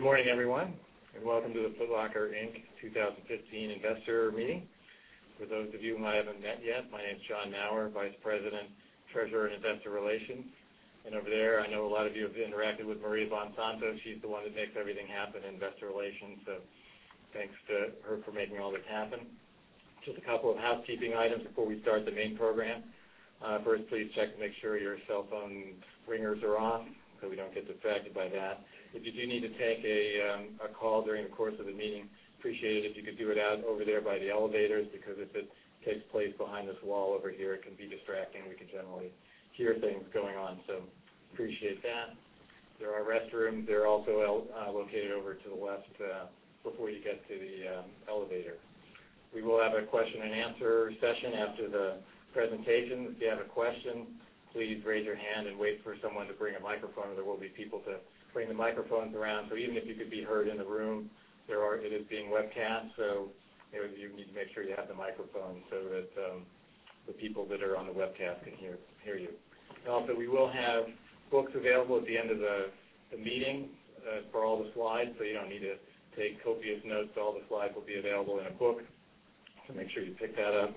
Good morning, everyone, and welcome to the Foot Locker, Inc. 2015 Investor Meeting. For those of you whom I haven't met yet, my name's John Maurer, Vice President, Treasurer, and Investor Relations. Over there, I know a lot of you have interacted with Maria Bonsanto. She's the one that makes everything happen in investor relations, so thanks to her for making all this happen. Just a couple of housekeeping items before we start the main program. First, please check to make sure your cell phone's ringers are off so we don't get affected by that. If you do need to take a call during the course of the meeting, appreciate it if you could do it out over there by the elevators, because if it takes place behind this wall over here, it can be distracting. We can generally hear things going on. Appreciate that. There are restrooms. They're also located over to the left before you get to the elevator. We will have a question and answer session after the presentation. If you have a question, please raise your hand and wait for someone to bring a microphone. There will be people to bring the microphones around. Even if you could be heard in the room, it is being webcast, so you need to make sure you have the microphone so that the people that are on the webcast can hear you. Also, we will have books available at the end of the meeting for all the slides, so you don't need to take copious notes. All the slides will be available in a book. Make sure you pick that up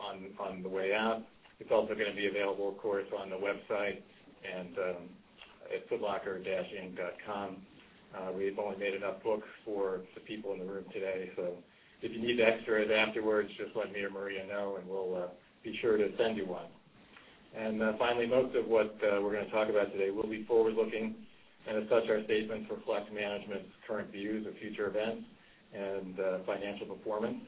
on the way out. It's also going to be available, of course, on the website at footlocker-inc.com. We've only made enough books for the people in the room today, so if you need the extras afterwards, just let me or Maria know and we'll be sure to send you one. Finally, most of what we're going to talk about today will be forward-looking. As such, our statements reflect management's current views of future events and financial performance.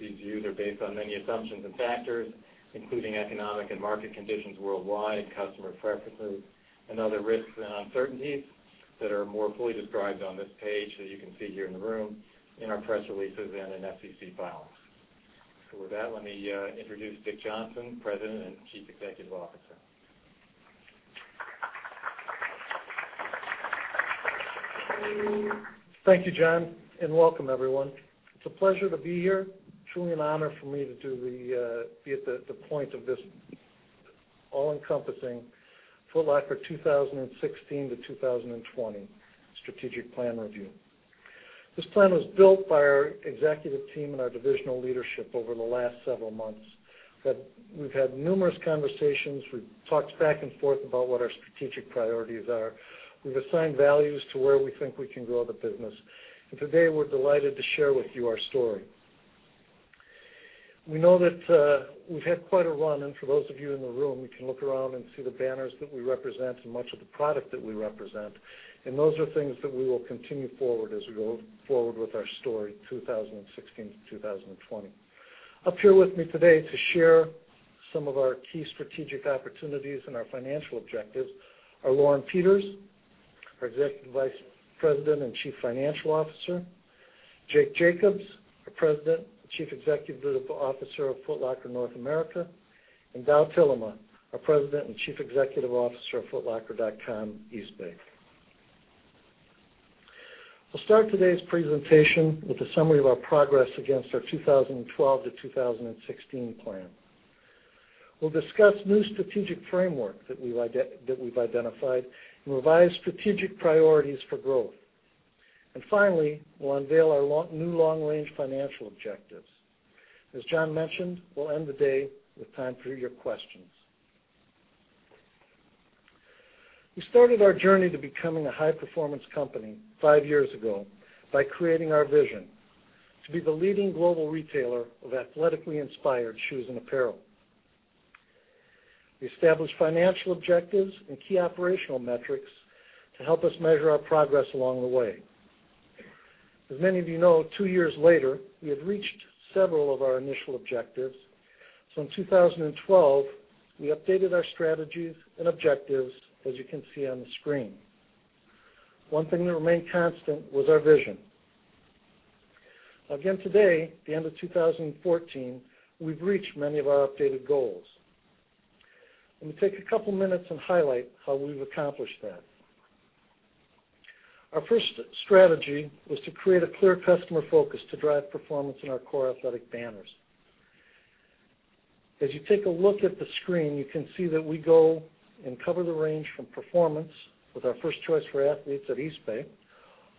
These views are based on many assumptions and factors, including economic and market conditions worldwide, customer preferences, and other risks and uncertainties that are more fully described on this page, as you can see here in the room, in our press releases and in SEC filings. With that, let me introduce Dick Johnson, President and Chief Executive Officer. Thank you, John, and welcome everyone. It's a pleasure to be here. Truly an honor for me to be at the point of this all-encompassing Foot Locker 2016 to 2020 strategic plan review. This plan was built by our executive team and our divisional leadership over the last several months. We've had numerous conversations. We've talked back and forth about what our strategic priorities are. We've assigned values to where we think we can grow the business, and today, we're delighted to share with you our story. We know that we've had quite a run, and for those of you in the room, you can look around and see the banners that we represent and much of the product that we represent, and those are things that we will continue forward as we go forward with our story, 2016 to 2020. Up here with me today to share some of our key strategic opportunities and our financial objectives are Lauren Peters, our Executive Vice President and Chief Financial Officer; Jake Jacobs, our President and Chief Executive Officer of Foot Locker North America; and Dowe Tillema, our President and Executive Officer of footlocker.com, Eastbay. I'll start today's presentation with a summary of our progress against our 2012 to 2016 plan. We'll discuss new strategic framework that we've identified and revised strategic priorities for growth. Finally, we'll unveil our new long-range financial objectives. As John mentioned, we'll end the day with time for your questions. We started our journey to becoming a high-performance company five years ago by creating our vision to be the leading global retailer of athletically inspired shoes and apparel. We established financial objectives and key operational metrics to help us measure our progress along the way. As many of you know, two years later, we had reached several of our initial objectives. In 2012, we updated our strategies and objectives, as you can see on the screen. One thing that remained constant was our vision. Again, today, the end of 2014, we've reached many of our updated goals. Let me take a couple minutes and highlight how we've accomplished that. Our first strategy was to create a clear customer focus to drive performance in our core athletic banners. As you take a look at the screen, you can see that we go and cover the range from performance with our first choice for athletes at Eastbay,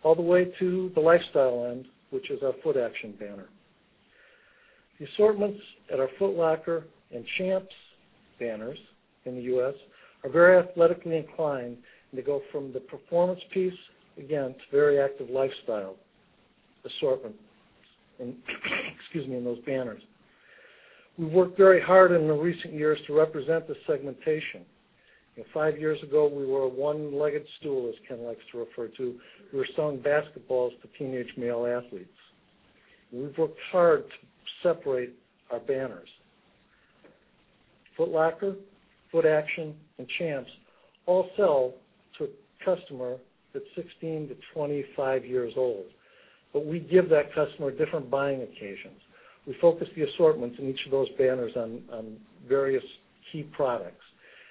all the way to the lifestyle end, which is our Footaction banner. The assortments at our Foot Locker and Champs banners in the U.S. are very athletically inclined, and they go from the performance piece, again, to very active lifestyle assortment in those banners. We've worked very hard in the recent years to represent the segmentation, and five years ago, we were a one-legged stool, as Ken likes to refer to. We were selling basketballs to teenage male athletes. We've worked hard to separate our banners. Foot Locker, Footaction, and Champs all sell to a customer that's 16 to 25 years old, but we give that customer different buying occasions. We focus the assortments in each of those banners on various key products,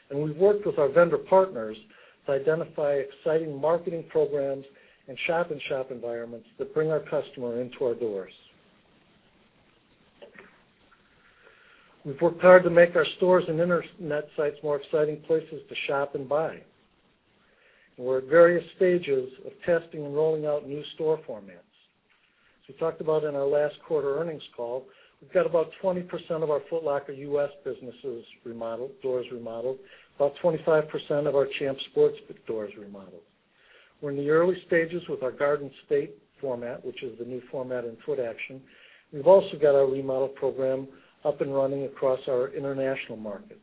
and we've worked with our vendor partners to identify exciting marketing programs and shop-in-shop environments that bring our customer into our doors. We've worked hard to make our stores and internet sites more exciting places to shop and buy. We're at various stages of testing and rolling out new store formats. As we talked about in our last quarter earnings call, we've got about 20% of our Foot Locker U.S. businesses remodeled, doors remodeled, about 25% of our Champs Sports doors remodeled. We're in the early stages with our Garden State format, which is the new format in Footaction. We've also got our remodel program up and running across our international markets.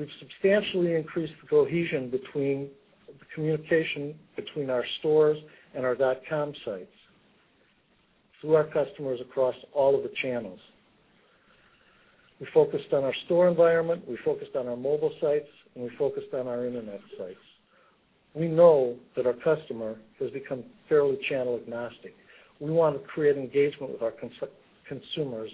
We've substantially increased the cohesion between the communication between our stores and our dot com sites through our customers across all of the channels. We focused on our store environment, we focused on our mobile sites, and we focused on our internet sites. We know that our customer has become fairly channel agnostic. We want to create engagement with our consumers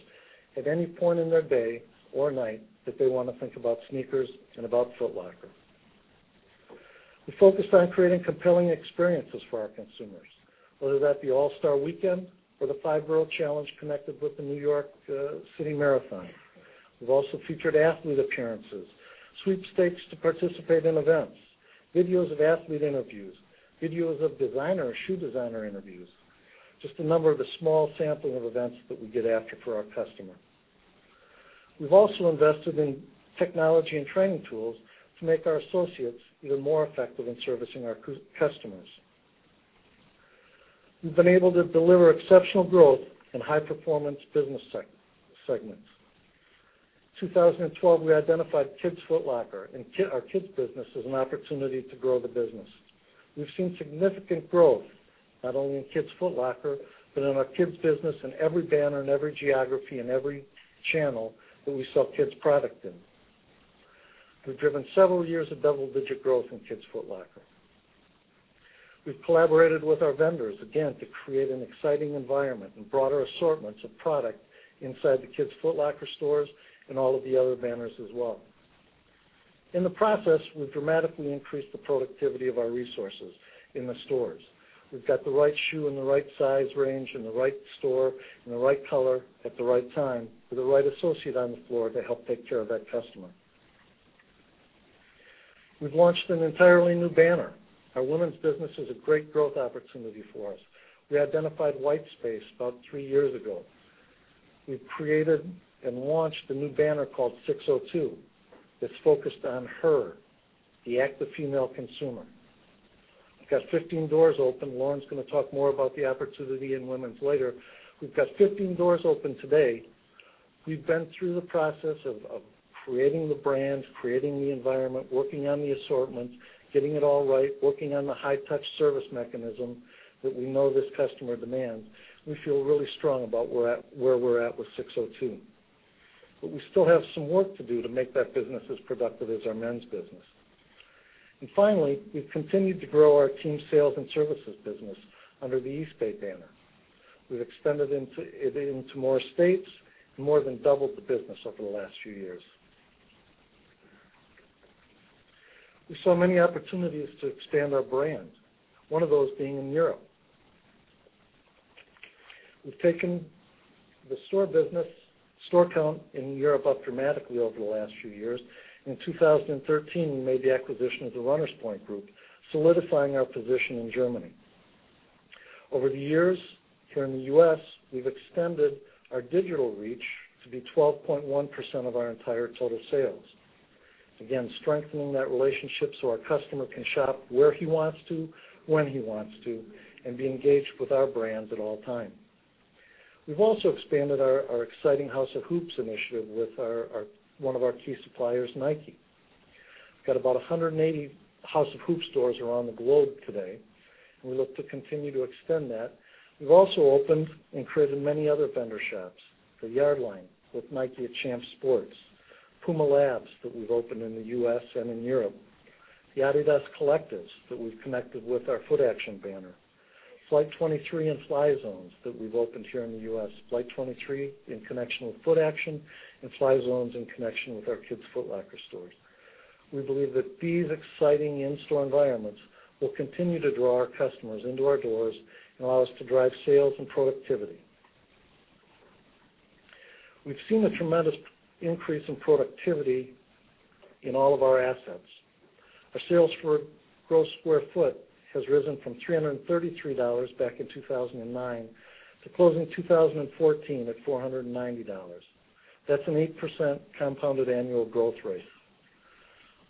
at any point in their day or night that they want to think about sneakers and about Foot Locker. We focused on creating compelling experiences for our consumers, whether that be All-Star Weekend or the Five Borough Challenge connected with the New York City Marathon. We've also featured athlete appearances, sweepstakes to participate in events, videos of athlete interviews, videos of shoe designer interviews. Just a number of the small sample of events that we get after for our customer. We've also invested in technology and training tools to make our associates even more effective in servicing our customers. We've been able to deliver exceptional growth in high performance business segments. 2012, we identified Kids Foot Locker and our kids business as an opportunity to grow the business. We've seen significant growth not only in Kids Foot Locker, but in our kids business in every banner, in every geography, in every channel that we sell kids product in. We've driven several years of double-digit growth in Kids Foot Locker. We've collaborated with our vendors, again, to create an exciting environment and broader assortments of product inside the Kids Foot Locker stores and all of the other banners as well. In the process, we've dramatically increased the productivity of our resources in the stores. We've got the right shoe in the right size range, in the right store, in the right color, at the right time, with the right associate on the floor to help take care of that customer. We've launched an entirely new banner. Our women's business is a great growth opportunity for us. We identified white space about three years ago. We've created and launched a new banner called SIX:02 that's focused on her, the active female consumer. We've got 15 doors open. Lauren's going to talk more about the opportunity in women's later. We've got 15 doors open today. We've been through the process of creating the brand, creating the environment, working on the assortments, getting it all right, working on the high touch service mechanism that we know this customer demands. We feel really strong about where we're at with SIX:02. We still have some work to do to make that business as productive as our men's business. Finally, we've continued to grow our team sales and services business under the Eastbay banner. We've extended it into more states and more than doubled the business over the last few years. We saw many opportunities to expand our brand, one of those being in Europe. We've taken the store business, store count in Europe up dramatically over the last few years. In 2013, we made the acquisition of the Runners Point Group, solidifying our position in Germany. Over the years, here in the U.S., we've extended our digital reach to be 12.1% of our entire total sales. Again, strengthening that relationship so our customer can shop where he wants to, when he wants to, and be engaged with our brand at all times. We've also expanded our exciting House of Hoops initiative with one of our key suppliers, Nike. We've got about 180 House of Hoops stores around the globe today, and we look to continue to extend that. We've also opened and created many other vendor shops. The Yardline with Nike at Champs Sports. Puma Labs that we've opened in the U.S. and in Europe. The adidas Collectives that we've connected with our Footaction banner. Flight 23 and Fly Zones that we've opened here in the U.S. Flight 23 in connection with Footaction and Fly Zones in connection with our Kids Foot Locker stores. We believe that these exciting in-store environments will continue to draw our customers into our doors and allow us to drive sales and productivity. We've seen a tremendous increase in productivity in all of our assets. Our sales per gross square foot has risen from $333 back in 2009 to closing 2014 at $490. That's an 8% compounded annual growth rate.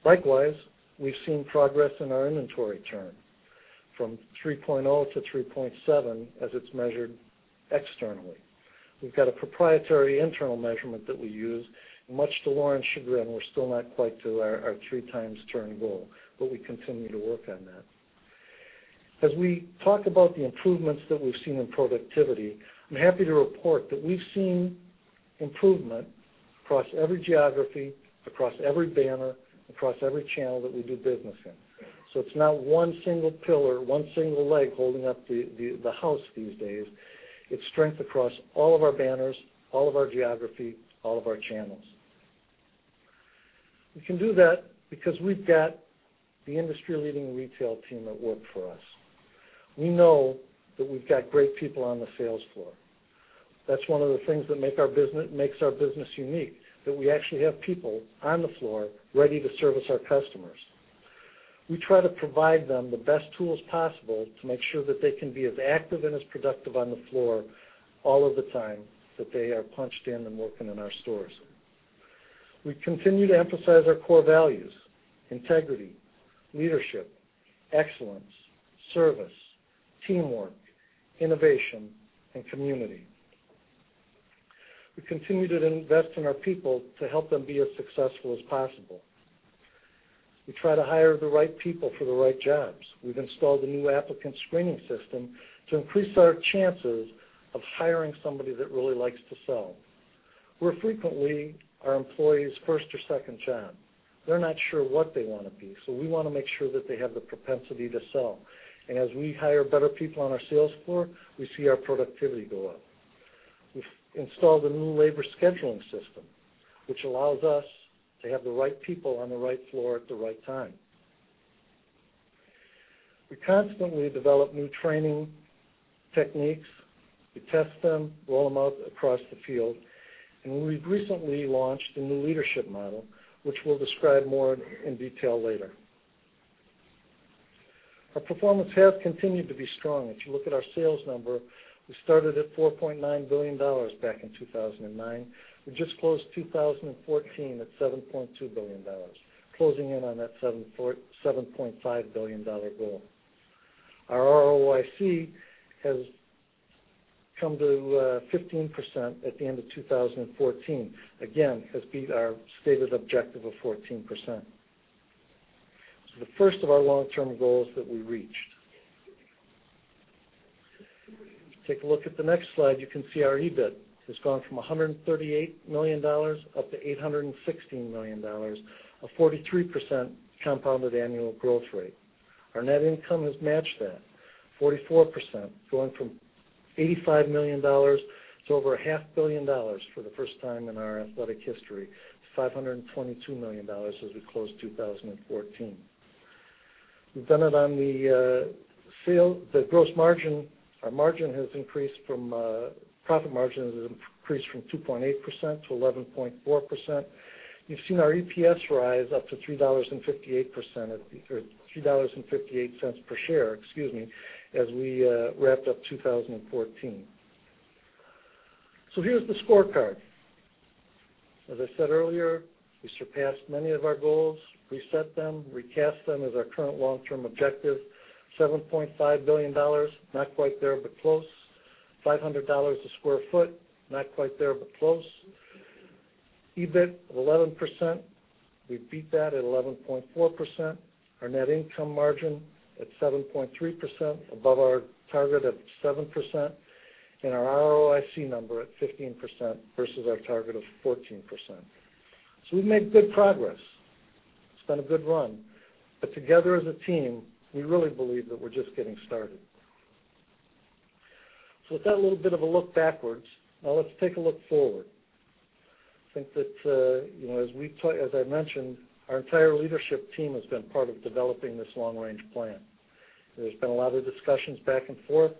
Likewise, we've seen progress in our inventory turn from 3.0 to 3.7 as it's measured externally. We've got a proprietary internal measurement that we use, much to Lauren's chagrin, we're still not quite to our three times turn goal, but we continue to work on that. As we talk about the improvements that we've seen in productivity, I'm happy to report that we've seen improvement across every geography, across every banner, across every channel that we do business in. It's not one single pillar, one single leg holding up the house these days. It's strength across all of our banners, all of our geography, all of our channels. We can do that because we've got the industry-leading retail team that work for us. We know that we've got great people on the sales floor. That's one of the things that makes our business unique, that we actually have people on the floor ready to service our customers. We try to provide them the best tools possible to make sure that they can be as active and as productive on the floor all of the time that they are punched in and working in our stores. We continue to emphasize our core values, integrity, leadership, excellence, service, teamwork, innovation, and community. We continue to invest in our people to help them be as successful as possible. We try to hire the right people for the right jobs. We've installed a new applicant screening system to increase our chances of hiring somebody that really likes to sell. We're frequently our employee's first or second job. They're not sure what they want to be, so we want to make sure that they have the propensity to sell. As we hire better people on our sales floor, we see our productivity go up. We've installed a new labor scheduling system, which allows us to have the right people on the right floor at the right time. We constantly develop new training techniques. We test them, roll them out across the field. We've recently launched a new leadership model, which we'll describe more in detail later. Our performance has continued to be strong. If you look at our sales number, we started at $4.9 billion back in 2009. We just closed 2014 at $7.2 billion, closing in on that $7.5 billion goal. Our ROIC has come to 15% at the end of 2014, again, has beat our stated objective of 14%. The first of our long-term goals that we reached. Take a look at the next slide. You can see our EBIT has gone from $138 million up to $816 million, a 43% compounded annual growth rate. Our net income has matched that, 44%, going from $85 million to over a half billion dollars for the first time in our athletic history, $522 million as we closed 2014. We've done it on the gross margin. Our profit margin has increased from 2.8% to 11.4%. You've seen our EPS rise up to $3.58 per share as we wrapped up 2014. Here's the scorecard. As I said earlier, we surpassed many of our goals, reset them, recast them as our current long-term objective. $7.5 billion, not quite there, but close. $500 a square foot, not quite there, but close. EBIT of 11%, we beat that at 11.4%. Our net income margin at 7.3%, above our target of 7%, and our ROIC number at 15% versus our target of 14%. We've made good progress. It's been a good run. Together as a team, we really believe that we're just getting started. With that little bit of a look backwards, now let's take a look forward. I think that as I mentioned, our entire leadership team has been part of developing this long-range plan. There's been a lot of discussions back and forth.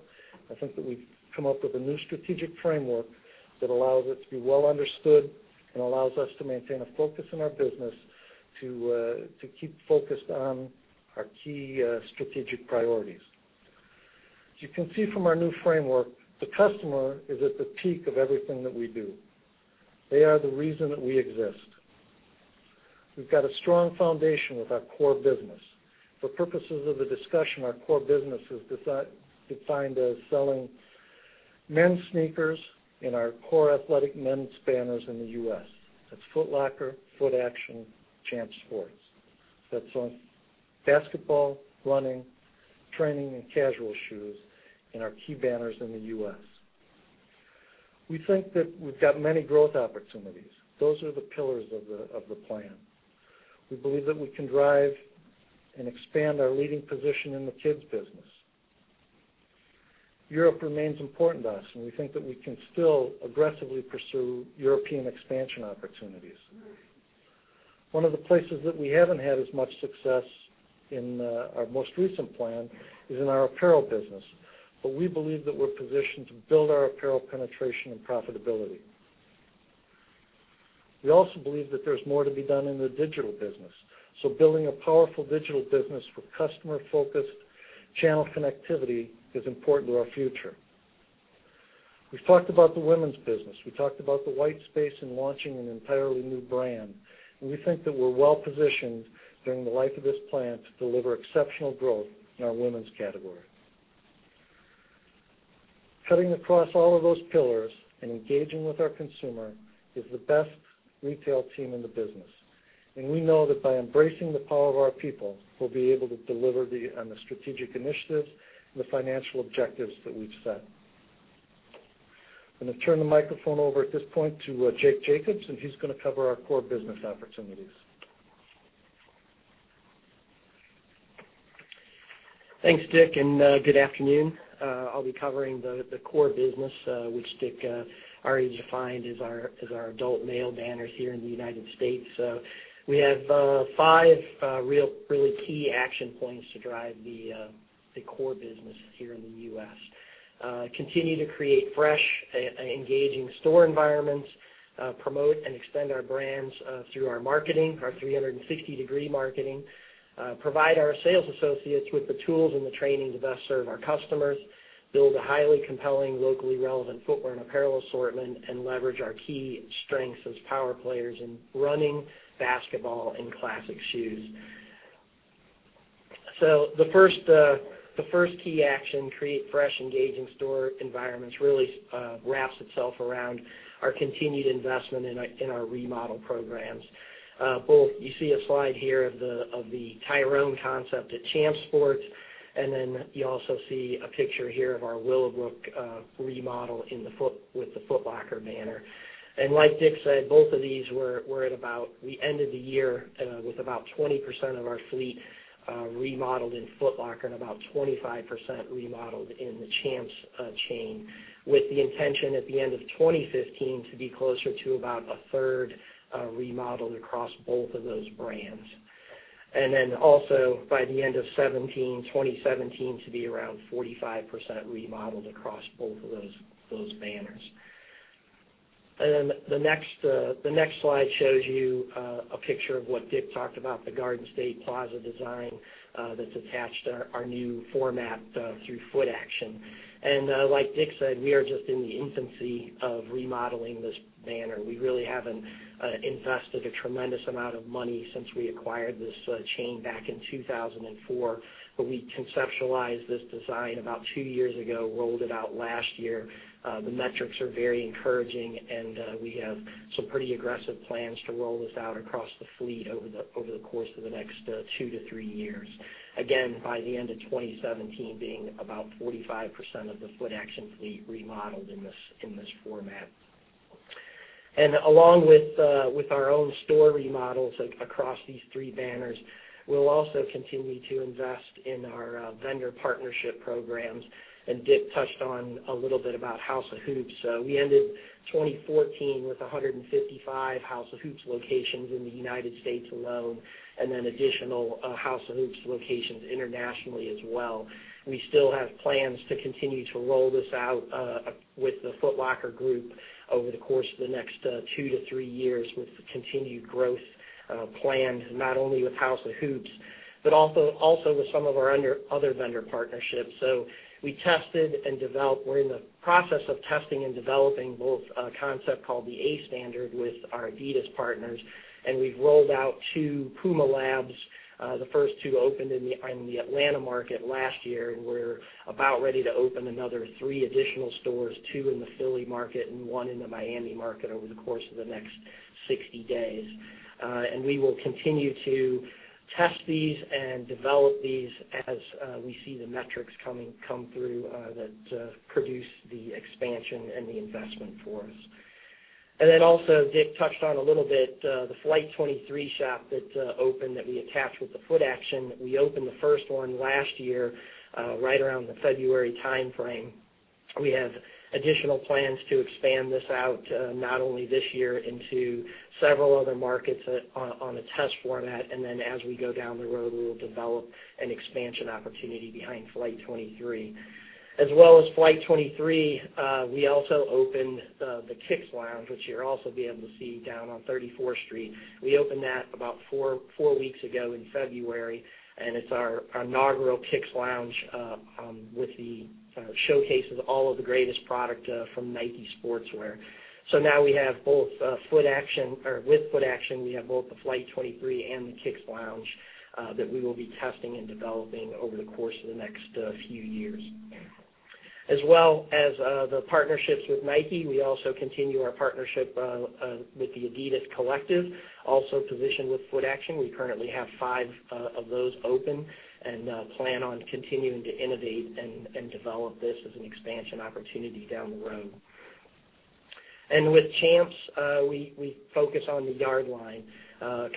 I think that we've come up with a new strategic framework that allows it to be well understood and allows us to maintain a focus in our business to keep focused on our key strategic priorities. As you can see from our new framework, the customer is at the peak of everything that we do. They are the reason that we exist. We've got a strong foundation with our core business. For purposes of the discussion, our core business is defined as selling men's sneakers in our core athletic men's banners in the U.S. That's Foot Locker, Footaction, Champs Sports. That's on basketball, running, training, and casual shoes in our key banners in the U.S. We think that we've got many growth opportunities. Those are the pillars of the plan. We believe that we can drive and expand our leading position in the kids business. Europe remains important to us, and we think that we can still aggressively pursue European expansion opportunities. One of the places that we haven't had as much success in our most recent plan is in our apparel business. We believe that we're positioned to build our apparel penetration and profitability. We also believe that there's more to be done in the digital business, building a powerful digital business with customer-focused channel connectivity is important to our future. We've talked about the women's business. We talked about the white space in launching an entirely new brand. We think that we're well-positioned during the life of this plan to deliver exceptional growth in our women's category. Cutting across all of those pillars and engaging with our consumer is the best retail team in the business. We know that by embracing the power of our people, we'll be able to deliver on the strategic initiatives and the financial objectives that we've set. I'm going to turn the microphone over at this point to Jake Jacobs, and he's going to cover our core business opportunities. Thanks, Dick, and good afternoon. I'll be covering the core business, which Dick already defined as our adult male banners here in the U.S. We have five really key action points to drive the core business here in the U.S. Continue to create fresh, engaging store environments, promote and extend our brands through our marketing, our 360-degree marketing, provide our sales associates with the tools and the training to best serve our customers, build a highly compelling, locally relevant footwear and apparel assortment, and leverage our key strengths as power players in running, basketball, and classic shoes. The first key action, create fresh, engaging store environments, really wraps itself around our continued investment in our remodel programs. Both, you see a slide here of the Tyrone concept at Champs Sports, and then you also see a picture here of our Willowbrook remodel with the Foot Locker banner. Like Dick said, both of these were at about the end of the year, with about 20% of our fleet remodeled in Foot Locker and about 25% remodeled in the Champs chain, with the intention at the end of 2015 to be closer to about a third remodeled across both of those brands. Also by the end of 2017 to be around 45% remodeled across both of those banners. The next slide shows you a picture of what Dick talked about, the Garden State Plaza design that's attached our new format through Footaction. Like Dick said, we are just in the infancy of remodeling this banner. We really haven't invested a tremendous amount of money since we acquired this chain back in 2004. We conceptualized this design about two years ago, rolled it out last year. The metrics are very encouraging, and we have some pretty aggressive plans to roll this out across the fleet over the course of the next two to three years. Again, by the end of 2017, being about 45% of the Footaction fleet remodeled in this format. Along with our own store remodels across these three banners, we'll also continue to invest in our vendor partnership programs. Dick touched on a little bit about House of Hoops. We ended 2014 with 155 House of Hoops locations in the U.S. alone, additional House of Hoops locations internationally as well. We still have plans to continue to roll this out with the Foot Locker group over the course of the next two to three years, with continued growth planned, not only with House of Hoops, but also with some of our other vendor partnerships. We're in the process of testing and developing both a concept called The a Standard with our adidas partners, and we've rolled out two Puma Labs. The first two opened in the Atlanta market last year, and we're about ready to open another three additional stores, two in the Philly market and one in the Miami market over the course of the next 60 days. We will continue to test these and develop these as we see the metrics come through that produce the expansion and the investment for us. Also, Dick touched on a little bit, the Flight 23 shop that opened that we attached with the Footaction. We opened the first one last year right around the February timeframe. We have additional plans to expand this out, not only this year into several other markets on a test format. As we go down the road, we will develop an expansion opportunity behind Flight 23. As well as Flight 23, we also opened the Kicks Lounge, which you'll also be able to see down on 34th Street. We opened that about four weeks ago in February, and it's our inaugural Kicks Lounge with the showcases, all of the greatest product from Nike Sportswear. Now with Footaction, we have both the Flight 23 and the Kicks Lounge that we will be testing and developing over the course of the next few years. As well as the partnerships with Nike, we also continue our partnership with the adidas Collective, also positioned with Footaction. We currently have five of those open and plan on continuing to innovate and develop this as an expansion opportunity down the road. With Champs, we focus on the Yardline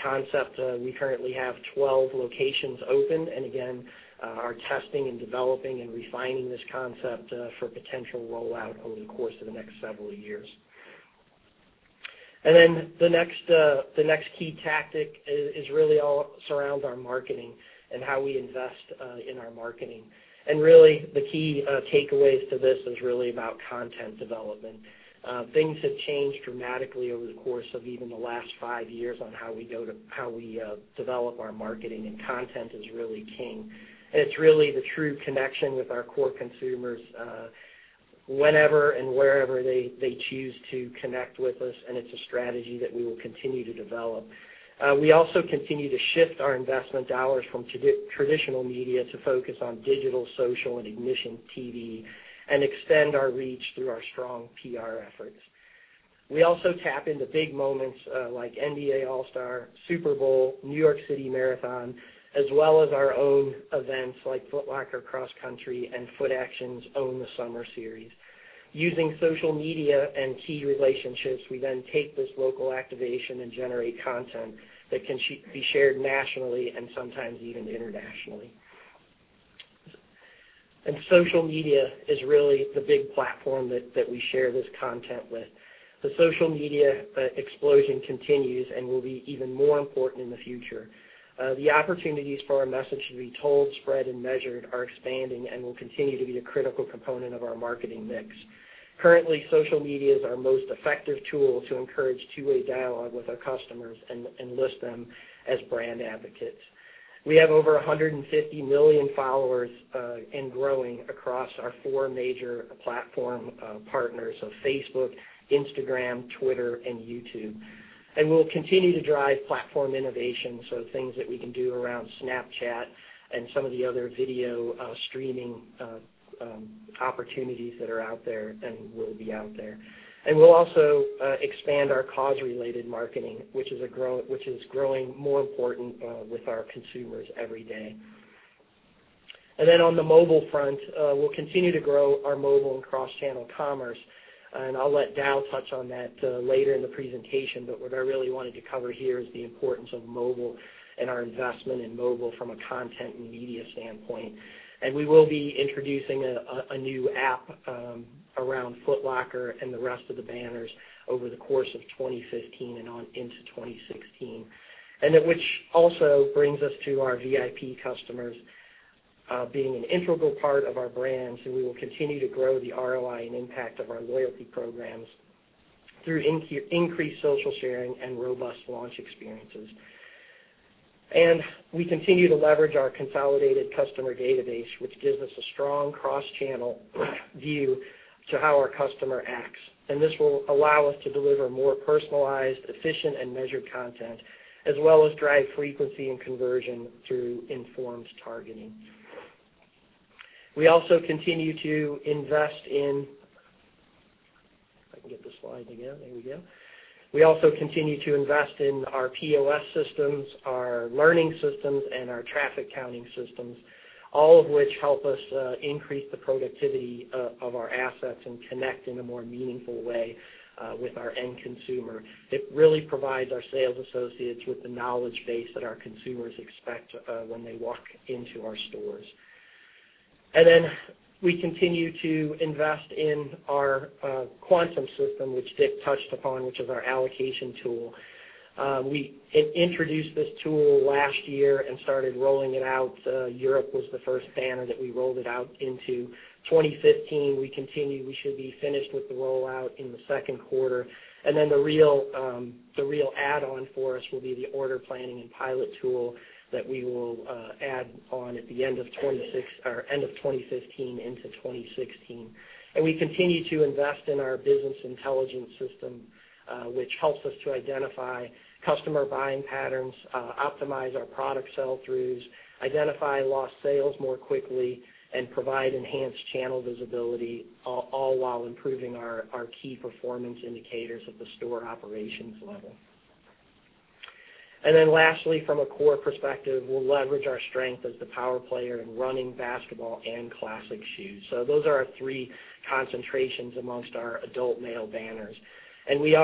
concept. We currently have 12 locations open. Again, are testing and developing and refining this concept for potential rollout over the course of the next several years. The next key tactic is really all surrounds our marketing and how we invest in our marketing. Really, the key takeaways to this is really about content development. Things have changed dramatically over the course of even the last five years on how we develop our marketing, and content is really king. It's really the true connection with our core consumers whenever and wherever they choose to connect with us, and it's a strategy that we will continue to develop. We also continue to shift our investment dollars from traditional media to focus on digital, social, and ignition TV and extend our reach through our strong PR efforts. We also tap into big moments like NBA All-Star, Super Bowl, New York City Marathon, as well as our own events like Foot Locker Cross Country and Footaction's Own the Summer Series. Using social media and key relationships, we then take this local activation and generate content that can be shared nationally and sometimes even internationally. Social media is really the big platform that we share this content with. The social media explosion continues and will be even more important in the future. The opportunities for our message to be told, spread, and measured are expanding and will continue to be a critical component of our marketing mix. Currently, social media is our most effective tool to encourage two-way dialogue with our customers and enlist them as brand advocates. We have over 150 million followers and growing across our four major platform partners of Facebook, Instagram, Twitter, and YouTube. We'll continue to drive platform innovation, so things that we can do around Snapchat and some of the other video streaming opportunities that are out there and will be out there. We'll also expand our cause-related marketing, which is growing more important with our consumers every day. On the mobile front, we'll continue to grow our mobile and cross-channel commerce. I'll let Dowe touch on that later in the presentation, but what I really wanted to cover here is the importance of mobile and our investment in mobile from a content and media standpoint. We will be introducing a new app around Foot Locker and the rest of the banners over the course of 2015 and on into 2016. That which also brings us to our VIP customers being an integral part of our brands, we will continue to grow the ROI and impact of our loyalty programs through increased social sharing and robust launch experiences. We continue to leverage our consolidated customer database, which gives us a strong cross-channel view to how our customer acts. This will allow us to deliver more personalized, efficient, and measured content, as well as drive frequency and conversion through informed targeting. If I can get this slide again. There we go. We also continue to invest in our POS systems, our learning systems, and our traffic counting systems, all of which help us increase the productivity of our assets and connect in a more meaningful way with our end consumer. It really provides our sales associates with the knowledge base that our consumers expect when they walk into our stores. We continue to invest in our Quantum system, which Dick touched upon, which is our allocation tool. We introduced this tool last year and started rolling it out. Europe was the first banner that we rolled it out into. 2015, we continue. We should be finished with the rollout in the second quarter. The real add-on for us will be the order planning and pilot tool that we will add on at the end of 2015 into 2016. We continue to invest in our business intelligence system, which helps us to identify customer buying patterns, optimize our product sell-throughs, identify lost sales more quickly, and provide enhanced channel visibility, all while improving our key performance indicators at the store operations level. Lastly, from a core perspective, we'll leverage our strength as the power player in running, basketball, and classic shoes. Those are our three concentrations amongst our adult male banners. We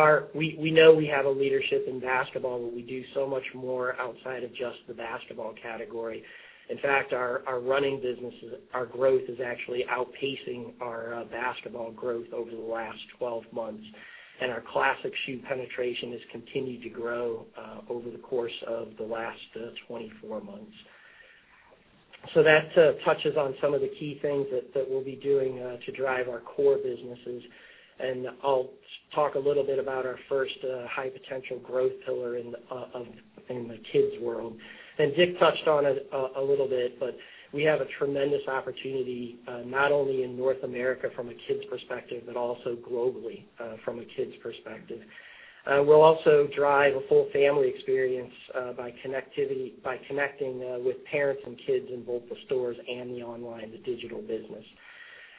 know we have a leadership in basketball, but we do so much more outside of just the basketball category. In fact, our running businesses, our growth is actually outpacing our basketball growth over the last 12 months, and our classic shoe penetration has continued to grow over the course of the last 24 months. That touches on some of the key things that we'll be doing to drive our core businesses. I'll talk a little bit about our first high-potential growth pillar in the kids' world. Dick touched on it a little bit, but we have a tremendous opportunity not only in North America from a kids' perspective, but also globally from a kids' perspective. We'll also drive a full family experience by connecting with parents and kids in both the stores and the online, the digital business.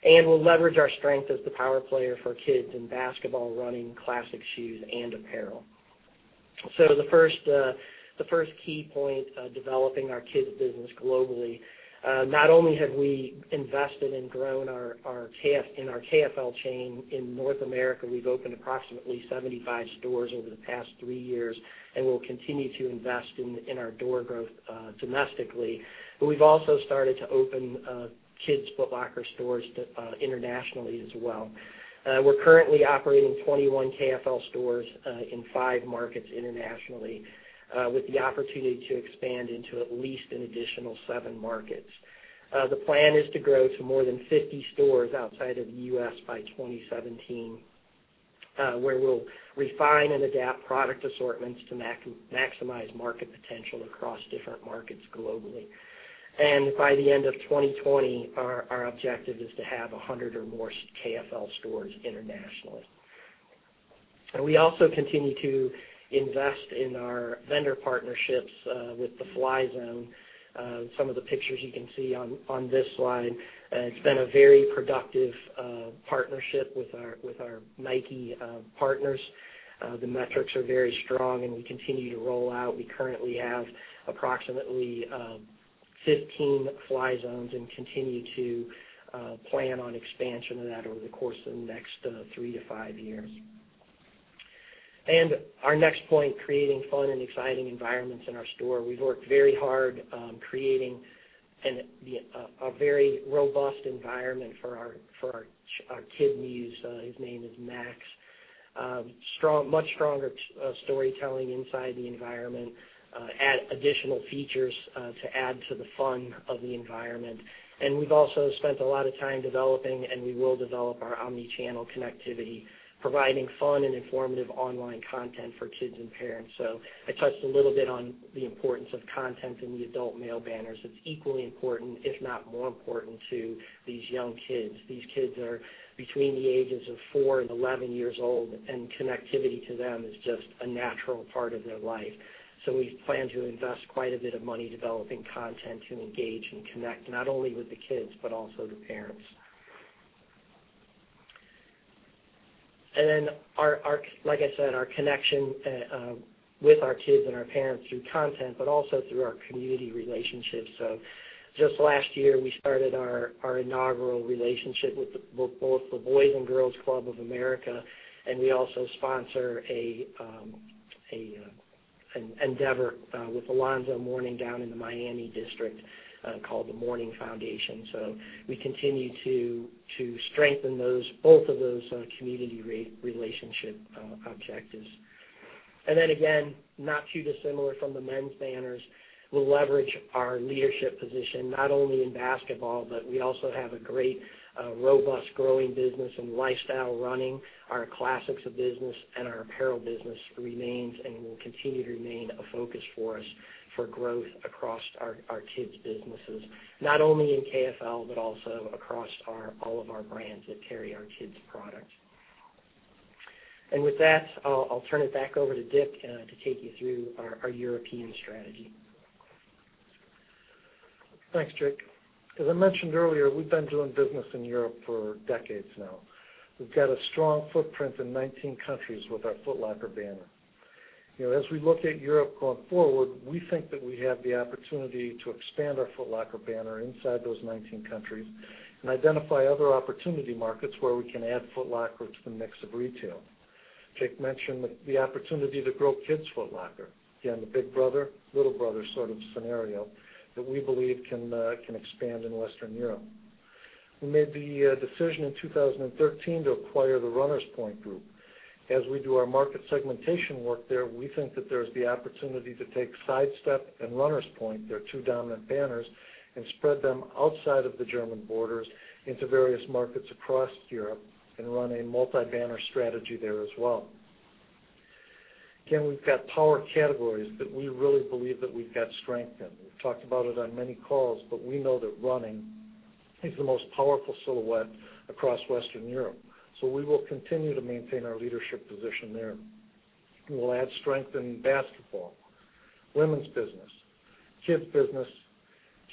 We'll leverage our strength as the power player for kids in basketball, running, classic shoes, and apparel. The first key point, developing our kids business globally. Not only have we invested and grown in our KFL chain in North America, we've opened approximately 75 stores over the past three years, we'll continue to invest in our door growth domestically. We've also started to open Kids Foot Locker stores internationally as well. We're currently operating 21 KFL stores in five markets internationally with the opportunity to expand into at least an additional seven markets. The plan is to grow to more than 50 stores outside of the U.S. by 2017, where we'll refine and adapt product assortments to maximize market potential across different markets globally. By the end of 2020, our objective is to have 100 or more KFL stores internationally. We also continue to invest in our vendor partnerships with the Fly Zone. Some of the pictures you can see on this slide. It's been a very productive partnership with our Nike partners. The metrics are very strong, and we continue to roll out. We currently have approximately 15 Fly Zones and continue to plan on expansion of that over the course of the next three to five years. Our next point, creating fun and exciting environments in our store. We've worked very hard on creating a very robust environment for our kid muse, his name is Max. Much stronger storytelling inside the environment, add additional features to add to the fun of the environment. We've also spent a lot of time developing, and we will develop, our omni-channel connectivity, providing fun and informative online content for kids and parents. I touched a little bit on the importance of content in the adult male banners. It's equally important, if not more important, to these young kids. These kids are between the ages of four and 11 years old, and connectivity to them is just a natural part of their life. We plan to invest quite a bit of money developing content to engage and connect, not only with the kids, but also the parents. Like I said, our connection with our kids and our parents through content, but also through our community relationships. Just last year, we started our inaugural relationship with both the Boys & Girls Clubs of America, and we also sponsor an endeavor with Alonzo Mourning down in the Miami district, called the Mourning Foundation. We continue to strengthen both of those community relationship objectives. Again, not too dissimilar from the men's banners, we'll leverage our leadership position not only in basketball, but we also have a great, robust growing business in lifestyle running. Our classics business and our apparel business remains and will continue to remain a focus for us for growth across our kids' businesses, not only in KFL, but also across all of our brands that carry our kids' products. With that, I'll turn it back over to Dick to take you through our European strategy. Thanks, Jake. As I mentioned earlier, we've been doing business in Europe for decades now. We've got a strong footprint in 19 countries with our Foot Locker banner. As we look at Europe going forward, we think that we have the opportunity to expand our Foot Locker banner inside those 19 countries and identify other opportunity markets where we can add Foot Locker to the mix of retail. Jake mentioned the opportunity to grow Kids Foot Locker. Again, the big brother, little brother sort of scenario that we believe can expand in Western Europe. We made the decision in 2013 to acquire the Runners Point Group. As we do our market segmentation work there, we think that there's the opportunity to take Sidestep and Runners Point, their two dominant banners, and spread them outside of the German borders into various markets across Europe and run a multi-banner strategy there as well. We've got power categories that we really believe that we've got strength in. We've talked about it on many calls, but we know that running is the most powerful silhouette across Western Europe. We will continue to maintain our leadership position there. We'll add strength in basketball, women's business, kids business,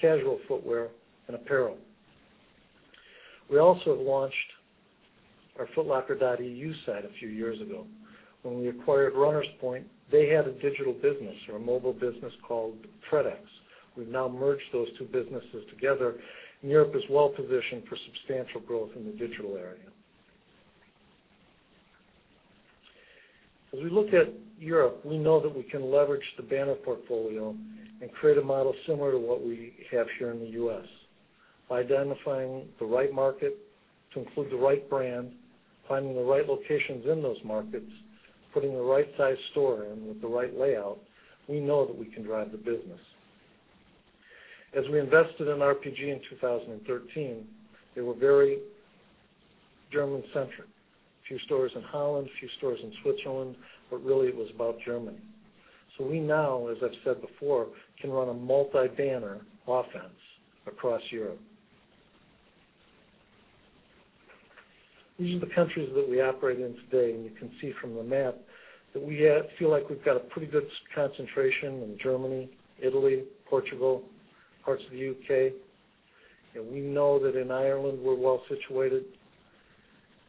casual footwear, and apparel. We also launched our footlocker.eu site a few years ago. When we acquired Runners Point, they had a digital business or a mobile business called Tredex. We've now merged those two businesses together, and Europe is well-positioned for substantial growth in the digital area. As we look at Europe, we know that we can leverage the banner portfolio and create a model similar to what we have here in the U.S. By identifying the right market to include the right brand, finding the right locations in those markets, putting the right size store in with the right layout, we know that we can drive the business. As we invested in RPG in 2013, they were very German-centric. A few stores in Holland, a few stores in Switzerland, but really it was about Germany. We now, as I've said before, can run a multi-banner offense across Europe. These are the countries that we operate in today, and you can see from the map that we feel like we've got a pretty good concentration in Germany, Italy, Portugal, parts of the U.K. We know that in Ireland, we're well-situated.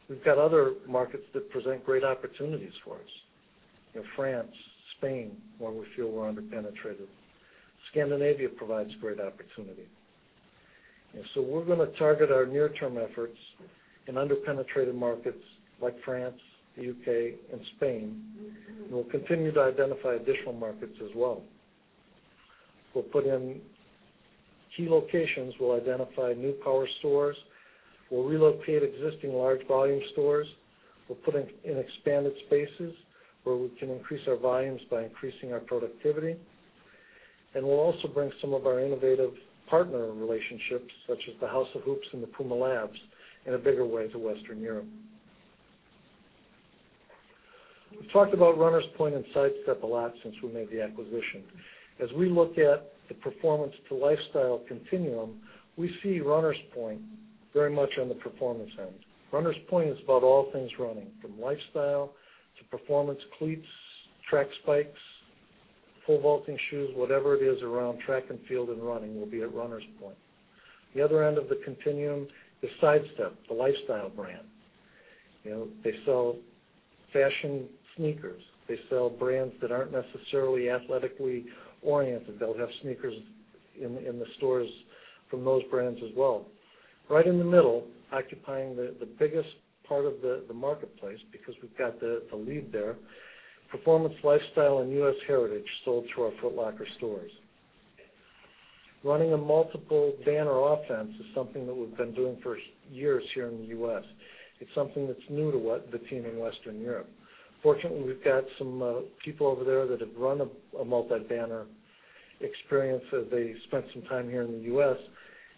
We've got other markets that present great opportunities for us. France, Spain, where we feel we're under-penetrated. Scandinavia provides great opportunity. We're going to target our near-term efforts in under-penetrated markets like France, the U.K., and Spain. We'll continue to identify additional markets as well. We'll put in key locations. We'll identify new power stores. We'll relocate existing large volume stores. We'll put in expanded spaces where we can increase our volumes by increasing our productivity. We'll also bring some of our innovative partner relationships, such as the House of Hoops and the Puma Labs, in a bigger way to Western Europe. We've talked about Runners Point and Sidestep a lot since we made the acquisition. As we look at the performance to lifestyle continuum, we see Runners Point very much on the performance end. Runners Point is about all things running, from lifestyle to performance cleats, track spikes, pole vaulting shoes, whatever it is around track and field and running will be at Runners Point. The other end of the continuum is Sidestep, the lifestyle brand. They sell fashion sneakers. They sell brands that aren't necessarily athletically oriented. They'll have sneakers in the stores from those brands as well. Right in the middle, occupying the biggest part of the marketplace because we've got the lead there, performance lifestyle and U.S. heritage sold through our Foot Locker stores. Running a multiple banner offense is something that we've been doing for years here in the U.S. It's something that's new to the team in Western Europe. Fortunately, we've got some people over there that have run a multi-banner experience as they spent some time here in the U.S.,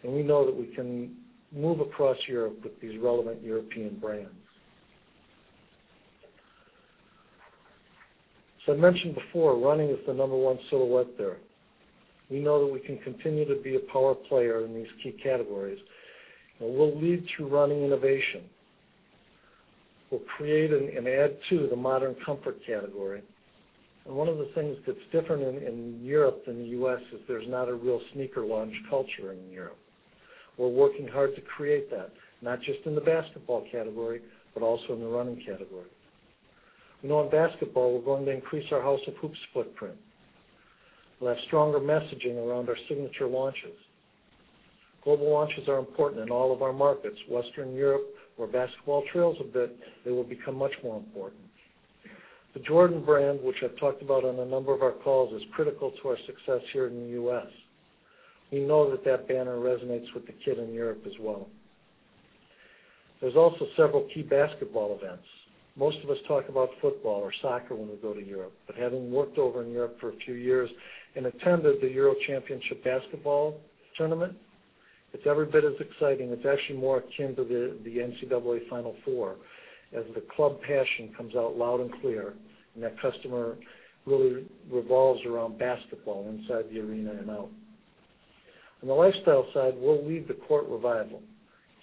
and we know that we can move across Europe with these relevant European brands. I mentioned before, running is the number one silhouette there. We know that we can continue to be a power player in these key categories, and we'll lead through running innovation. We'll create and add to the modern comfort category. One of the things that's different in Europe than the U.S. is there's not a real sneaker launch culture in Europe. We're working hard to create that, not just in the basketball category, but also in the running category. We know in basketball, we're going to increase our House of Hoops footprint. We'll have stronger messaging around our signature launches. Global launches are important in all of our markets. Western Europe, where basketball trails a bit, they will become much more important. The Jordan Brand, which I've talked about on a number of our calls, is critical to our success here in the U.S. We know that that banner resonates with the kid in Europe as well. There's also several key basketball events. Most of us talk about football or soccer when we go to Europe, having worked over in Europe for a few years and attended the Euro championship basketball tournament, it's every bit as exciting. It's actually more akin to the NCAA Final Four, as the club passion comes out loud and clear, that customer really revolves around basketball inside the arena and out. On the lifestyle side, we'll lead the court revival.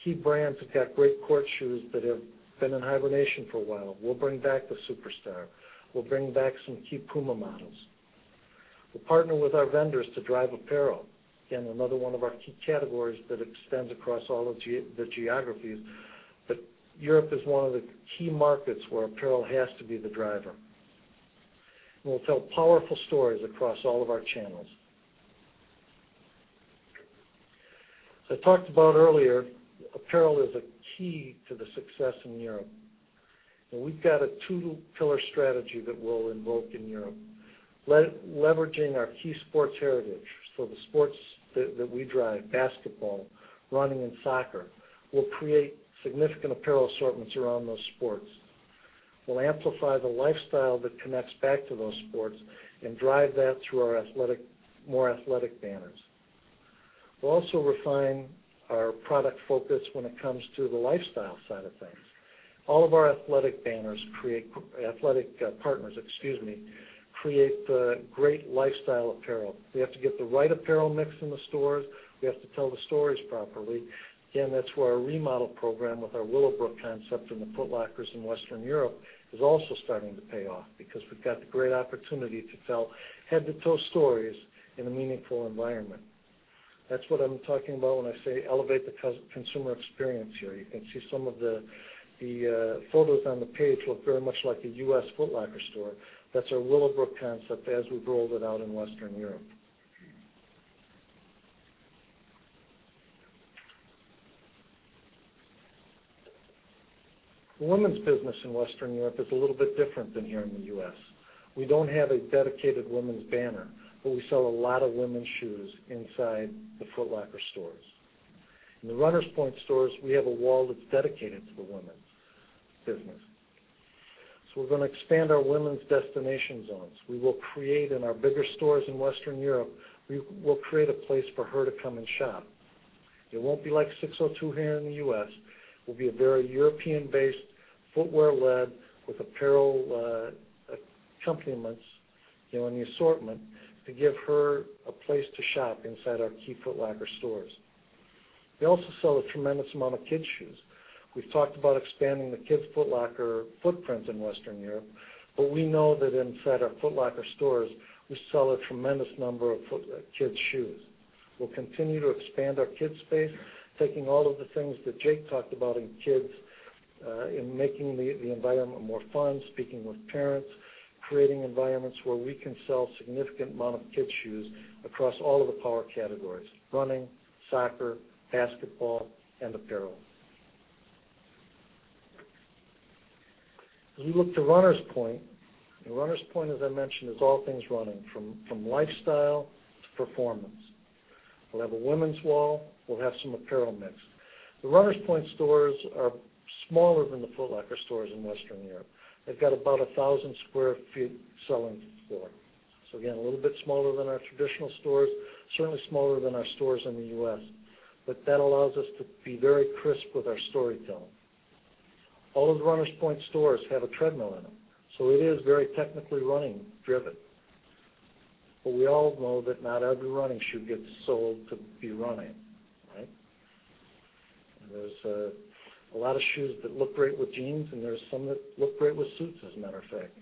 Key brands have got great court shoes that have been in hibernation for a while. We'll bring back the Superstar. We'll bring back some key PUMA models. We'll partner with our vendors to drive apparel. Again, another one of our key categories that extends across all of the geographies. Europe is one of the key markets where apparel has to be the driver. We'll tell powerful stories across all of our channels. As I talked about earlier, apparel is a key to the success in Europe. We've got a two-pillar strategy that we'll invoke in Europe. Leveraging our key sports heritage. The sports that we drive, basketball, running, and soccer, we'll create significant apparel assortments around those sports. We'll amplify the lifestyle that connects back to those sports and drive that through our more athletic banners. We'll also refine our product focus when it comes to the lifestyle side of things. All of our athletic partners create great lifestyle apparel. We have to get the right apparel mix in the stores. We have to tell the stories properly. Again, that's where our remodel program with our Willowbrook concept in the Foot Lockers in Western Europe is also starting to pay off because we've got the great opportunity to tell head-to-toe stories in a meaningful environment. That's what I'm talking about when I say elevate the consumer experience here. You can see some of the photos on the page look very much like a U.S. Foot Locker store. That's our Willowbrook concept as we've rolled it out in Western Europe. The women's business in Western Europe is a little bit different than here in the U.S. We don't have a dedicated women's banner, but we sell a lot of women's shoes inside the Foot Locker stores. In the Runners Point stores, we have a wall that's dedicated to the women's business. We're going to expand our women's destination zones. We will create in our bigger stores in Western Europe, we will create a place for her to come and shop. It won't be like SIX:02 here in the U.S. It will be a very European-based footwear lead with apparel accompaniments in the assortment to give her a place to shop inside our key Foot Locker stores. We also sell a tremendous amount of kids' shoes. We've talked about expanding the Kids Foot Locker footprint in Western Europe, but we know that inside our Foot Locker stores, we sell a tremendous number of kids' shoes. We'll continue to expand our kids space, taking all of the things that Jake talked about in kids, in making the environment more fun, speaking with parents, creating environments where we can sell significant amount of kids' shoes across all of the power categories, running, soccer, basketball, and apparel. As we look to Runners Point, and Runners Point, as I mentioned, is all things running, from lifestyle to performance. We'll have a women's wall. We'll have some apparel mix. The Runners Point stores are smaller than the Foot Locker stores in Western Europe. They've got about 1,000 sq ft selling floor. Again, a little bit smaller than our traditional stores, certainly smaller than our stores in the U.S. That allows us to be very crisp with our storytelling. All of the Runners Point stores have a treadmill in them, so it is very technically running driven. We all know that not every running shoe gets sold to be running, right? There's a lot of shoes that look great with jeans, and there's some that look great with suits, as a matter of fact.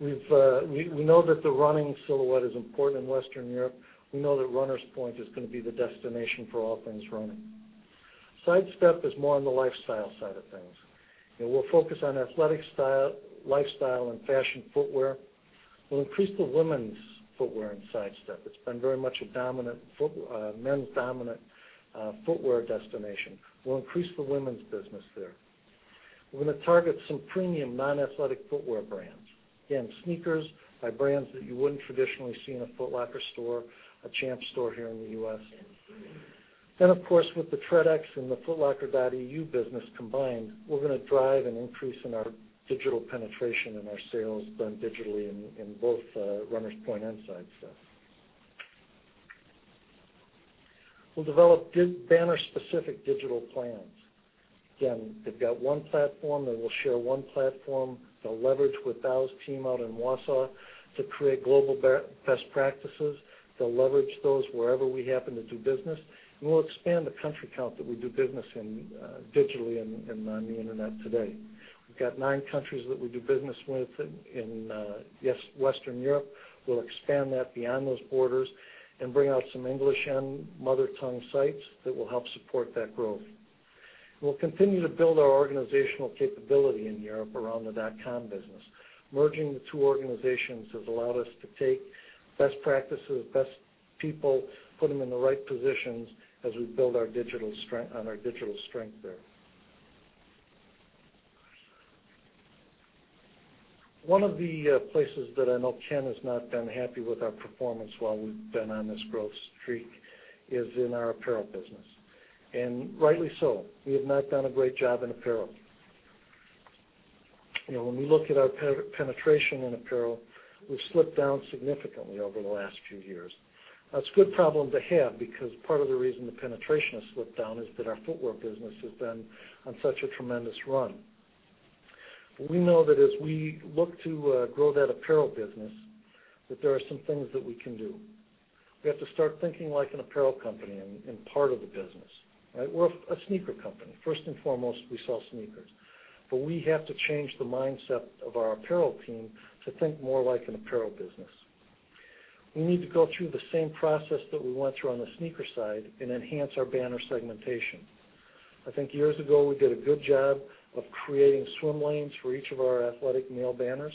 We know that the running silhouette is important in Western Europe. We know that Runners Point is going to be the destination for all things running. Sidestep is more on the lifestyle side of things. We're focused on athletic style, lifestyle, and fashion footwear. We'll increase the women's footwear in Sidestep. It's been very much a men's dominant footwear destination. We'll increase the women's business there. We're going to target some premium non-athletic footwear brands. Again, sneakers by brands that you wouldn't traditionally see in a Foot Locker store, a Champs store here in the U.S. Of course, with the Tread Labs and the footlocker.eu business combined, we are going to drive an increase in our digital penetration and our sales done digitally in both Runners Point and Sidestep. We will develop banner-specific digital plans. Again, they have got one platform. They will share one platform. They will leverage with Thao's team out in Wausau to create global best practices. They will leverage those wherever we happen to do business, and we will expand the country count that we do business in digitally and on the internet today. We have got nine countries that we do business with in Western Europe. We will expand that beyond those borders and bring out some English and mother tongue sites that will help support that growth. We will continue to build our organizational capability in Europe around the .com business. Merging the two organizations has allowed us to take best practices, best people, put them in the right positions as we build on our digital strength there. One of the places that I know Ken has not been happy with our performance while we have been on this growth streak is in our apparel business, and rightly so. We have not done a great job in apparel. When we look at our penetration in apparel, we have slipped down significantly over the last few years. That is a good problem to have because part of the reason the penetration has slipped down is that our footwear business has been on such a tremendous run. We know that as we look to grow that apparel business, that there are some things that we can do. We have to start thinking like an apparel company in part of the business, right? We are a sneaker company. First and foremost, we sell sneakers. We have to change the mindset of our apparel team to think more like an apparel business. We need to go through the same process that we went through on the sneaker side and enhance our banner segmentation. I think years ago, we did a good job of creating swim lanes for each of our athletic male banners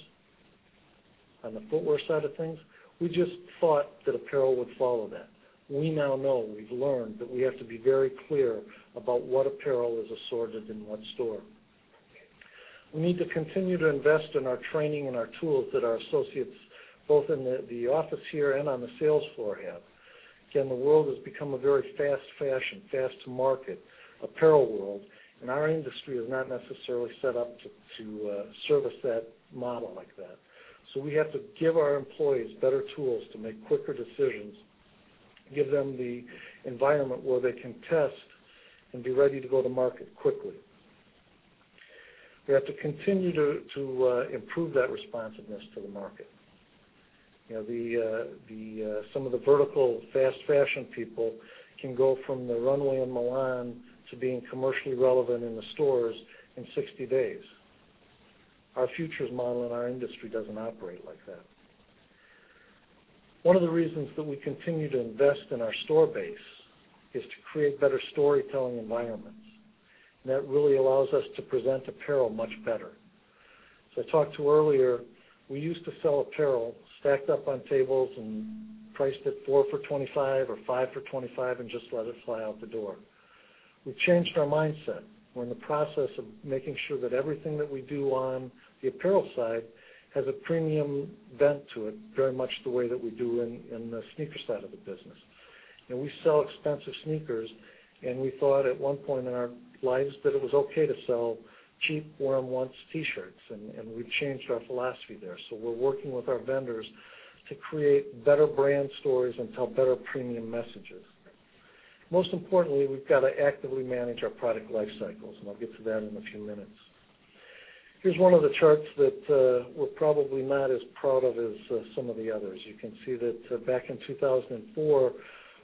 on the footwear side of things. We just thought that apparel would follow that. We now know, we have learned, that we have to be very clear about what apparel is assorted in what store. We need to continue to invest in our training and our tools that our associates, both in the office here and on the sales floor, have. Again, the world has become a very fast fashion, fast to market apparel world, and our industry is not necessarily set up to service that model like that. We have to give our employees better tools to make quicker decisions, give them the environment where they can test and be ready to go to market quickly. We have to continue to improve that responsiveness to the market. Some of the vertical fast fashion people can go from the runway in Milan to being commercially relevant in the stores in 60 days. Our futures model in our industry does not operate like that. One of the reasons that we continue to invest in our store base is to create better storytelling environments. That really allows us to present apparel much better. As I talked to earlier, we used to sell apparel stacked up on tables and priced at four for $25 or five for $25 and just let it fly out the door. We've changed our mindset. We're in the process of making sure that everything that we do on the apparel side has a premium bent to it, very much the way that we do in the sneaker side of the business. We sell expensive sneakers, and we thought at one point in our lives that it was okay to sell cheap, wear-them-once T-shirts, and we've changed our philosophy there. We're working with our vendors to create better brand stories and tell better premium messages. Most importantly, we've got to actively manage our product life cycles, and I'll get to that in a few minutes. Here's one of the charts that we're probably not as proud of as some of the others. You can see that back in 2004,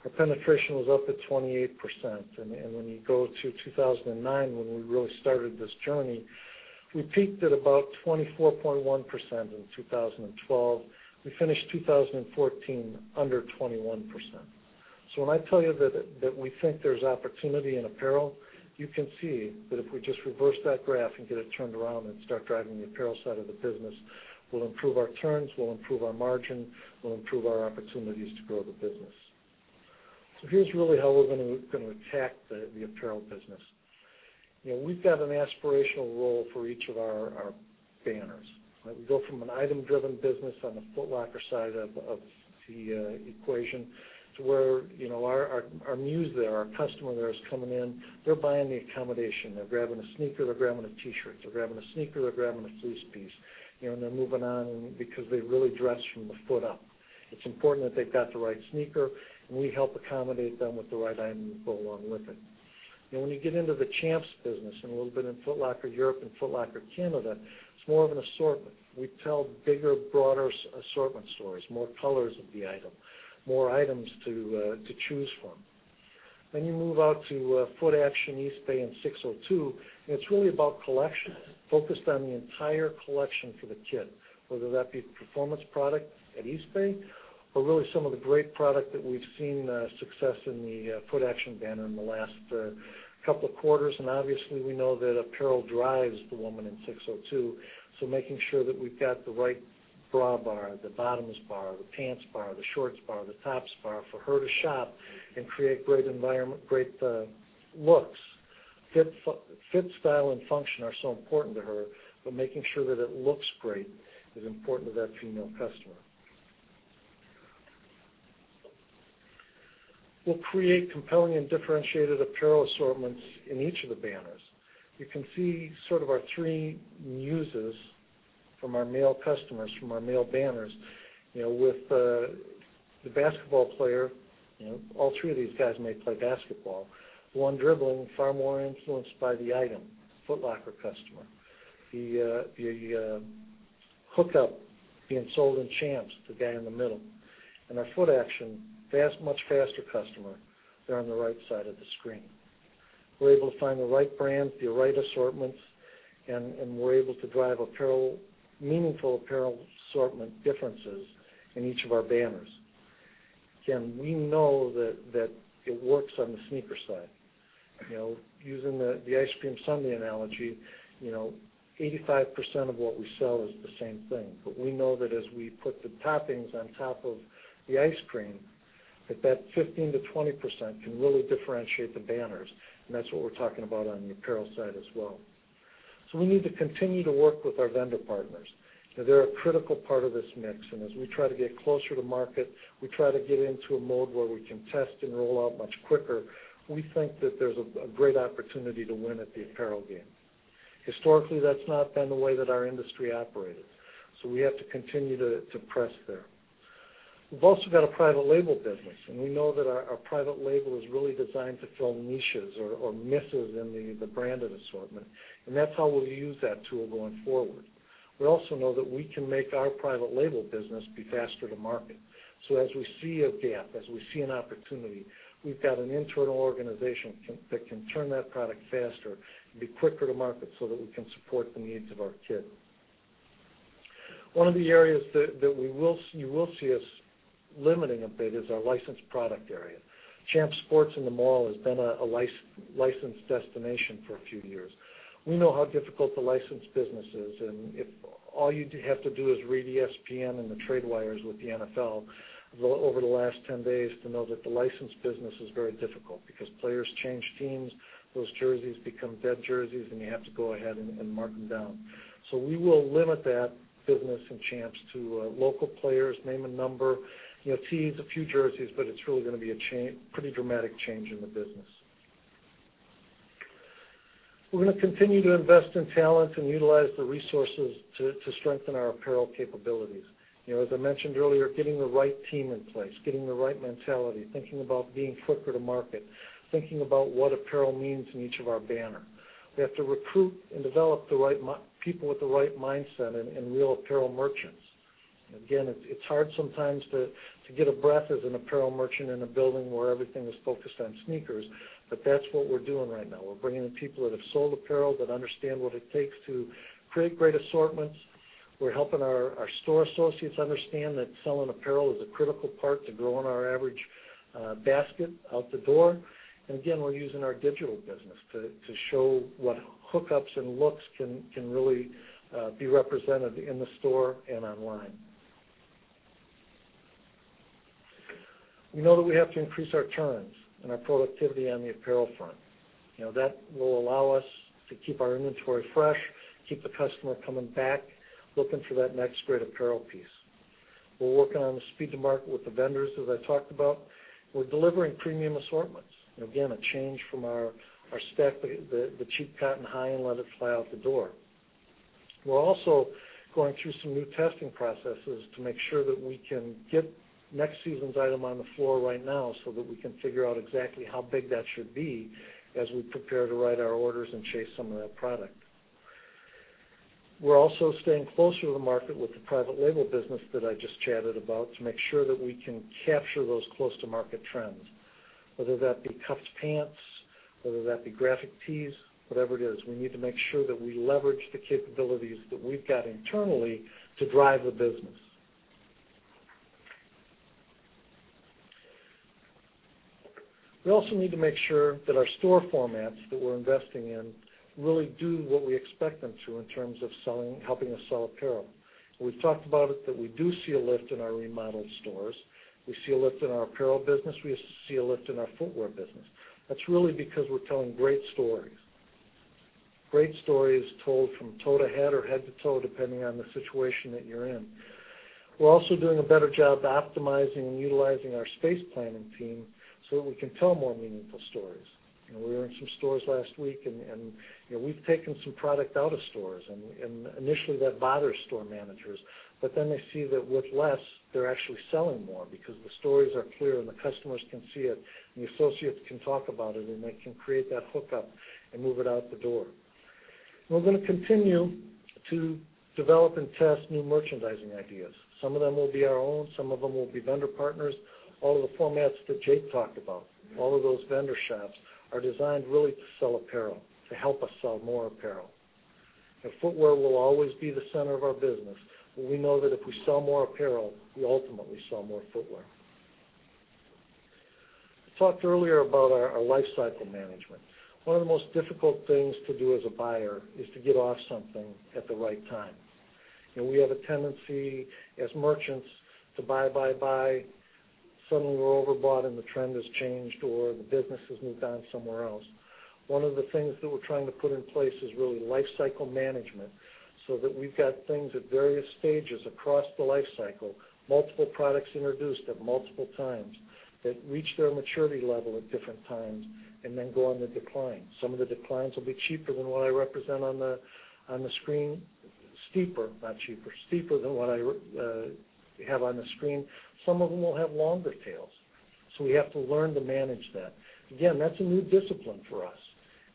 our penetration was up at 28%, and when you go to 2009, when we really started this journey, we peaked at about 24.1% in 2012. We finished 2014 under 21%. When I tell you that we think there's opportunity in apparel, you can see that if we just reverse that graph and get it turned around and start driving the apparel side of the business, we'll improve our turns, we'll improve our margin, we'll improve our opportunities to grow the business. Here's really how we're going to attack the apparel business. We've got an aspirational role for each of our banners. We go from an item-driven business on the Foot Locker side of the equation to where our muse there, our customer there is coming in, they're buying the accommodation. They're grabbing a sneaker, they're grabbing a T-shirt. They're grabbing a sneaker, they're grabbing a fleece piece and they're moving on because they really dress from the foot up. It's important that they've got the right sneaker, and we help accommodate them with the right item to go along with it. When we get into the Champs business and a little bit in Foot Locker Europe and Foot Locker Canada, it's more of an assortment. We tell bigger, broader assortment stories, more colors of the item, more items to choose from. You move out to Footaction, Eastbay, and SIX:02, and it's really about collection, focused on the entire collection for the kid, whether that be performance product at Eastbay or really some of the great product that we've seen success in the Footaction banner in the last couple of quarters. Obviously, we know that apparel drives the woman in SIX:02, so making sure that we've got the right bra bar, the bottoms bar, the pants bar, the shorts bar, the tops bar for her to shop and create great looks. Fit, style, and function are so important to her, but making sure that it looks great is important to that female customer. We'll create compelling and differentiated apparel assortments in each of the banners. You can see sort of our three muses from our male customers, from our male banners. With the basketball player, all three of these guys may play basketball. The one dribbling, far more influenced by the item, Foot Locker customer. The hookup being sold in Champs, the guy in the middle. Our Footaction, much faster customer there on the right side of the screen. We're able to find the right brands, the right assortments, and we're able to drive meaningful apparel assortment differences in each of our banners. Again, we know that it works on the sneaker side. Using the ice cream sundae analogy, 85% of what we sell is the same thing. We know that as we put the toppings on top of the ice cream, that that 15%-20% can really differentiate the banners, and that's what we're talking about on the apparel side as well. We need to continue to work with our vendor partners. They're a critical part of this mix. As we try to get closer to market, we try to get into a mode where we can test and roll out much quicker. We think that there's a great opportunity to win at the apparel game. Historically, that's not been the way that our industry operated. We have to continue to press there. We've also got a private label business, and we know that our private label is really designed to fill niches or misses in the branded assortment. That's how we'll use that tool going forward. We also know that we can make our private label business be faster to market. As we see a gap, as we see an opportunity, we've got an internal organization that can turn that product faster and be quicker to market so that we can support the needs of our kid. One of the areas that you will see us limiting a bit is our licensed product area. Champs Sports in the mall has been a licensed destination for a few years. We know how difficult the licensed business is, all you have to do is read ESPN and the trade wires with the NFL over the last 10 days to know that the licensed business is very difficult because players change teams, those jerseys become dead jerseys, and you have to go ahead and mark them down. We will limit that business in Champs to local players, name and number, tees, a few jerseys, it's really going to be a pretty dramatic change in the business. We're going to continue to invest in talent and utilize the resources to strengthen our apparel capabilities. As I mentioned earlier, getting the right team in place. Getting the right mentality, thinking about being quicker to market, thinking about what apparel means in each of our banners. We have to recruit and develop the right people with the right mindset and real apparel merchants. Again, it's hard sometimes to get a breath as an apparel merchant in a building where everything is focused on sneakers, that's what we're doing right now. We're bringing in people that have sold apparel, that understand what it takes to create great assortments. We're helping our store associates understand that selling apparel is a critical part to growing our average basket out the door. Again, we're using our digital business to show what hookups and looks can really be represented in the store and online. We know that we have to increase our turns and our productivity on the apparel front. That will allow us to keep our inventory fresh, keep the customer coming back, looking for that next great apparel piece. We're working on the speed to market with the vendors, as I talked about. We're delivering premium assortments. Again, a change from our stack the cheap cotton high and let it fly out the door. We're also going through some new testing processes to make sure that we can get next season's item on the floor right now so that we can figure out exactly how big that should be as we prepare to write our orders and chase some of that product. We're also staying closer to the market with the private label business that I just chatted about to make sure that we can capture those close-to-market trends, whether that be cuffed pants, whether that be graphic tees, whatever it is. We need to make sure that we leverage the capabilities that we've got internally to drive the business. We also need to make sure that our store formats that we're investing in really do what we expect them to in terms of helping us sell apparel. We've talked about it, that we do see a lift in our remodeled stores. We see a lift in our apparel business. We see a lift in our footwear business. That's really because we're telling great stories. Great stories told from toe to head or head to toe, depending on the situation that you're in. We're also doing a better job optimizing and utilizing our space planning team so that we can tell more meaningful stories. We were in some stores last week, and we've taken some product out of stores, and initially, that bothers store managers. They see that with less, they're actually selling more because the stories are clear and the customers can see it, and the associates can talk about it, and they can create that hookup and move it out the door. We're going to continue to develop and test new merchandising ideas. Some of them will be our own, some of them will be vendor partners. All of the formats that Jake talked about, all of those vendor shops are designed really to sell apparel, to help us sell more apparel. Footwear will always be the center of our business, but we know that if we sell more apparel, we ultimately sell more footwear. I talked earlier about our life cycle management. One of the most difficult things to do as a buyer is to get off something at the right time. We have a tendency as merchants to buy, buy. Suddenly, we're overbought and the trend has changed, or the business has moved on somewhere else. One of the things that we're trying to put in place is really life cycle management, so that we've got things at various stages across the life cycle, multiple products introduced at multiple times that reach their maturity level at different times and then go on the decline. Some of the declines will be cheaper than what I represent on the screen. Steeper, not cheaper. Steeper than what I have on the screen. Some of them will have longer tails. We have to learn to manage that. Again, that's a new discipline for us.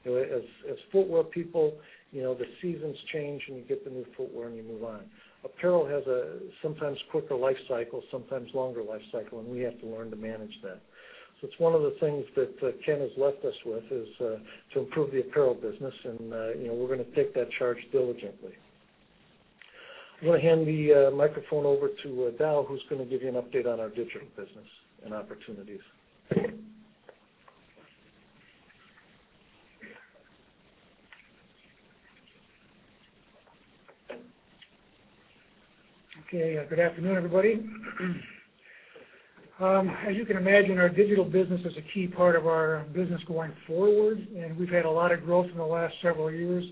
As footwear people, the seasons change, and you get the new footwear, and you move on. Apparel has a sometimes quicker life cycle, sometimes longer life cycle, and we have to learn to manage that. It's one of the things that Ken has left us with, is to improve the apparel business, and we're going to take that charge diligently. I'm going to hand the microphone over to Dowe, who's going to give you an update on our digital business and opportunities. Okay. Good afternoon, everybody. As you can imagine, our digital business is a key part of our business going forward, and we've had a lot of growth in the last several years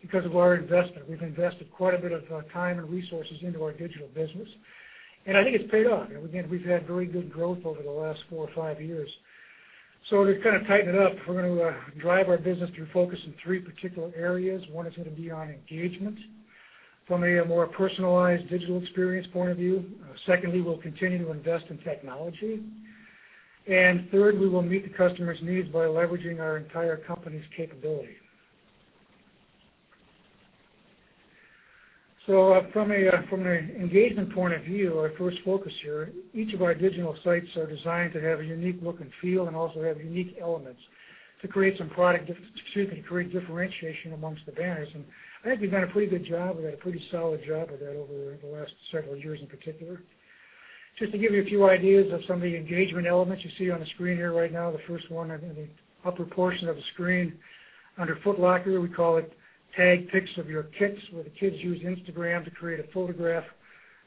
because of our investment. We've invested quite a bit of time and resources into our digital business, and I think it's paid off. Again, we've had very good growth over the last four or five years. To kind of tighten it up, we're going to drive our business through focus in three particular areas. One is going to be on engagement from a more personalized digital experience point of view. Secondly, we'll continue to invest in technology. Third, we will meet the customer's needs by leveraging our entire company's capability. From an engagement point of view, our first focus here, each of our digital sites are designed to have a unique look and feel and also have unique elements to create differentiation amongst the banners. I think we've done a pretty good job. We've done a pretty solid job of that over the last several years in particular. Just to give you a few ideas of some of the engagement elements, you see on the screen here right now, the first one in the upper portion of the screen under Foot Locker, we call it Tag Pics of Your Kicks, where the kids use Instagram to create a photograph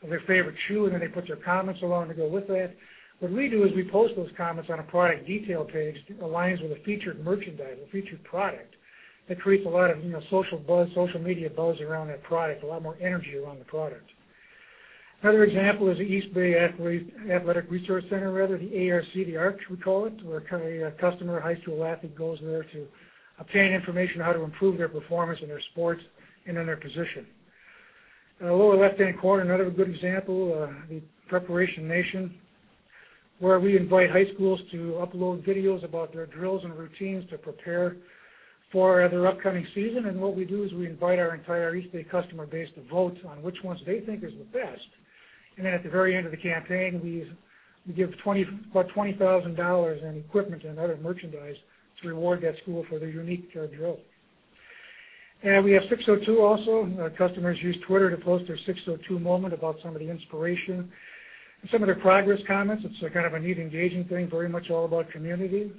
of their favorite shoe, and then they put their comments along to go with that. What we do is we post those comments on a product detail page that aligns with a featured merchandise, a featured product. That creates a lot of social buzz, social media buzz around that product, a lot more energy around the product. Another example is the Eastbay Athletic Resource Center, the ARC, we call it, where a customer, a high school athlete, goes there to obtain information on how to improve their performance in their sports and in their position. In the lower left-hand corner, another good example, the Preparation Nation, where we invite high schools to upload videos about their drills and routines to prepare for their upcoming season. What we do is we invite our entire Eastbay customer base to vote on which ones they think is the best. At the very end of the campaign, we give about $20,000 in equipment and other merchandise to reward that school for their unique drill. We have SIX:02 also. Customers use Twitter to post their SIX:02 moment about some of the inspiration and some of their progress comments. It's kind of a neat engaging thing, very much all about community.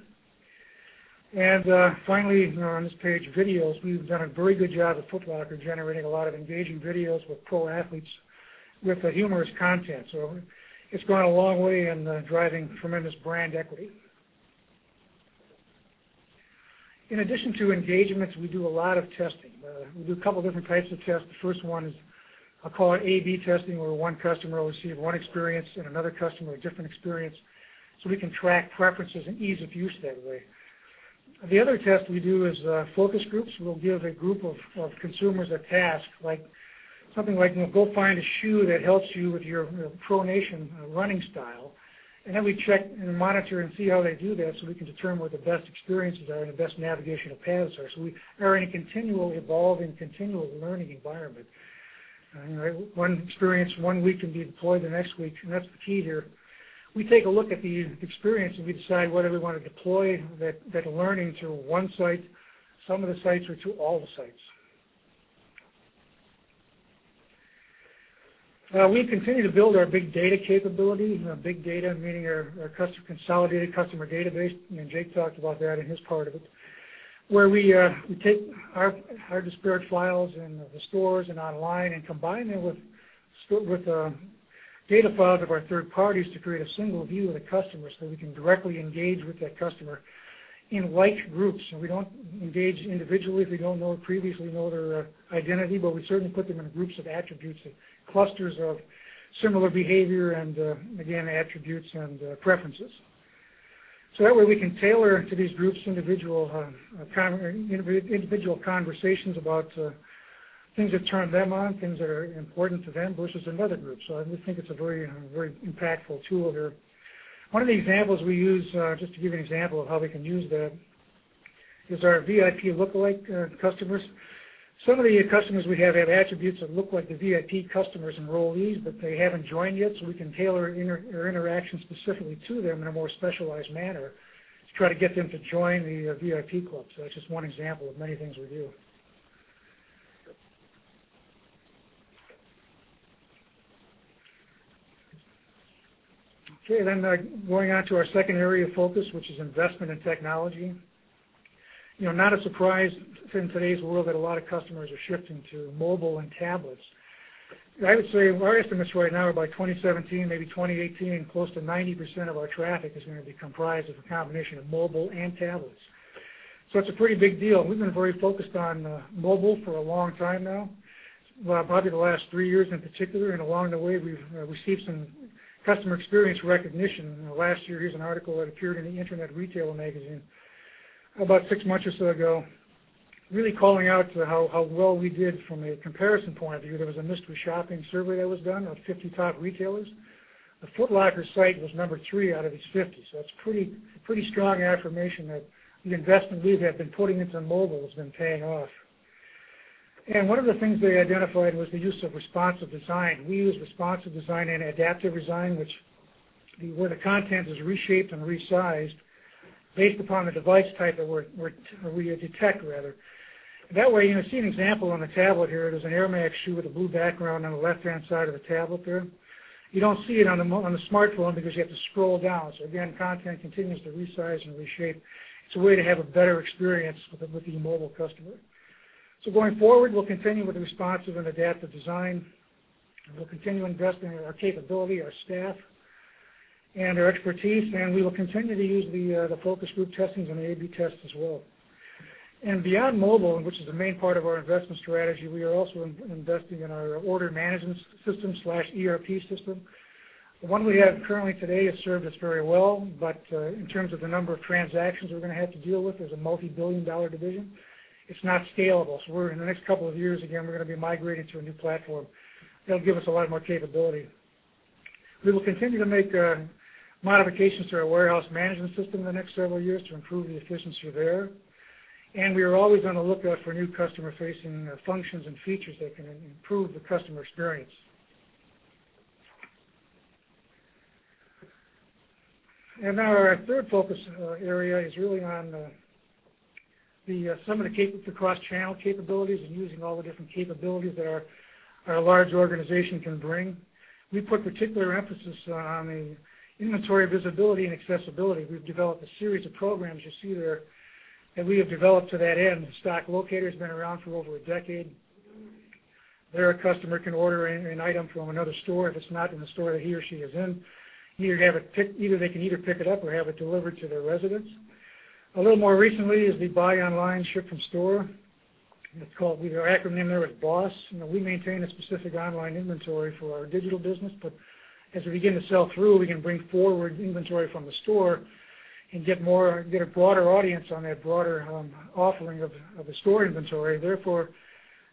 Finally, on this page, videos. We've done a very good job at Foot Locker, generating a lot of engaging videos with pro athletes with humorous content. It's gone a long way in driving tremendous brand equity. In addition to engagements, we do a lot of testing. We do a couple of different types of tests. The first one is, I'll call it A/B testing, where one customer will receive one experience and another customer, a different experience. We can track preferences and ease of use that way. The other test we do is focus groups. We'll give a group of consumers a task, something like, "Go find a shoe that helps you with your pronation running style." We check and monitor and see how they do that so we can determine what the best experiences are and the best navigational paths are. We are in a continual evolving, continual learning environment. One experience one week can be deployed the next week, and that's the key here. We take a look at the experience, and we decide whether we want to deploy that learning to one site, some of the sites, or to all the sites. We continue to build our big data capability, big data meaning our consolidated customer database, and Jake talked about that in his part of it, where we take our disparate files in the stores and online and combine them with data files of our third parties to create a single view of the customer so we can directly engage with that customer in like groups. We don't engage individually if we don't know previously know their identity, but we certainly put them in groups of attributes and clusters of similar behavior and again, attributes and preferences. That way, we can tailor to these groups individual conversations about things that turn them on, things that are important to them versus another group. I think it's a very impactful tool here. One of the examples we use, just to give you an example of how we can use that, is our VIP lookalike customers. Some of the customers we have attributes that look like the VIP customers and enrollees, but they haven't joined yet, so we can tailor interactions specifically to them in a more specialized manner to try to get them to join the VIP club. That's just one example of many things we do. Going on to our second area of focus, which is investment in technology. Not a surprise in today's world that a lot of customers are shifting to mobile and tablets. I would say our estimates right now are by 2017, maybe 2018, close to 90% of our traffic is going to be comprised of a combination of mobile and tablets. It's a pretty big deal. We've been very focused on mobile for a long time now. Probably the last 3 years in particular, along the way, we've received some customer experience recognition. Last year, here's an article that appeared in the Internet Retailer magazine about six months or so ago, really calling out to how well we did from a comparison point of view. There was a mystery shopping survey that was done of 50 top retailers. The Foot Locker site was number 3 out of these 50. That's pretty strong affirmation that the investment we have been putting into mobile has been paying off. One of the things they identified was the use of responsive design. We use responsive design and adaptive design, where the content is reshaped and resized based upon the device type that we detect. That way, you see an example on the tablet here. There's an Air Max shoe with a blue background on the left-hand side of the tablet there. You don't see it on the smartphone because you have to scroll down. Again, content continues to resize and reshape. It's a way to have a better experience with the mobile customer. Going forward, we'll continue with the responsive and adaptive design, we'll continue investing in our capability, our staff, and our expertise, and we will continue to use the focus group testings and the A/B tests as well. Beyond mobile, which is the main part of our investment strategy, we are also investing in our order management system/ERP system. The one we have currently today has served us very well, but in terms of the number of transactions we're going to have to deal with as a multi-billion-dollar division, it's not scalable. We're in the next couple of years, again, we're going to be migrating to a new platform that'll give us a lot more capability. We will continue to make modifications to our warehouse management system in the next several years to improve the efficiency there. We are always on the lookout for new customer-facing functions and features that can improve the customer experience. Now our third focus area is really on some of the cross-channel capabilities and using all the different capabilities that our large organization can bring. We put particular emphasis on the inventory visibility and accessibility. We've developed a series of programs you see there that we have developed to that end. The stock locator's been around for over a decade. There, a customer can order an item from another store if it's not in the store that he or she is in. Either they can either pick it up or have it delivered to their residence. A little more recently is the buy online ship from store. Our acronym there is BOSS. We maintain a specific online inventory for our digital business, but as we begin to sell through, we can bring forward inventory from the store and get a broader audience on that broader offering of the store inventory. Therefore,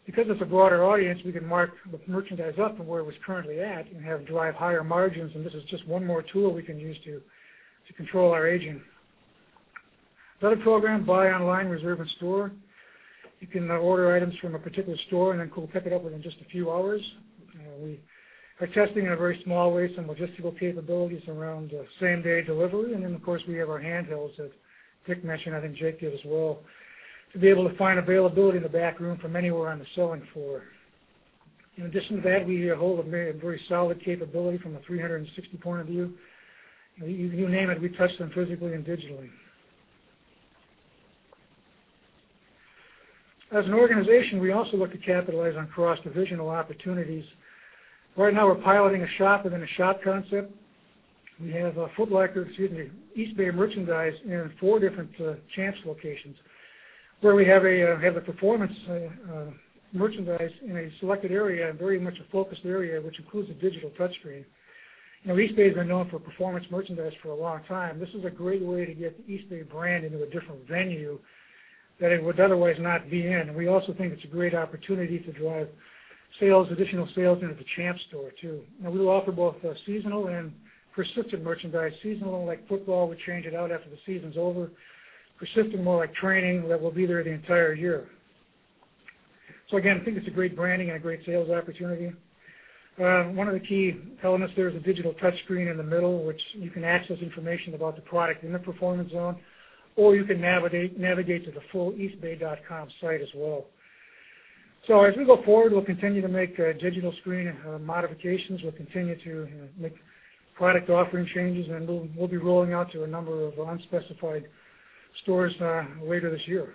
because it's a broader audience, we can mark the merchandise up from where it was currently at and drive higher margins, this is just one more tool we can use to control our aging. Another program, buy online, reserve in store. You can order items from a particular store and then come pick it up within just a few hours. We are testing in a very small way some logistical capabilities around same-day delivery. We have our handhelds that Dick mentioned, I think Jake did as well, to be able to find availability in the back room from anywhere on the selling floor. In addition to that, we hold a very solid capability from a 360 point of view. You name it, we touch them physically and digitally. As an organization, we also look to capitalize on cross-divisional opportunities. Right now, we're piloting a shop-within-a-shop concept. We have Eastbay merchandise in four different Champs locations, where we have the performance merchandise in a selected area, and very much a focused area, which includes a digital touch screen. Eastbay's been known for performance merchandise for a long time. This is a great way to get the Eastbay brand into a different venue that it would otherwise not be in. We also think it's a great opportunity to drive additional sales into the Champs store, too. We will offer both seasonal and persistent merchandise. Seasonal, like football, we change it out after the season's over. Persistent, more like training, that will be there the entire year. Again, I think it's a great branding and a great sales opportunity. One of the key elements there is a digital touch screen in the middle, which you can access information about the product in the performance zone, or you can navigate to the full eastbay.com site as well. As we go forward, we'll continue to make digital screen modifications. We'll continue to make product offering changes, and we'll be rolling out to a number of unspecified stores later this year.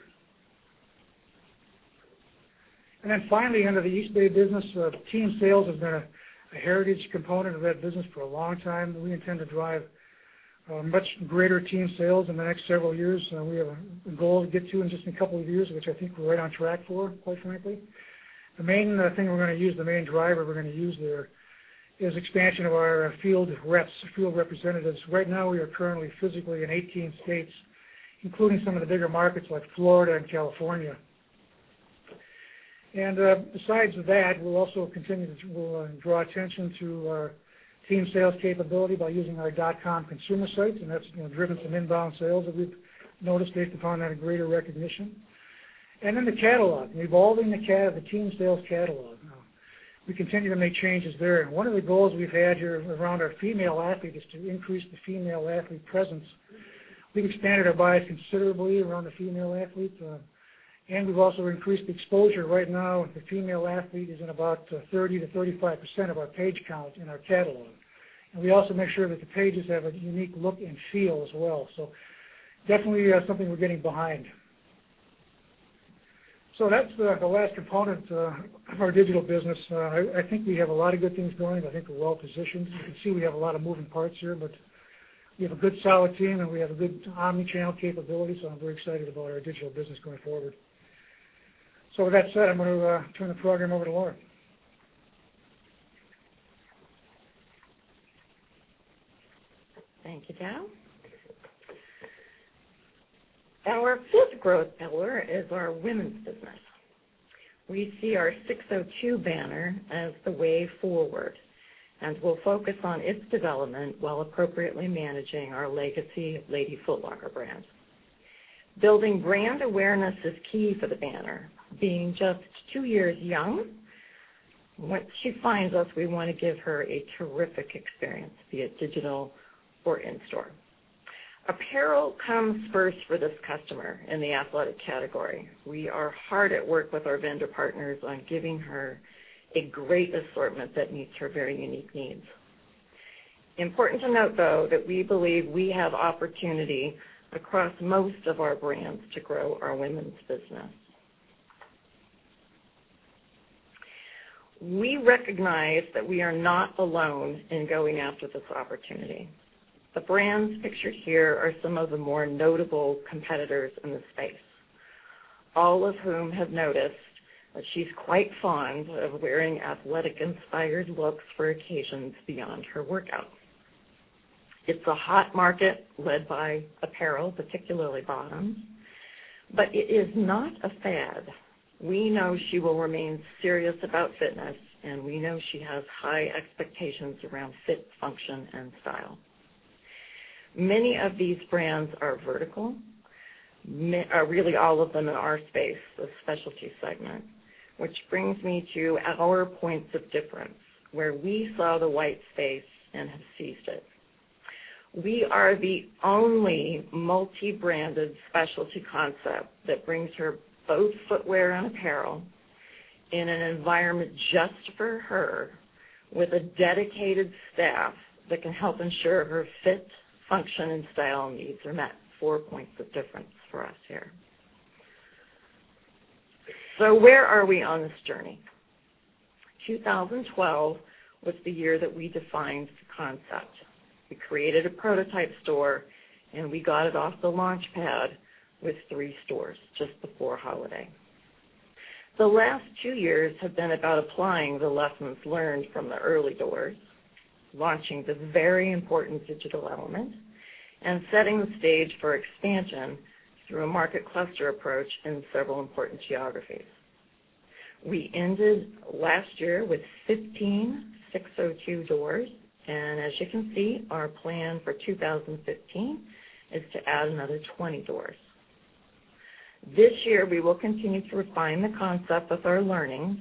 Finally, under the Eastbay business, team sales have been a heritage component of that business for a long time. We intend to drive much greater team sales in the next several years. We have a goal to get to in just a couple of years, which I think we're right on track for, quite frankly. The main thing we're going to use, the main driver we're going to use there is expansion of our field reps, field representatives. Right now, we are currently physically in 18 states, including some of the bigger markets like Florida and California. Besides that, we'll also continue to draw attention to our team sales capability by using our dotcom consumer sites, and that's driven some inbound sales that we've noticed based upon that greater recognition. The catalog, evolving the team sales catalog. We continue to make changes there. One of the goals we've had here around our female athlete is to increase the female athlete presence. We've expanded our buy considerably around the female athlete, and we've also increased exposure. Right now, the female athlete is in about 30%-35% of our page count in our catalog. We also make sure that the pages have a unique look and feel as well. Definitely something we're getting behind. That's the last component of our digital business. I think we have a lot of good things going. I think we're well positioned. You can see we have a lot of moving parts here, but we have a good, solid team, and we have a good omni-channel capability, so I'm very excited about our digital business going forward. With that said, I'm going to turn the program over to Lauren. Thank you, Gal. Our fifth growth pillar is our women's business. We see our SIX:02 banner as the way forward, and we'll focus on its development while appropriately managing our legacy Lady Foot Locker brand. Building brand awareness is key for the banner. Being just two years young, once she finds us, we want to give her a terrific experience, be it digital or in store. Apparel comes first for this customer in the athletic category. We are hard at work with our vendor partners on giving her a great assortment that meets her very unique needs. Important to note, though, that we believe we have opportunity across most of our brands to grow our women's business. We recognize that we are not alone in going after this opportunity. The brands pictured here are some of the more notable competitors in the space, all of whom have noticed that she's quite fond of wearing athletic-inspired looks for occasions beyond her workouts. It is not a fad. We know she will remain serious about fitness, and we know she has high expectations around fit, function, and style. Many of these brands are vertical. Really all of them in our space, the specialty segment, which brings me to our points of difference, where we saw the white space and have seized it. We are the only multi-branded specialty concept that brings her both footwear and apparel in an environment just for her, with a dedicated staff that can help ensure her fit, function, and style needs are met. Four points of difference for us here. Where are we on this journey? 2012 was the year that we defined the concept. We created a prototype store, and we got it off the launch pad with three stores just before holiday. The last two years have been about applying the lessons learned from the early doors, launching the very important digital element, and setting the stage for expansion through a market cluster approach in several important geographies. We ended last year with 15 SIX:02 doors, as you can see, our plan for 2015 is to add another 20 doors. This year, we will continue to refine the concept with our learning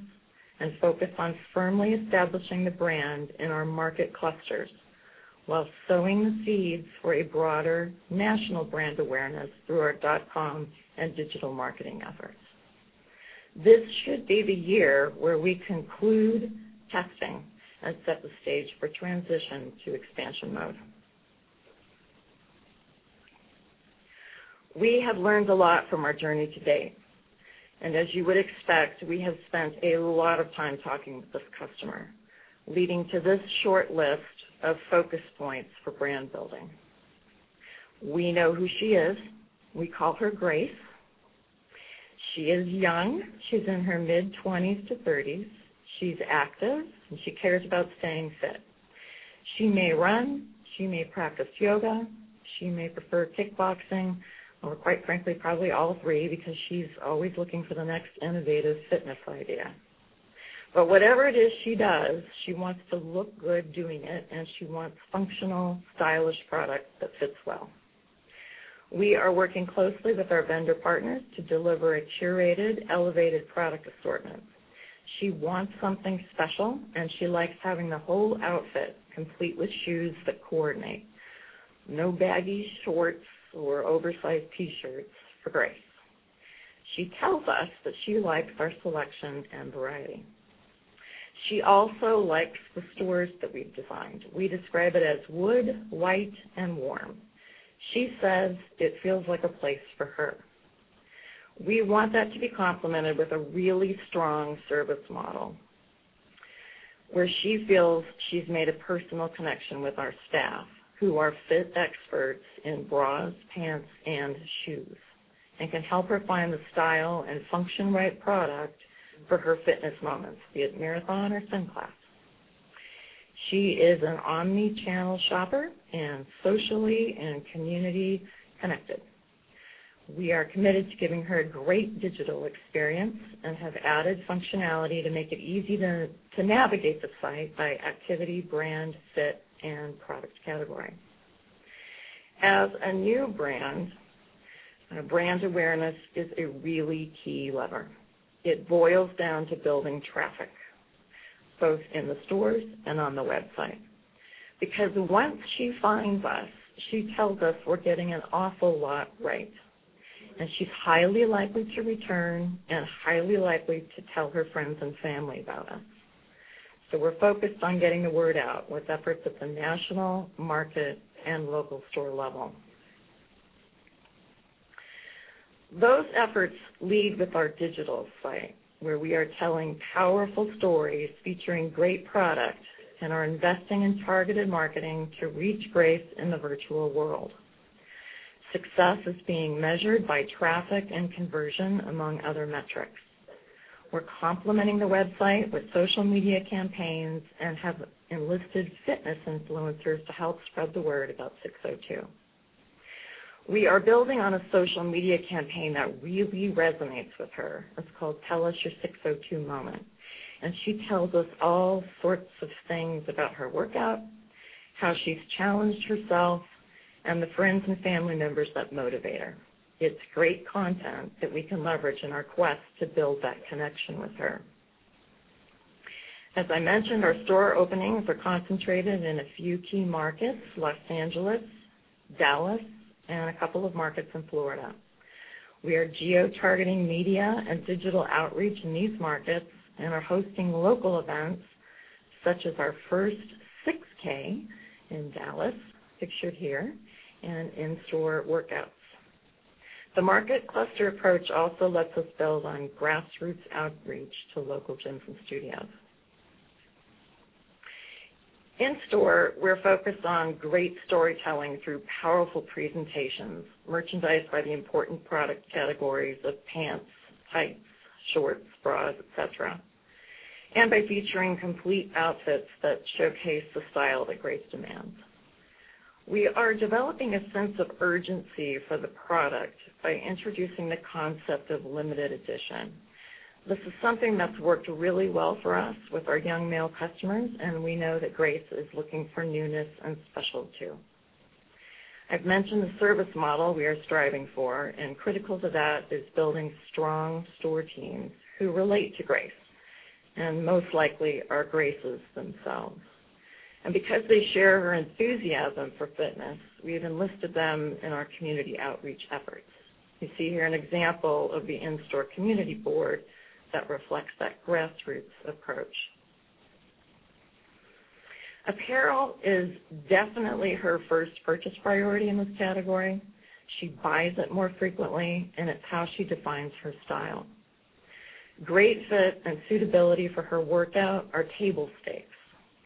and focus on firmly establishing the brand in our market clusters while sowing the seeds for a broader national brand awareness through our dotcom and digital marketing efforts. This should be the year where we conclude testing and set the stage for transition to expansion mode. We have learned a lot from our journey to date, as you would expect, we have spent a lot of time talking with this customer, leading to this short list of focus points for brand building. We know who she is. We call her Grace. She is young. She's in her mid-20s to 30s. She's active, she cares about staying fit. She may run. She may practice yoga. She may prefer kickboxing, quite frankly, probably all three because she's always looking for the next innovative fitness idea. Whatever it is she does, she wants to look good doing it, she wants functional, stylish product that fits well. We are working closely with our vendor partners to deliver a curated, elevated product assortment. She wants something special. She likes having the whole outfit complete with shoes that coordinate. No baggy shorts or oversized T-shirts for Grace. She tells us that she likes our selection and variety. She also likes the stores that we've designed. We describe it as wood, white, and warm. She says it feels like a place for her. We want that to be complemented with a really strong service model, where she feels she's made a personal connection with our staff, who are fit experts in bras, pants, and shoes. Can help her find the style and function right product for her fitness moments, be it marathon or spin class. She is an omni-channel shopper and socially and community connected. We are committed to giving her a great digital experience and have added functionality to make it easy to navigate the site by activity, brand, fit, and product category. As a new brand awareness is a really key lever. It boils down to building traffic both in the stores and on the website. Once she finds us, she tells us we're getting an awful lot right, and she's highly likely to return and highly likely to tell her friends and family about us. We're focused on getting the word out with efforts at the national, market, and local store level. Those efforts lead with our digital site, where we are telling powerful stories featuring great product and are investing in targeted marketing to reach Grace in the virtual world. Success is being measured by traffic and conversion, among other metrics. We're complementing the website with social media campaigns and have enlisted fitness influencers to help spread the word about SIX:02. We are building on a social media campaign that really resonates with her. It's called Tell Us Your SIX:02 Moment. She tells us all sorts of things about her workout, how she's challenged herself, and the friends and family members that motivate her. It's great content that we can leverage in our quest to build that connection with her. As I mentioned, our store openings are concentrated in a few key markets, L.A., Dallas, and a couple of markets in Florida. We are geo-targeting media and digital outreach in these markets and are hosting local events such as our first 6K in Dallas, pictured here, and in-store workouts. The market cluster approach also lets us build on grassroots outreach to local gyms and studios. In store, we're focused on great storytelling through powerful presentations, merchandised by the important product categories of pants, tights, shorts, bras, et cetera, and by featuring complete outfits that showcase the style that Grace demands. We are developing a sense of urgency for the product by introducing the concept of limited edition. This is something that's worked really well for us with our young male customers, and we know that Grace is looking for newness and special too. I've mentioned the service model we are striving for, and critical to that is building strong store teams who relate to Grace, and most likely are Graces themselves. Because they share her enthusiasm for fitness, we've enlisted them in our community outreach efforts. You see here an example of the in-store community board that reflects that grassroots approach. Apparel is definitely her first purchase priority in this category. She buys it more frequently, and it's how she defines her style. Great fit and suitability for her workout are table stakes.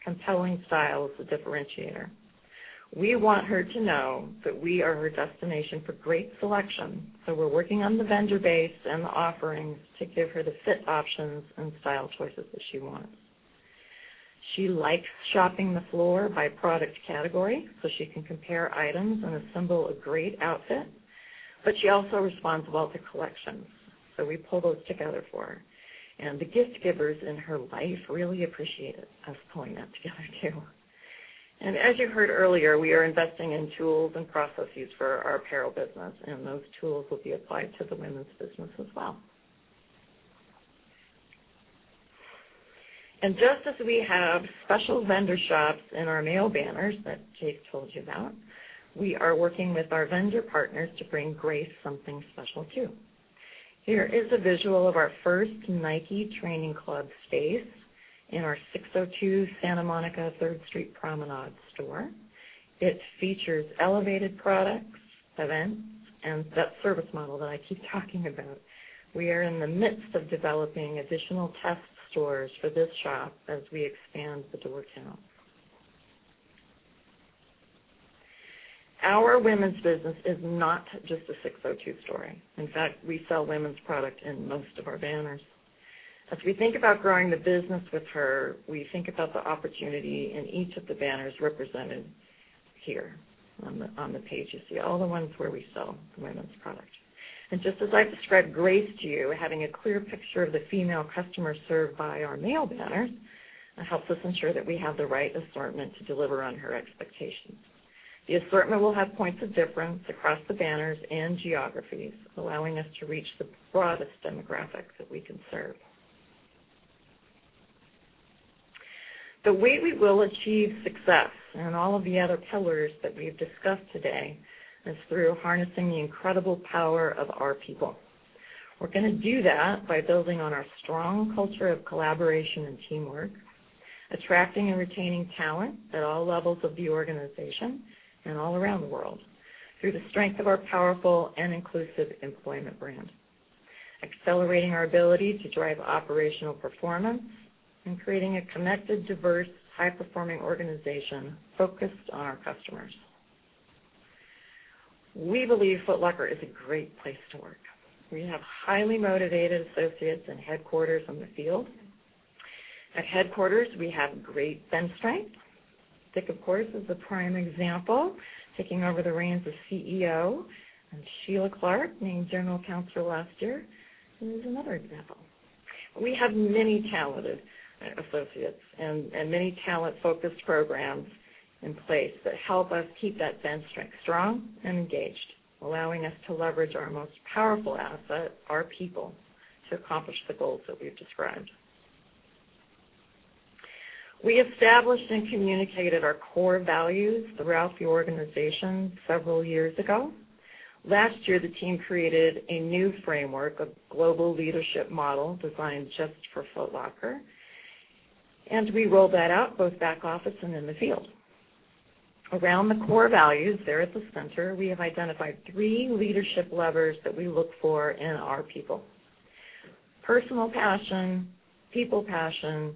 Compelling style is the differentiator. We want her to know that we are her destination for great selection, so we're working on the vendor base and the offerings to give her the fit options and style choices that she wants. She likes shopping the floor by product category so she can compare items and assemble a great outfit, but she also responds well to collections. We pull those together for her. The gift givers in her life really appreciate us pulling that together, too. As you heard earlier, we are investing in tools and processes for our apparel business, and those tools will be applied to the women's business as well. Just as we have special vendor shops in our male banners that Jake told you about, we are working with our vendor partners to bring Grace something special too. Here is a visual of our first Nike Training Club space in our SIX:02 Santa Monica Third Street Promenade store. It features elevated products, events, and that service model that I keep talking about. We are in the midst of developing additional test stores for this shop as we expand the door count. Our women's business is not just a SIX:02 story. In fact, we sell women's product in most of our banners. As we think about growing the business with her, we think about the opportunity in each of the banners represented here on the page. You see all the ones where we sell women's product. Just as I described Grace to you, having a clear picture of the female customer served by our male banners helps us ensure that we have the right assortment to deliver on her expectations. The assortment will have points of difference across the banners and geographies, allowing us to reach the broadest demographics that we can serve. The way we will achieve success in all of the other pillars that we've discussed today is through harnessing the incredible power of our people. We're going to do that by building on our strong culture of collaboration and teamwork, attracting and retaining talent at all levels of the organization and all around the world through the strength of our powerful and inclusive employment brand. Accelerating our ability to drive operational performance and creating a connected, diverse, high-performing organization focused on our customers. We believe Foot Locker is a great place to work. We have highly motivated associates in headquarters on the field. At headquarters, we have great bench strength. Dick, of course, is a prime example, taking over the reins as CEO, and Sheila Clark named General Counsel last year. There's another example. We have many talented associates and many talent-focused programs in place that help us keep that bench strength strong and engaged, allowing us to leverage our most powerful asset, our people, to accomplish the goals that we've described. We established and communicated our core values throughout the organization several years ago. Last year, the team created a new framework, a global leadership model designed just for Foot Locker, and we rolled that out both back office and in the field. Around the core values, there at the center, we have identified three leadership levers that we look for in our people. Personal passion, people passion,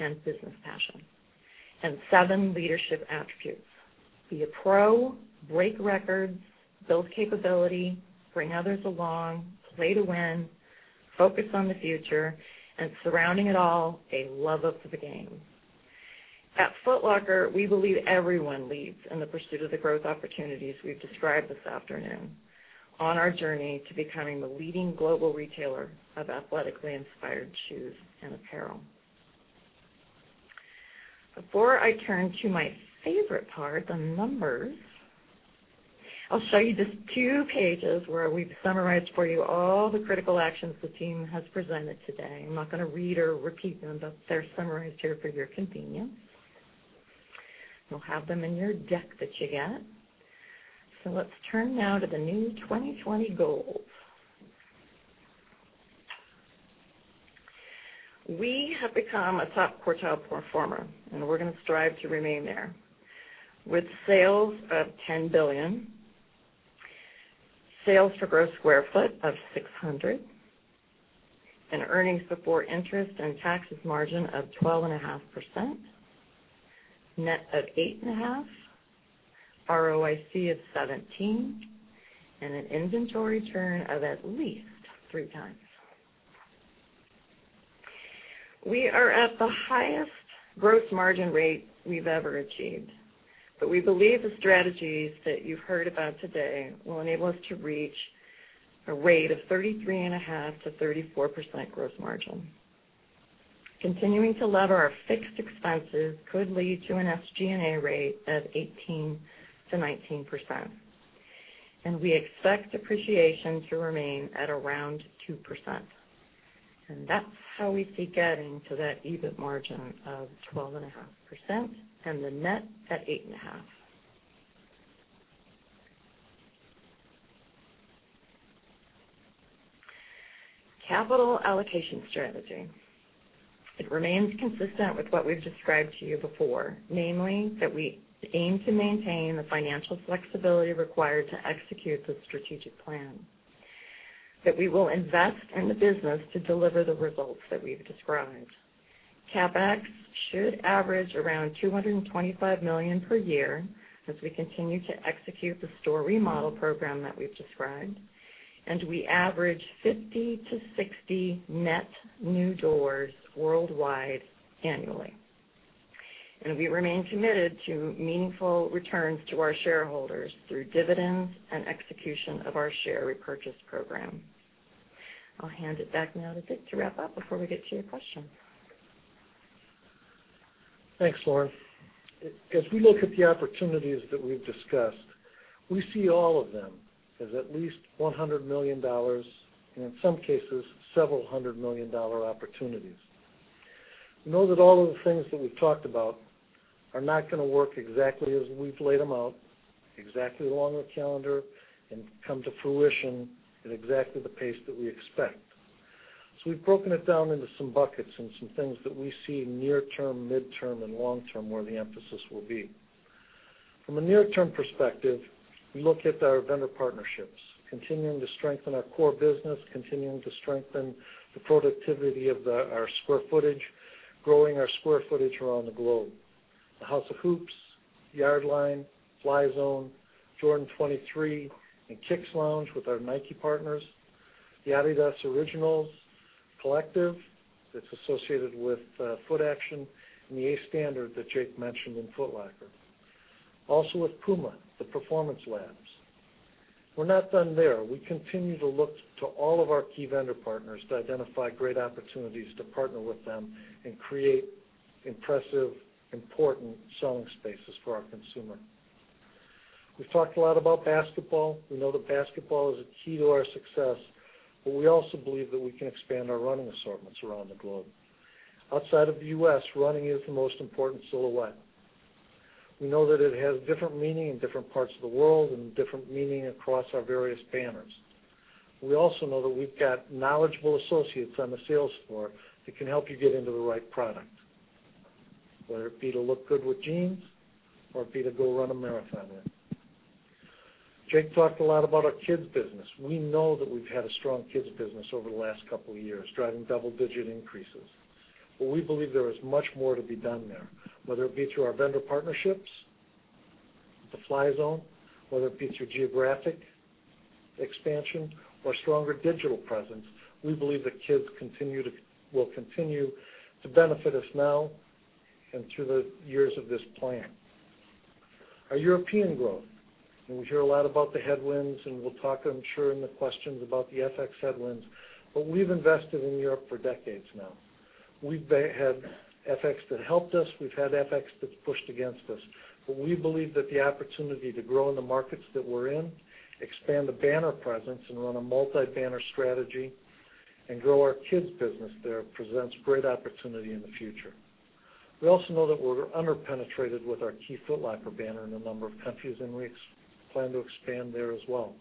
and business passion, and seven leadership attributes. Be a pro, break records, build capability, bring others along, play to win, focus on the future, and surrounding it all, a love of the game. At Foot Locker, we believe everyone leads in the pursuit of the growth opportunities we've described this afternoon on our journey to becoming the leading global retailer of athletically inspired shoes and apparel. Before I turn to my favorite part, the numbers, I'll show you just two pages where we've summarized for you all the critical actions the team has presented today. I'm not going to read or repeat them, but they're summarized here for your convenience. You'll have them in your deck that you get. Let's turn now to the new 2020 goals. We have become a top quartile performer, and we're going to strive to remain there. With sales of $10 billion, sales per gross square foot of $600, an earnings before interest and taxes margin of 12.5%, net of 8.5%, ROIC of 17%, and an inventory turn of at least three times. We are at the highest gross margin rate we've ever achieved. We believe the strategies that you've heard about today will enable us to reach a rate of 33.5%-34% gross margin. Continuing to lever our fixed expenses could lead to an SG&A rate of 18%-19%. We expect depreciation to remain at around 2%. That's how we see getting to that EBIT margin of 12.5% and the net at 8.5%. Capital allocation strategy. It remains consistent with what we've described to you before, namely, that we aim to maintain the financial flexibility required to execute the strategic plan. That we will invest in the business to deliver the results that we've described. CapEx should average around $225 million per year as we continue to execute the store remodel program that we've described, and we average 50-60 net new doors worldwide annually. We remain committed to meaningful returns to our shareholders through dividends and execution of our share repurchase program. I'll hand it back now to Dick to wrap up before we get to your questions. Thanks, Lauren. As we look at the opportunities that we've discussed, we see all of them as at least $100 million, and in some cases, several hundred million dollar opportunities. We know that all of the things that we've talked about are not going to work exactly as we've laid them out, exactly along the calendar, and come to fruition at exactly the pace that we expect. We've broken it down into some buckets and some things that we see near term, midterm, and long-term, where the emphasis will be. From a near-term perspective, we look at our vendor partnerships, continuing to strengthen our core business, continuing to strengthen the productivity of our square footage, growing our square footage around the globe. The House of Hoops, Yardline, Fly Zone, Flight 23, and Kicks Lounge with our Nike partners, the adidas Originals Collective that's associated with Footaction, and The a Standard that Jake mentioned in Foot Locker. Also with PUMA, the Puma Lab. We're not done there. We continue to look to all of our key vendor partners to identify great opportunities to partner with them and create impressive, important selling spaces for our consumer. We've talked a lot about basketball. We know that basketball is a key to our success, but we also believe that we can expand our running assortments around the globe. Outside of the U.S., running is the most important silhouette. We know that it has different meaning in different parts of the world and different meaning across our various banners. We also know that we've got knowledgeable associates on the sales floor that can help you get into the right product. Whether it be to look good with jeans or be to go run a marathon with. Jake talked a lot about our kids business. We know that we've had a strong kids business over the last couple of years, driving double-digit increases. We believe there is much more to be done there, whether it be through our vendor partnerships, the Fly Zone, whether it be through geographic expansion or stronger digital presence. We believe that kids will continue to benefit us now and through the years of this plan. Our European growth. We hear a lot about the headwinds, and we'll talk, I'm sure, in the questions about the FX headwinds, but we've invested in Europe for decades now. We've had FX that helped us. We've had FX that's pushed against us. We believe that the opportunity to grow in the markets that we're in, expand the banner presence, and run a multi-banner strategy and grow our kids business there presents great opportunity in the future. We also know that we're under-penetrated with our key Foot Locker banner in a number of countries, and we plan to expand there as well.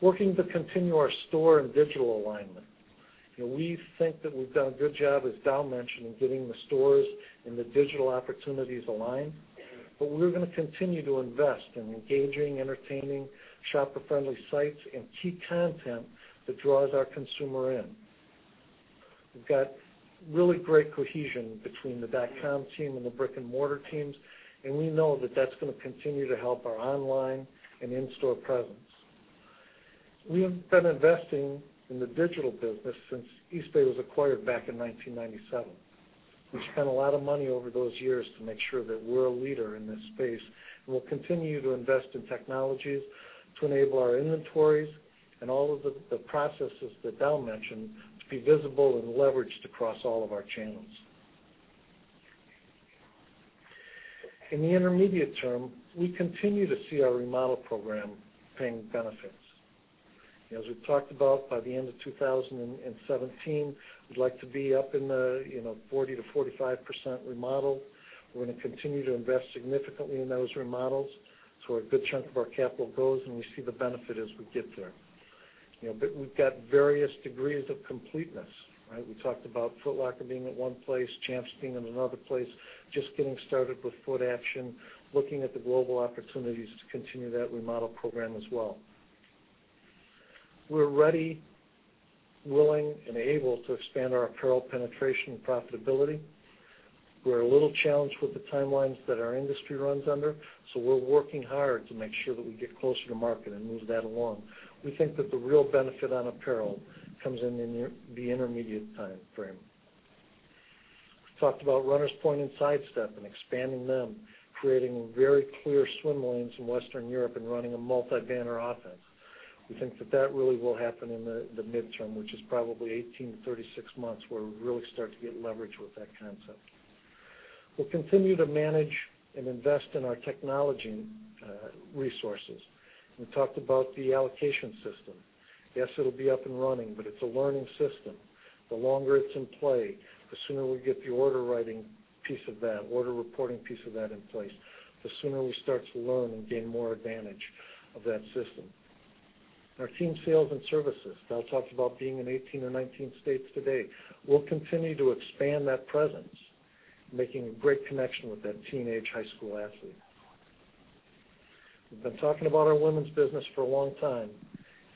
Working to continue our store and digital alignment. We think that we've done a good job, as Dowe mentioned, in getting the stores and the digital opportunities aligned, but we're going to continue to invest in engaging, entertaining, shopper-friendly sites and key content that draws our consumer in. We've got really great cohesion between the dotcom team and the brick-and-mortar teams, and we know that that's going to continue to help our online and in-store presence. We've been investing in the digital business since Eastbay was acquired back in 1997. We've spent a lot of money over those years to make sure that we're a leader in this space. We'll continue to invest in technologies to enable our inventories and all of the processes that Dowe mentioned to be visible and leveraged across all of our channels. In the intermediate term, we continue to see our remodel program paying benefits. As we've talked about, by the end of 2017, we'd like to be up in the 40%-45% remodel. We're going to continue to invest significantly in those remodels. It's where a good chunk of our capital goes. We see the benefit as we get there. We've got various degrees of completeness, right? We talked about Foot Locker being at one place, Champs being in another place, just getting started with Footaction, looking at the global opportunities to continue that remodel program as well. We are ready, willing, and able to expand our apparel penetration and profitability. We are a little challenged with the timelines that our industry runs under, we are working hard to make sure that we get closer to market and move that along. We think that the real benefit on apparel comes in in the intermediate timeframe. We have talked about Runners Point and Sidestep and expanding them, creating very clear swim lanes in Western Europe and running a multi-banner offense. We think that that really will happen in the midterm, which is probably 18-36 months, where we really start to get leverage with that concept. We will continue to manage and invest in our technology resources. We talked about the allocation system. Yes, it will be up and running, but it is a learning system. The longer it is in play, the sooner we get the order writing piece of that, order reporting piece of that in place, the sooner we start to learn and gain more advantage of that system. Our Team Sales and Services. Dowe talked about being in 18 or 19 states today. We will continue to expand that presence, making a great connection with that teenage high school athlete. We have been talking about our women's business for a long time,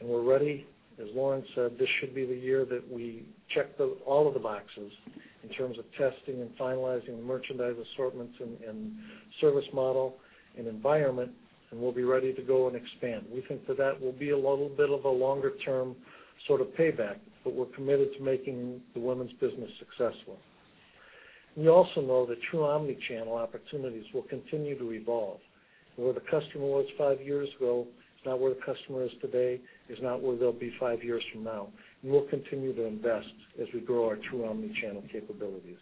and we are ready. As Lauren said, this should be the year that we check all of the boxes in terms of testing and finalizing the merchandise assortments and service model and environment, and we will be ready to go and expand. We think that that will be a little bit of a longer-term sort of payback, but we are committed to making the women's business successful. We also know that true omnichannel opportunities will continue to evolve. Where the customer was five years ago is not where the customer is today, is not where they will be five years from now. We will continue to invest as we grow our true omnichannel capabilities.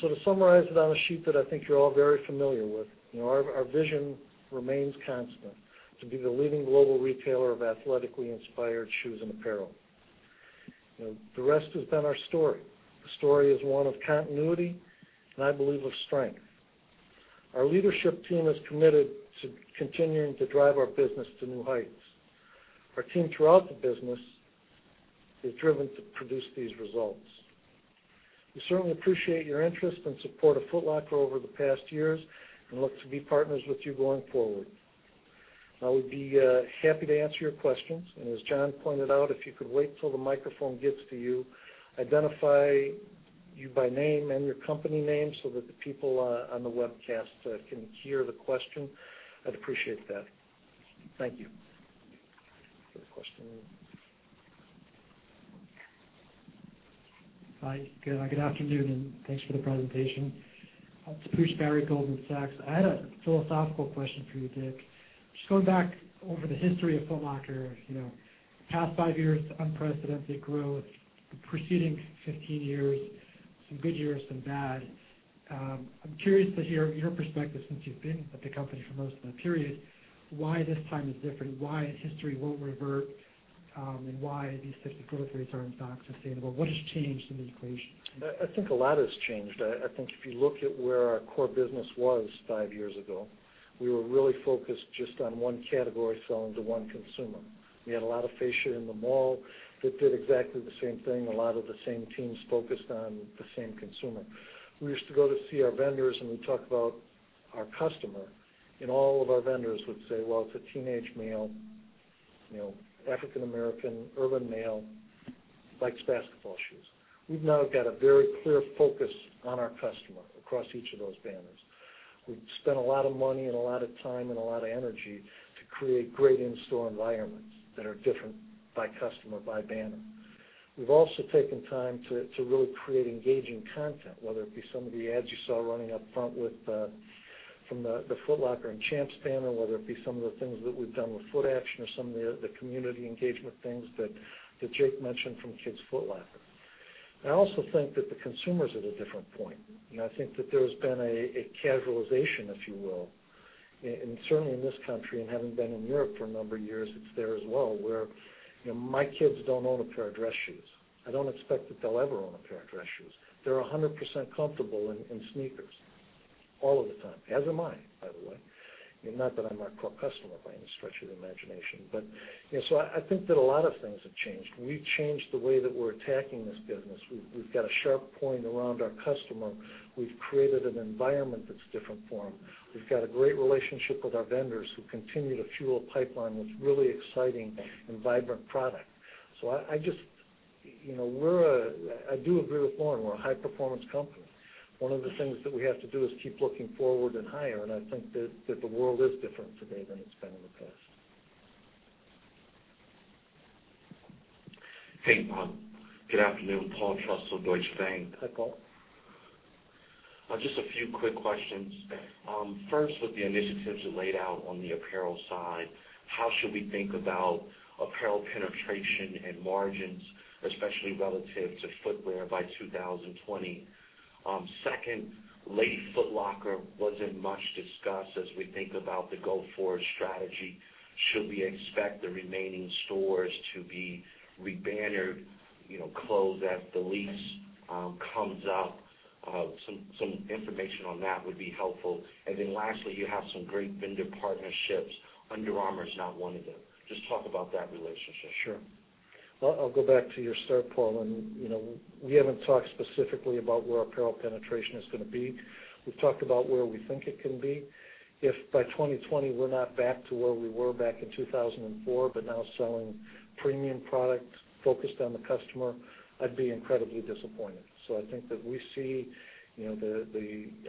To summarize it on a sheet that I think you are all very familiar with. Our vision remains constant, to be the leading global retailer of athletically inspired shoes and apparel. The rest has been our story. The story is one of continuity and, I believe, of strength. Our leadership team is committed to continuing to drive our business to new heights. Our team throughout the business is driven to produce these results. We certainly appreciate your interest and support of Foot Locker over the past years and look to be partners with you going forward. I would be happy to answer your questions. As John pointed out, if you could wait till the microphone gets to you, identify you by name and your company name so that the people on the webcast can hear the question. I would appreciate that. Thank you. First question. Hi. Good afternoon, and thanks for the presentation. It's Taposh Bari, Goldman Sachs. I had a philosophical question for you, Dick. Just going back over the history of Foot Locker, the past 5 years, unprecedented growth, the preceding 15 years, some good years, some bad. I'm curious to hear your perspective since you've been at the company for most of that period, why this time is different, why history won't revert, and why these types of growth rates are, in fact, sustainable. What has changed in the equation? I think a lot has changed. I think if you look at where our core business was 5 years ago, we were really focused just on one category selling to one consumer. We had a lot of fascia in the mall that did exactly the same thing. A lot of the same teams focused on the same consumer. We used to go to see our vendors, and we'd talk about Our customer and all of our vendors would say, well, it's a teenage male, African American, urban male, likes basketball shoes. We've now got a very clear focus on our customer across each of those banners. We've spent a lot of money and a lot of time, and a lot of energy to create great in-store environments that are different by customer, by banner. We've also taken time to really create engaging content, whether it be some of the ads you saw running up front from the Foot Locker and Champs banner, whether it be some of the things that we've done with Footaction or some of the community engagement things that Jake mentioned from Kids Foot Locker. I also think that the consumer's at a different point, and I think that there's been a casualization, if you will. Certainly, in this country and having been in Europe for a number of years, it's there as well, where my kids don't own a pair of dress shoes. I don't expect that they'll ever own a pair of dress shoes. They're 100% comfortable in sneakers, all of the time. As am I, by the way. Not that I'm our core customer by any stretch of the imagination. I think that a lot of things have changed. We've changed the way that we're attacking this business. We've got a sharp point around our customer. We've created an environment that's different for them. We've got a great relationship with our vendors who continue to fuel a pipeline with really exciting and vibrant product. I do agree with Lauren. We're a high-performance company. One of the things that we have to do is keep looking forward and higher, and I think that the world is different today than it's been in the past. Hey, everyone. Good afternoon, Paul Trussell, Deutsche Bank. Hi, Paul. Just a few quick questions. Okay. With the initiatives you laid out on the apparel side, how should we think about apparel penetration and margins, especially relative to footwear by 2020? Second, Lady Foot Locker wasn't much discussed as we think about the go-forward strategy. Should we expect the remaining stores to be re-bannered, closed as the lease comes up? Some information on that would be helpful. Lastly, you have some great vendor partnerships. Under Armour is not one of them. Just talk about that relationship. I'll go back to your start, Paul. We haven't talked specifically about where apparel penetration is going to be. We've talked about where we think it can be. If by 2020, we're not back to where we were back in 2004, but now selling premium product focused on the customer, I'd be incredibly disappointed. I think that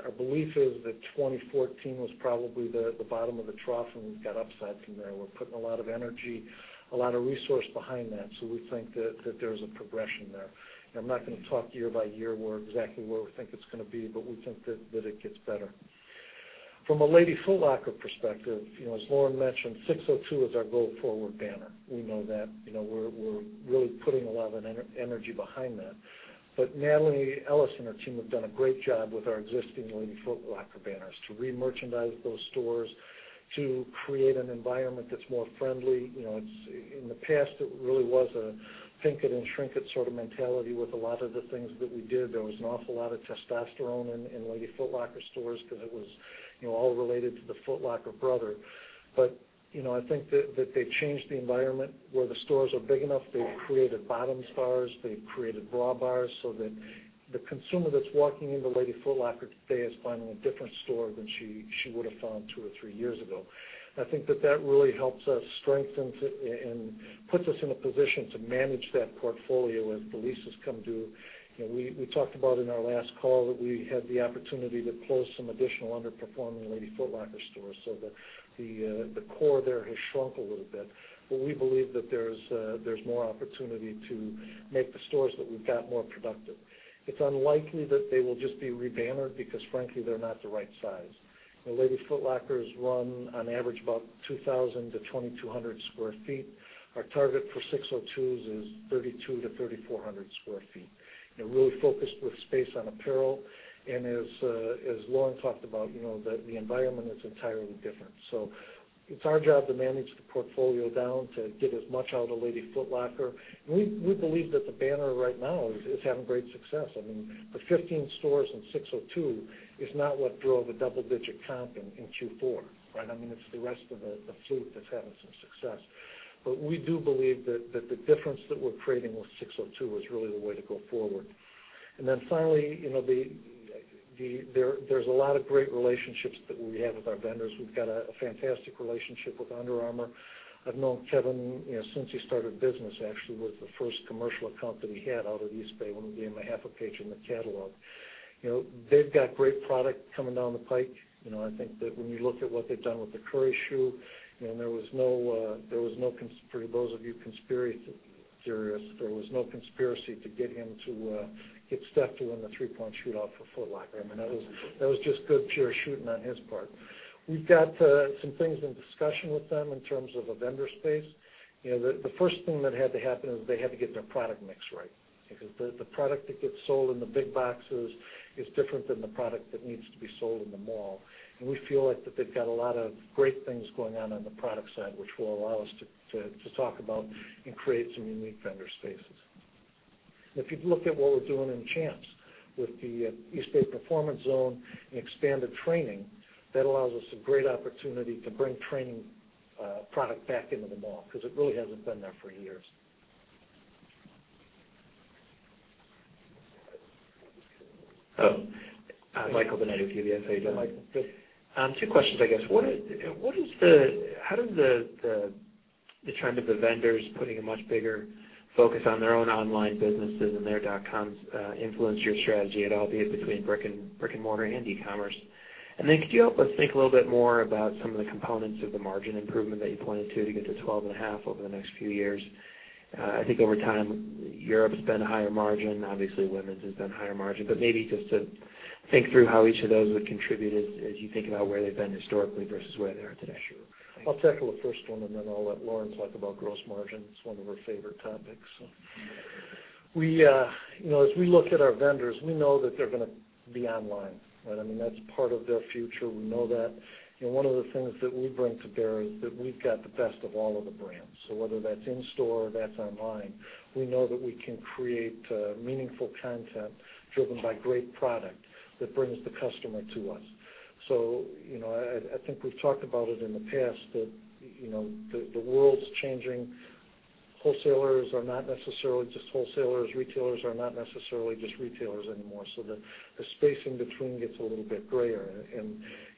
our belief is that 2014 was probably the bottom of the trough, and we've got upside from there. We're putting a lot of energy, a lot of resource behind that. We think that there's a progression there. I'm not going to talk year by year where exactly where we think it's going to be, but we think that it gets better. From a Lady Foot Locker perspective, as Lauren mentioned, SIX:02 is our go-forward banner. We know that. We're really putting a lot of energy behind that. Natalie Ellis and her team have done a great job with our existing Lady Foot Locker banners to re-merchandise those stores, to create an environment that's more friendly. In the past, it really was a pink it and shrink it sort of mentality with a lot of the things that we did. There was an awful lot of testosterone in Lady Foot Locker stores because it was all related to the Foot Locker brother. I think that they changed the environment where the stores are big enough. They've created bottoms bars. They've created bra bars so that the consumer that's walking into Lady Foot Locker today is finding a different store than she would've found two or three years ago. I think that that really helps us strengthen and puts us in a position to manage that portfolio as the leases come due. We talked about in our last call that we had the opportunity to close some additional underperforming Lady Foot Locker stores that the core there has shrunk a little bit. We believe that there's more opportunity to make the stores that we've got more productive. It's unlikely that they will just be re-bannered because frankly, they're not the right size. Lady Foot Locker stores run on average about 2,000 to 2,200 sq ft. Our target for SIX:02s is 3,200 to 3,400 sq ft. Really focused with space on apparel, and as Lauren talked about, the environment is entirely different. It's our job to manage the portfolio down to get as much out of Lady Foot Locker. We believe that the banner right now is having great success. The 15 stores in SIX:02 is not what drove a double-digit comp in Q4, right? It's the rest of the fleet that's having some success. We do believe that the difference that we're creating with SIX:02 is really the way to go forward. Finally, there's a lot of great relationships that we have with our vendors. We've got a fantastic relationship with Under Armour. I've known Kevin since he started business, actually, with the first commercial account that he had out of Eastbay when we gave him a half a page in the catalog. They've got great product coming down the pike. I think that when you look at what they've done with the Curry shoe, for those of you conspirators, there was no conspiracy to get Steph to win the three-point shoot-off for Foot Locker. That was just good pure shooting on his part. We've got some things in discussion with them in terms of a vendor space. The first thing that had to happen is they had to get their product mix right because the product that gets sold in the big boxes is different than the product that needs to be sold in the mall. We feel like that they've got a lot of great things going on the product side, which will allow us to talk about and create some unique vendor spaces. If you look at what we're doing in Champs with the Eastbay Performance Zone and expanded training, that allows us a great opportunity to bring training product back into the mall because it really hasn't been there for years. Michael Binetti, UBS. How you doing? Hi, Michael. Good. Two questions, I guess. How does the trend of the vendors putting a much bigger focus on their own online businesses and their dot-coms influence your strategy at all, be it between brick and mortar and e-commerce? Could you help us think a little bit more about some of the components of the margin improvement that you pointed to get to 12 and a half over the next few years? I think over time, Europe has been a higher margin. Obviously, women's has been a higher margin. Maybe just to think through how each of those would contribute as you think about where they've been historically versus where they are today. Sure. I'll tackle the first one, then I'll let Lauren talk about gross margins, one of her favorite topics. As we look at our vendors, we know that they're going to be online, right? That's part of their future. We know that. One of the things that we bring to bear is that we've got the best of all of the brands. Whether that's in store or that's online, we know that we can create meaningful content driven by great product that brings the customer to us. I think we've talked about it in the past, that the world's changing. Wholesalers are not necessarily just wholesalers. Retailers are not necessarily just retailers anymore. The space in between gets a little bit grayer.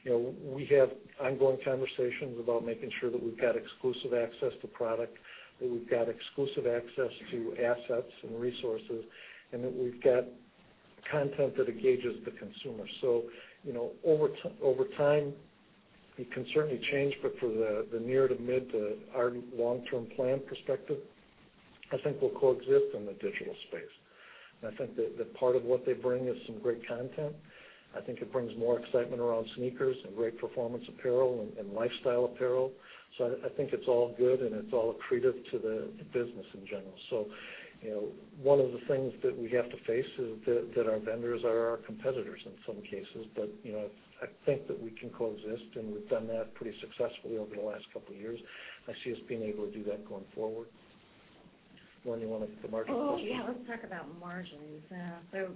We have ongoing conversations about making sure that we've got exclusive access to product, that we've got exclusive access to assets and resources, and that we've got content that engages the consumer. Over time, it can certainly change, but for the near to mid to our long-term plan perspective, I think we'll coexist in the digital space. I think that part of what they bring is some great content. I think it brings more excitement around sneakers and great performance apparel and lifestyle apparel. I think it's all good, and it's all accretive to the business in general. One of the things that we have to face is that our vendors are our competitors in some cases. I think that we can coexist, and we've done that pretty successfully over the last couple of years. I see us being able to do that going forward. Lauren, you want to the margin question? Oh, yeah, let's talk about margins. Yeah.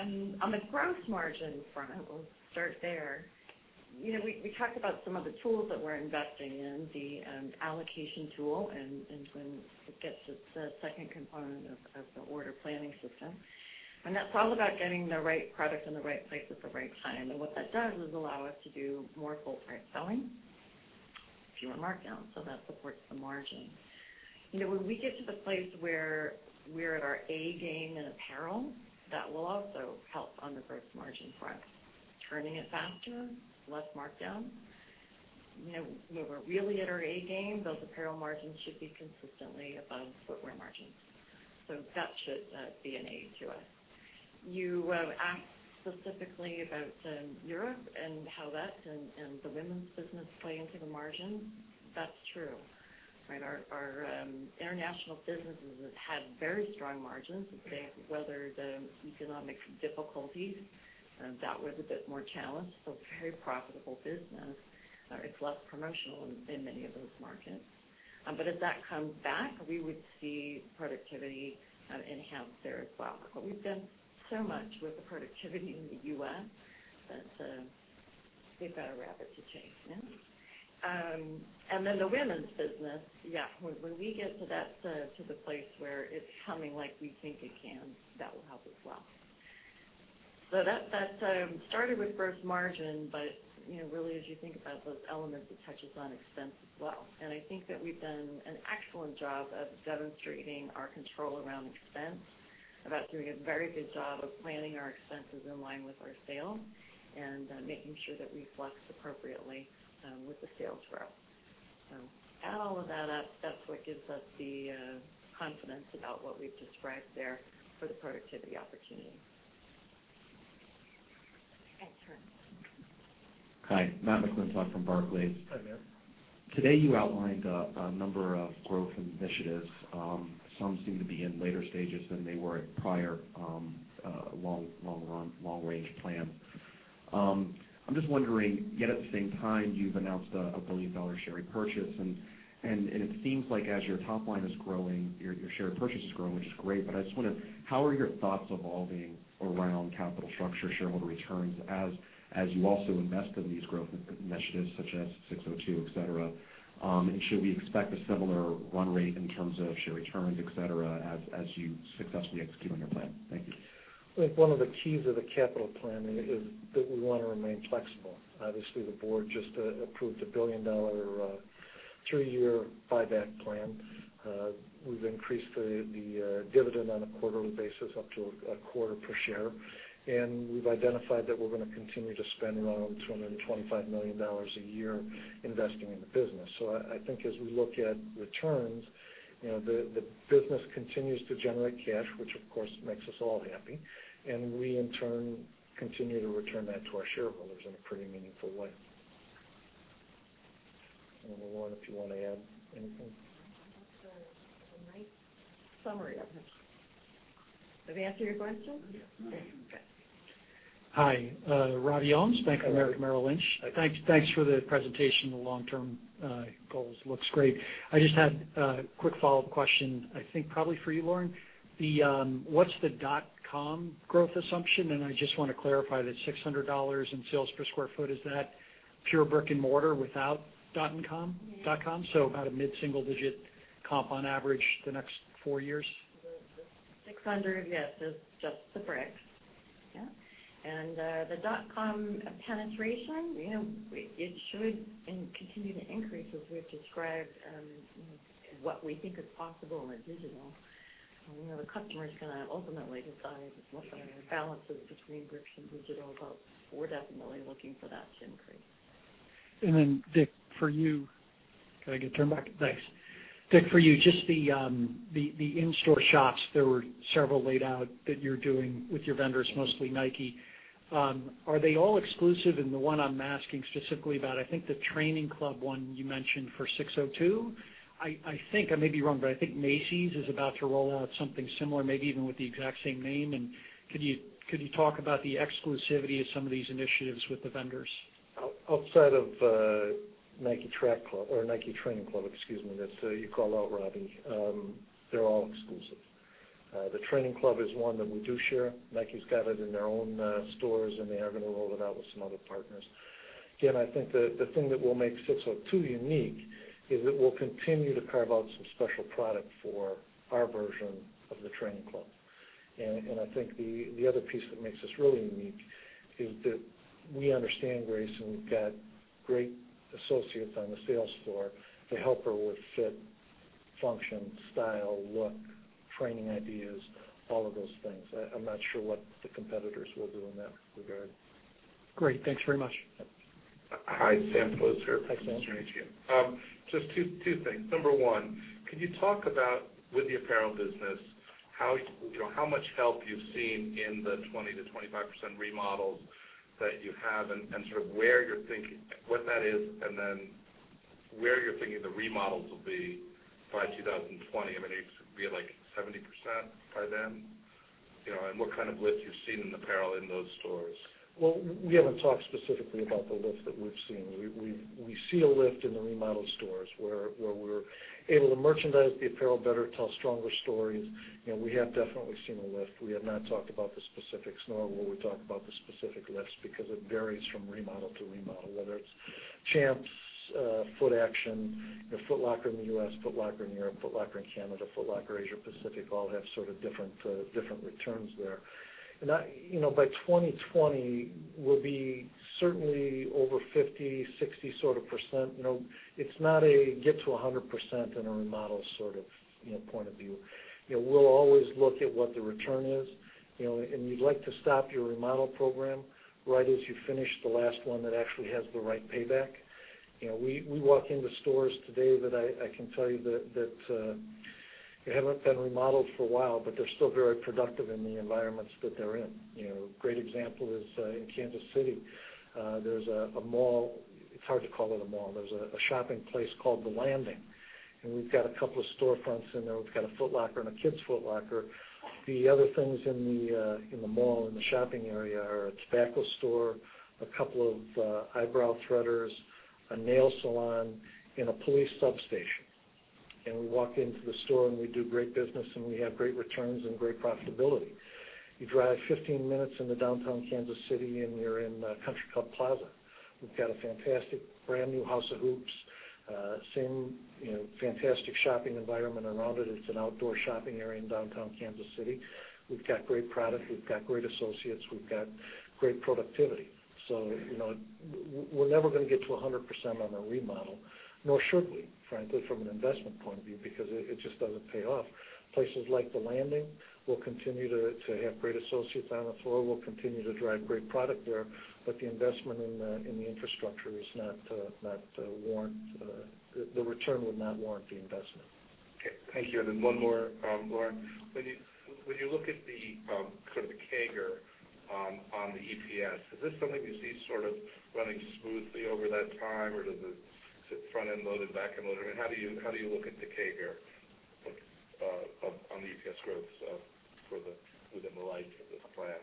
On the gross margin front, we'll start there. We talked about some of the tools that we're investing in, the allocation tool, and when it gets to the second component of the order planning system. That's all about getting the right product in the right place at the right time. What that does is allow us to do more full-price selling, fewer markdowns, so that supports the margin. When we get to the place where we're at our A game in apparel, that will also help on the gross margin front. Turning it faster, less markdown. When we're really at our A game, those apparel margins should be consistently above footwear margins. That should be an aid to us. You asked specifically about Europe and how that and the women's business play into the margin. That's true, right? Our international businesses have had very strong margins. They have weathered economic difficulties. That was a bit more challenged, very profitable business. It's less promotional in many of those markets. As that comes back, we would see productivity enhance there as well. We've done so much with the productivity in the U.S. that we've got a rabbit to change now. The women's business, yeah. When we get to the place where it's humming like we think it can, that will help as well. That started with gross margin, but really, as you think about those elements, it touches on expense as well. I think that we've done an excellent job of demonstrating our control around expense, about doing a very good job of planning our expenses in line with our sales and making sure that we flex appropriately with the sales growth. Add all of that up, that's what gives us the confidence about what we've described there for the productivity opportunity. Thanks. Hi, Matt McClintock from Barclays. Hi, Matt. Today, you outlined a number of growth initiatives. Some seem to be in later stages than they were at prior long-range plan. I'm just wondering, yet at the same time, you've announced a billion-dollar share repurchase, and it seems like as your top line is growing, your share purchase is growing, which is great. I just wonder, how are your thoughts evolving around capital structure, shareholder returns, as you also invest in these growth initiatives, such as SIX:02, et cetera. Should we expect a similar run rate in terms of share returns, et cetera, as you successfully execute on your plan? Thank you. I think one of the keys of the capital plan is that we want to remain flexible. Obviously, the board just approved a billion-dollar, three-year buyback plan. We've increased the dividend on a quarterly basis up to a quarter per share, and we've identified that we're going to continue to spend around $225 million a year investing in the business. I think as we look at returns, the business continues to generate cash, which of course makes us all happy, and we, in turn, continue to return that to our shareholders in a pretty meaningful way. I don't know, Lauren, if you want to add anything. That's a nice summary of it. Did we answer your question? Yes. Okay. Hi. Robbie Ohmes, Bank of America Merrill Lynch. Hi. Thanks for the presentation. The long-term goals looks great. I just had a quick follow-up question, I think probably for you, Lauren. What's the dot-com growth assumption? I just want to clarify that $600 in sales per square foot, is that pure brick and mortar without dot and com, dot-com? Yes. About a mid-single-digit comp on average the next four years? 600, yes, is just the bricks. Yeah. The dot-com penetration, it should continue to increase as we've described what we think is possible in digital. The customer is going to ultimately decide what that balance is between bricks and digital, but we're definitely looking for that to increase. Dick, for you. Can I get turned back? Thanks. Dick, for you, just the in-store shops, there were several laid out that you're doing with your vendors, mostly Nike. Are they all exclusive? The one I'm asking specifically about, I think the Nike Training Club one you mentioned for SIX:02. I think, I may be wrong, but I think Macy's is about to roll out something similar, maybe even with the exact same name. Could you talk about the exclusivity of some of these initiatives with the vendors? Outside of Nike Training Club that you called out, Robbie, they're all exclusive. The Training Club is one that we do share. Nike's got it in their own stores, and they are going to roll it out with some other partners. I think the thing that will make SIX:02 unique is it will continue to carve out some special product for our version of the Training Club. I think the other piece that makes us really unique is that we understand race and we've got great associates on the sales floor to help her with fit, function, style, look, training ideas, all of those things. I'm not sure what the competitors will do in that regard. Great. Thanks very much. Hi, Sam Poser here. Hi, Sam. It's great to meet you. Just two things. Number one, can you talk about, with the apparel business, how much help you've seen in the 20%-25% remodels that you have and what that is and then where you're thinking the remodels will be by 2020? Will it be like 70% by then? What kind of lift you've seen in apparel in those stores. We haven't talked specifically about the lift that we've seen. We see a lift in the remodeled stores where we're able to merchandise the apparel better, tell stronger stories. We have definitely seen a lift. We have not talked about the specifics, nor will we talk about the specific lifts because it varies from remodel to remodel, whether it's Champs Sports, Footaction, Foot Locker in the U.S., Foot Locker Europe, Foot Locker Canada, Foot Locker Asia Pacific, all have sort of different returns there. By 2020, we'll be certainly over 50%-60%. It's not a get to 100% in a remodel sort of point of view. We'll always look at what the return is. You'd like to stop your remodel program right as you finish the last one that actually has the right payback. We walk into stores today that I can tell you that haven't been remodeled for a while, but they're still very productive in the environments that they're in. Great example is in Kansas City. It's hard to call it a mall. There's a shopping place called The Landing. We've got a couple of storefronts in there. We've got a Foot Locker and a Kids Foot Locker. The other things in the mall, in the shopping area, are a tobacco store, a couple of eyebrow threaders, a nail salon, and a police substation. We walk into the store and we do great business and we have great returns and great profitability. You drive 15 minutes into downtown Kansas City and you're in Country Club Plaza. We've got a fantastic brand-new House of Hoops. Same fantastic shopping environment around it. It's an outdoor shopping area in downtown Kansas City. We've got great product. We've got great associates. We've got great productivity. We're never going to get to 100% on a remodel. Nor should we, frankly, from an investment point of view, because it just doesn't pay off. Places like The Landing will continue to have great associates on the floor, will continue to drive great product there, but the investment in the infrastructure, the return would not warrant the investment. Okay. Thank you. Then one more, Lauren. When you look at the sort of the CAGR on the EPS, is this something you see sort of running smoothly over that time or is it front-end loaded, back-end loaded? How do you look at the CAGR on the EPS growth within the life of this plan?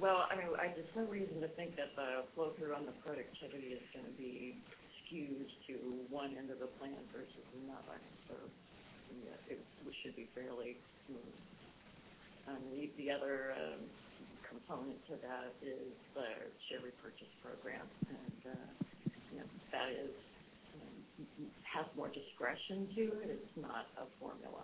Well, there's no reason to think that the flow through on the productivity is going to be skews to one end of the plan versus another. It should be fairly smooth. The other component to that is the share repurchase program, that has more discretion to it. It's not a formula.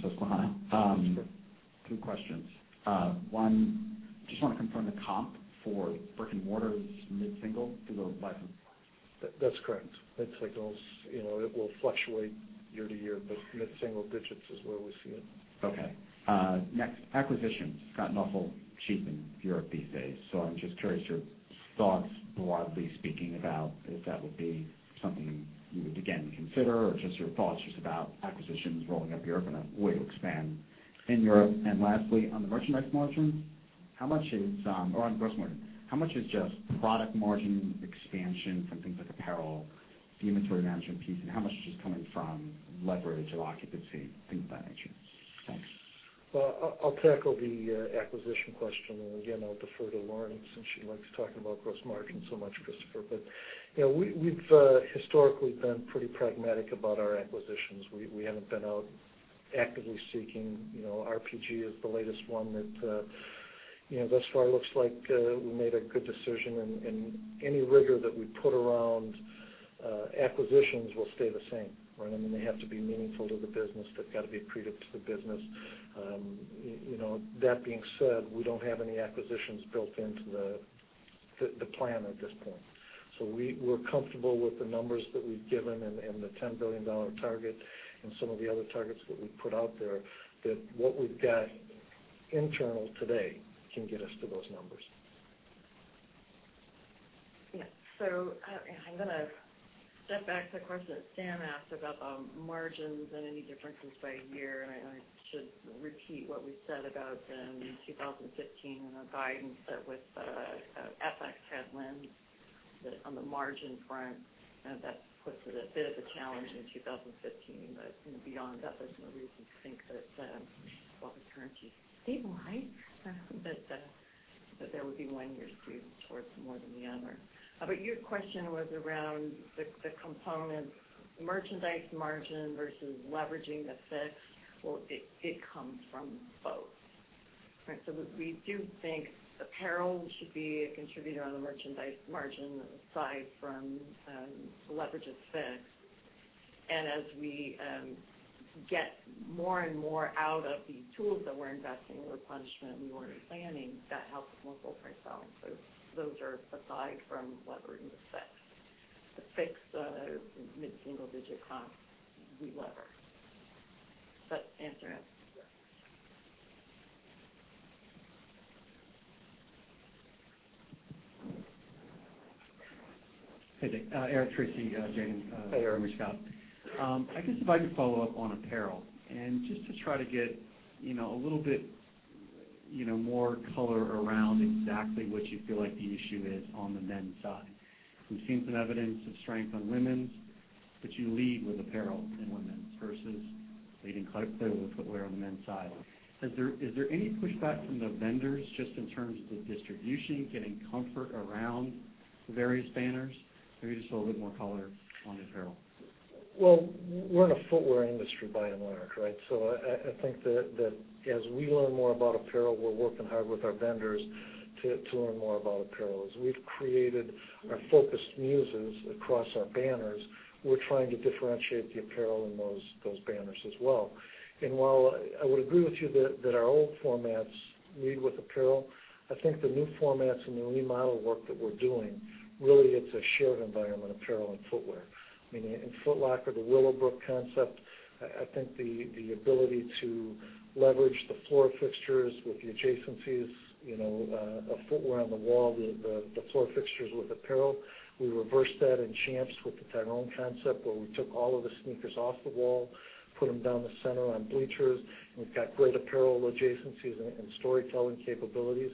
Christopher. Two questions. One, just want to confirm the comp for brick-and-mortar is mid-single through the life of the plan. That's correct. Mid-singles. It will fluctuate year to year, mid-single digits is where we see it. Okay. Next, acquisitions. It's gotten awful cheap in Europe these days. I'm just curious your thoughts, broadly speaking, about if that would be something you would again consider or just your thoughts just about acquisitions rolling up Europe and a way to expand in Europe. Lastly, on the merchandise margin or on gross margin, how much is just product margin expansion from things like apparel, the inventory management piece, and how much is just coming from leverage or occupancy, things of that nature? Thanks. Well, I'll tackle the acquisition question and defer to Lauren since she likes talking about gross margin so much, Christopher. We've historically been pretty pragmatic about our acquisitions. We haven't been out actively seeking. RPG is the latest one that Thus far, it looks like we made a good decision, and any rigor that we put around acquisitions will stay the same. They have to be meaningful to the business. They've got to be accretive to the business. That being said, we don't have any acquisitions built into the plan at this point. We're comfortable with the numbers that we've given and the $10 billion target and some of the other targets that we've put out there, that what we've got internal today can get us to those numbers. Yes. I'm going to step back to the question that Sam asked about the margins and any differences by year, I should repeat what we said about them in 2015 and the guidance that with FX headwinds on the margin front, that puts it a bit of a challenge in 2015. Beyond that, there's no reason to think that we'll return to [steady state], that there would be one year skewed towards more than the other. Your question was around the components, the merchandise margin versus leveraging the fix. Well, it comes from both. We do think apparel should be a contributor on the merchandise margin aside from leverage of fix. As we get more and more out of the tools that we're investing in replenishment and reorder planning, that helps with multiple price selling. Those are aside from leveraging the fix, the mid-single digit comp we lever. Answer that. Hey, Dick. Eric Tracy, Janney. Hey, Eric. I guess if I could follow up on apparel and just to try to get a little bit more color around exactly what you feel like the issue is on the men's side. We've seen some evidence of strength on women's, but you lead with apparel in women's versus leading clearly footwear on the men's side. Is there any pushback from the vendors just in terms of the distribution, getting comfort around the various banners? Maybe just a little bit more color on apparel. Well, we're in a footwear industry by and large. I think that as we learn more about apparel, we're working hard with our vendors to learn more about apparel. As we've created our focused muses across our banners, we're trying to differentiate the apparel in those banners as well. While I would agree with you that our old formats lead with apparel, I think the new formats and the remodel work that we're doing, really it's a shared environment, apparel and footwear. In Foot Locker, the Willowbrook concept, I think the ability to leverage the floor fixtures with the adjacencies, of footwear on the wall, the floor fixtures with apparel. We reversed that in Champs with the Tyrone concept, where we took all of the sneakers off the wall, put them down the center on bleachers. We've got great apparel adjacencies and storytelling capabilities.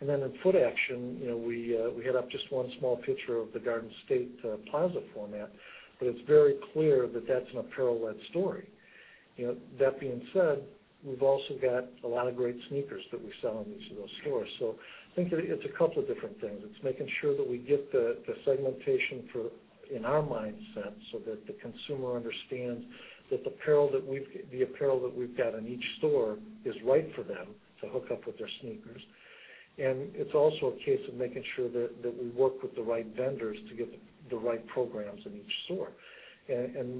In Footaction, we hit up just one small picture of the Garden State Plaza format, it's very clear that that's an apparel-led story. Being said, we've also got a lot of great sneakers that we sell in each of those stores. I think it's 2 different things. It's making sure that we get the segmentation in our mindset so that the consumer understands that the apparel that we've got in each store is right for them to hook up with their sneakers. It's also a case of making sure that we work with the right vendors to get the right programs in each store.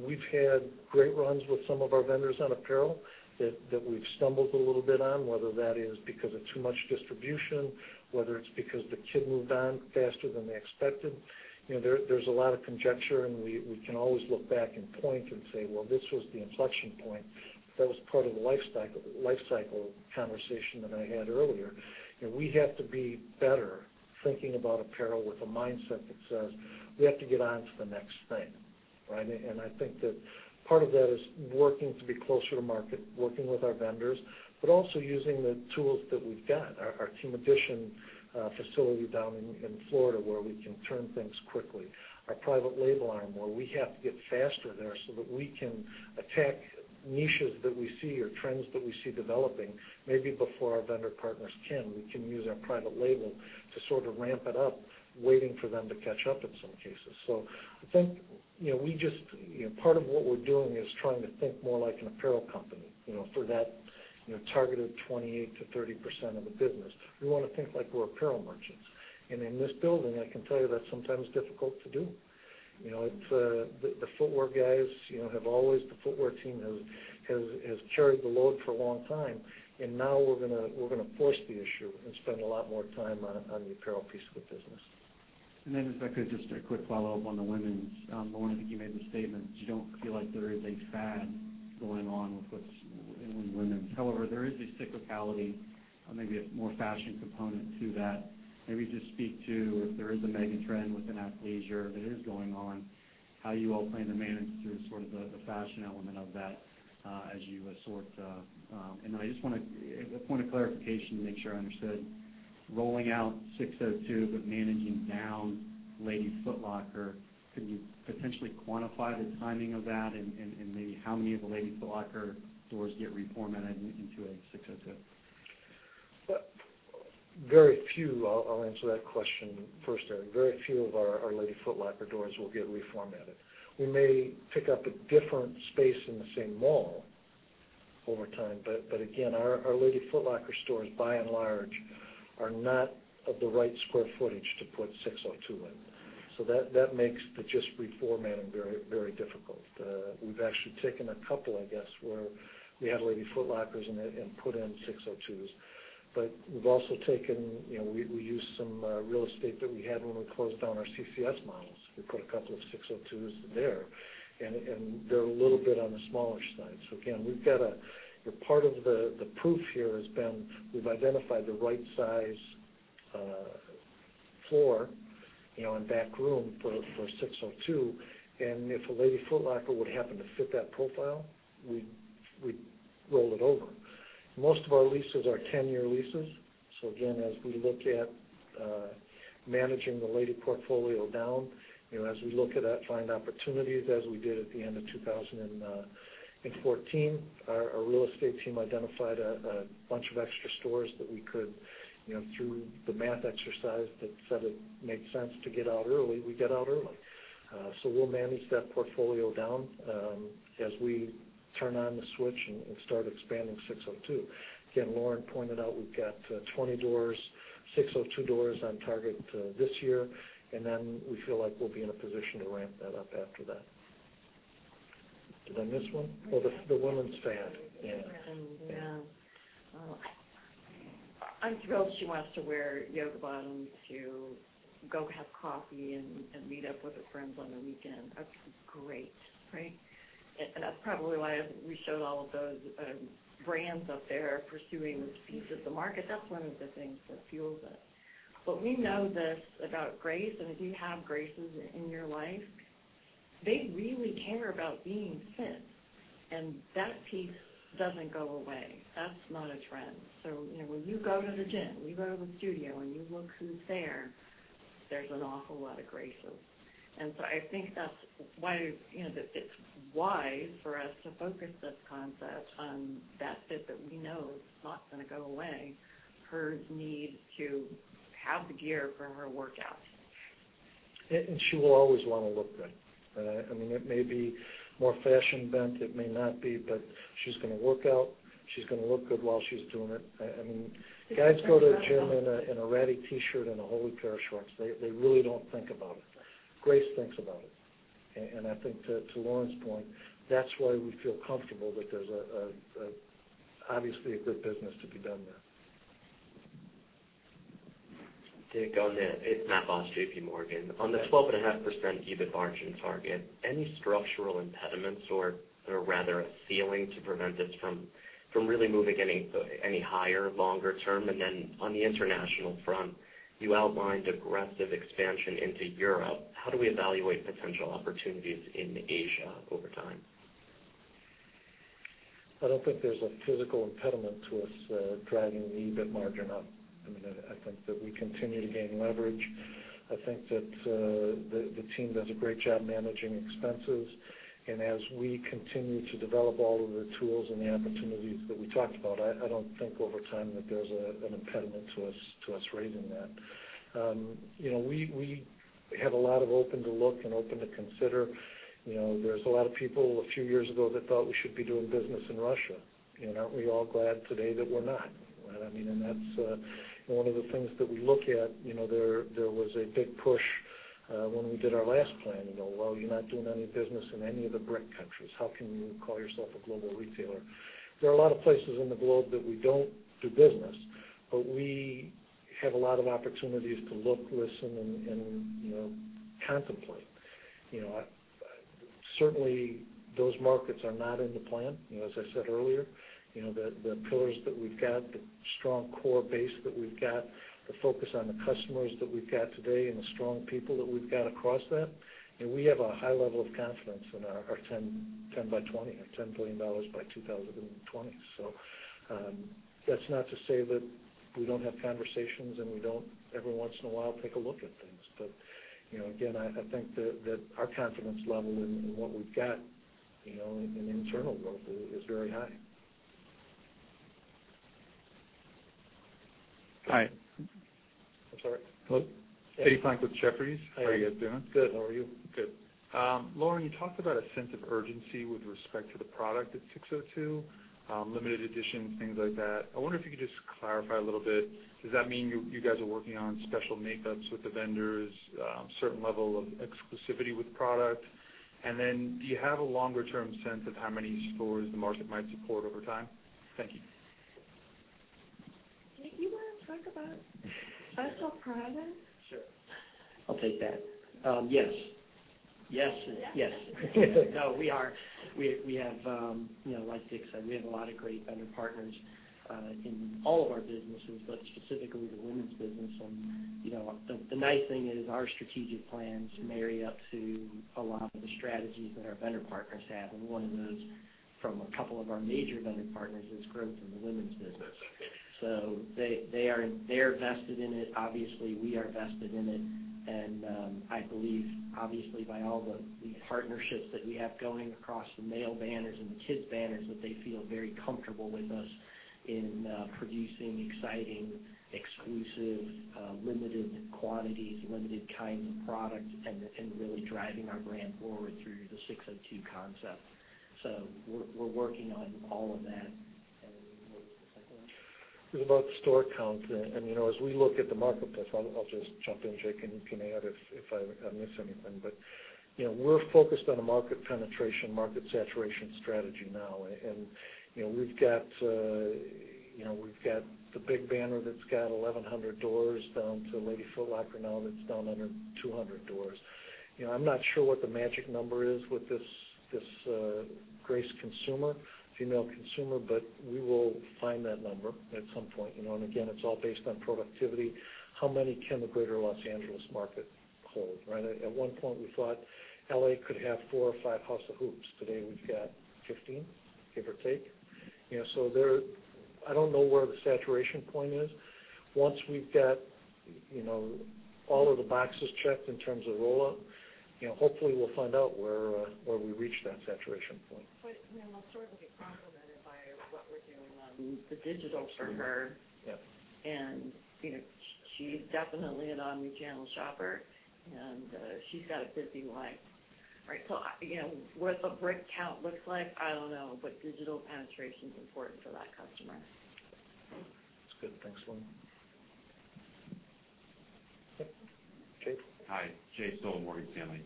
We've had great runs with some of our vendors on apparel that we've stumbled a little bit on, whether that is because of too much distribution, whether it's because the kid moved on faster than they expected. There's a lot of conjecture, we can always look back and point and say, "This was the inflection point." That was part of the life cycle conversation that I had earlier. We have to be better thinking about apparel with a mindset that says, we have to get on to the next thing. I think that part of that is working to be closer to market, working with our vendors, but also using the tools that we've got. Our Team Edition facility down in Florida, where we can turn things quickly. Our private label arm, where we have to get faster there so that we can attack niches that we see or trends that we see developing maybe before our vendor partners can. We can use our private label to sort of ramp it up, waiting for them to catch up in some cases. I think, part of what we're doing is trying to think more like an apparel company for that targeted 28%-30% of the business. We want to think like we're apparel merchants. In this building, I can tell you that's sometimes difficult to do. The footwear guys, the footwear team has carried the load for a long time, now we're going to force the issue and spend a lot more time on the apparel piece of the business. If I could, just a quick follow-up on the women's. Lauren, I think you made the statement you don't feel like there is a fad going on in women's. However, there is a cyclicality or maybe a more fashion component to that. Maybe just speak to if there is a mega trend within athleisure that is going on, how you all plan to manage through sort of the fashion element of that as you sort. Just a point of clarification to make sure I understood. Rolling out SIX:02 but managing down Lady Foot Locker, could you potentially quantify the timing of that and maybe how many of the Lady Foot Locker stores get reformatted into a SIX:02? Very few. I'll answer that question first, Eric. Very few of our Lady Foot Locker doors will get reformatted. We may pick up a different space in the same mall over time. Again, our Lady Foot Locker stores, by and large, are not of the right square footage to put SIX:02 in. That makes the just reformatting very difficult. We've actually taken a couple, I guess, where we had Lady Foot Lockers and put in SIX:02s. We've also used some real estate that we had when we closed down our CCS models. We put a couple of SIX:02s there, and they're a little bit on the smaller side. Again, part of the proof here has been we've identified the right size floor and back room for a SIX:02, and if a Lady Foot Locker would happen to fit that profile, we'd roll it over. Most of our leases are 10-year leases. Again, as we look at managing the Lady portfolio down, as we look at that, find opportunities as we did at the end of 2014, our real estate team identified a bunch of extra stores that we could, through the math exercise that said it made sense to get out early, we get out early. We'll manage that portfolio down as we turn on the switch and start expanding SIX:02. Again, Lauren pointed out we've got 20 doors, SIX:02 doors on target this year. We feel like we'll be in a position to ramp that up after that. Did I miss one? Oh, the women's fad. Yeah. Yeah. I'm thrilled she wants to wear yoga bottoms to go have coffee and meet up with her friends on the weekend. That's great. That's probably why we showed all of those brands up there pursuing this piece of the market. That's one of the things that fuels it. We know this about Grace, and if you have Graces in your life, they really care about being fit. That piece doesn't go away. That's not a trend. When you go to the gym, when you go to the studio, and you look who's there's an awful lot of Graces. I think that's why it's wise for us to focus this concept on that fit that we know is not going to go away, her need to have the gear for her workouts. She will always want to look good. It may be more fashion-bent, it may not be, but she's going to work out. She's going to look good while she's doing it. Guys go to the gym in a ratty T-shirt and a holey pair of shorts. They really don't think about it. Grace thinks about it. I think to Lauren's point, that's why we feel comfortable that there's obviously a good business to be done there. Dick, it's Matthew Boss, J.P. Morgan. On the 12.5% EBIT margin target, any structural impediments or rather a ceiling to prevent this from really moving any higher longer term? On the international front, you outlined aggressive expansion into Europe. How do we evaluate potential opportunities in Asia over time? I don't think there's a physical impediment to us driving the EBIT margin up. I think that we continue to gain leverage. I think that the team does a great job managing expenses. As we continue to develop all of the tools and the opportunities that we talked about, I don't think over time that there's an impediment to us raising that. We have a lot of open to look and open to consider. There's a lot of people a few years ago that thought we should be doing business in Russia. Aren't we all glad today that we're not? That's one of the things that we look at. There was a big push when we did our last plan. "You're not doing any business in any of the BRIC countries. How can you call yourself a global retailer?" There are a lot of places in the globe that we don't do business, but we have a lot of opportunities to look, listen, and contemplate. Certainly, those markets are not in the plan. As I said earlier, the pillars that we've got, the strong core base that we've got, the focus on the customers that we've got today, and the strong people that we've got across that, we have a high level of confidence in our 10 by 20, our $10 billion by 2020. That's not to say that we don't have conversations and we don't every once in a while take a look at things. I think that our confidence level in what we've got in internal growth is very high. Hi. I'm sorry? Hello. David Frank with Jefferies. Hi. How are you guys doing? Good. How are you? Good. Lauren, you talked about a sense of urgency with respect to the product at SIX:02, limited edition, things like that. I wonder if you could just clarify a little bit. Does that mean you guys are working on special makeups with the vendors, a certain level of exclusivity with product? Do you have a longer-term sense of how many stores the market might support over time? Thank you. Dick, you want to talk about special product? Sure. I'll take that. Yes. Like Dick said, we have a lot of great vendor partners in all of our businesses, but specifically the women's business. The nice thing is our strategic plans marry up to a lot of the strategies that our vendor partners have, and one of those from a couple of our major vendor partners is growth in the women's business. They are vested in it. Obviously, we are vested in it. I believe, obviously, by all the partnerships that we have going across the male banners and the kids banners, that they feel very comfortable with us In producing exciting, exclusive, limited quantities, limited kinds of products, and really driving our brand forward through the SIX:02 concept. We're working on all of that. What was the second one? It was about the store count. As we look at the marketplace, I'll just jump in, Jake, and you can add if I miss anything. We're focused on a market penetration, market saturation strategy now. We've got the big banner that's got 1,100 doors down to Lady Foot Locker now that's down under 200 doors. I'm not sure what the magic number is with this Grace consumer, female consumer, but we will find that number at some point. Again, it's all based on productivity. How many can the greater Los Angeles market hold, right? At one point, we thought L.A. could have four or five House of Hoops. Today, we've got 15, give or take. I don't know where the saturation point is. Once we've got all of the boxes checked in terms of rollout, hopefully we'll find out where we reach that saturation point. Our stores will be complemented by what we're doing on the digital for her. Yes. She's definitely an omnichannel shopper, and she's got a busy life. Right. What the brick count looks like, I don't know. Digital penetration's important for that customer. That's good. Thanks, Lauren. Jake? Hi, Jay Sole, Morgan Stanley.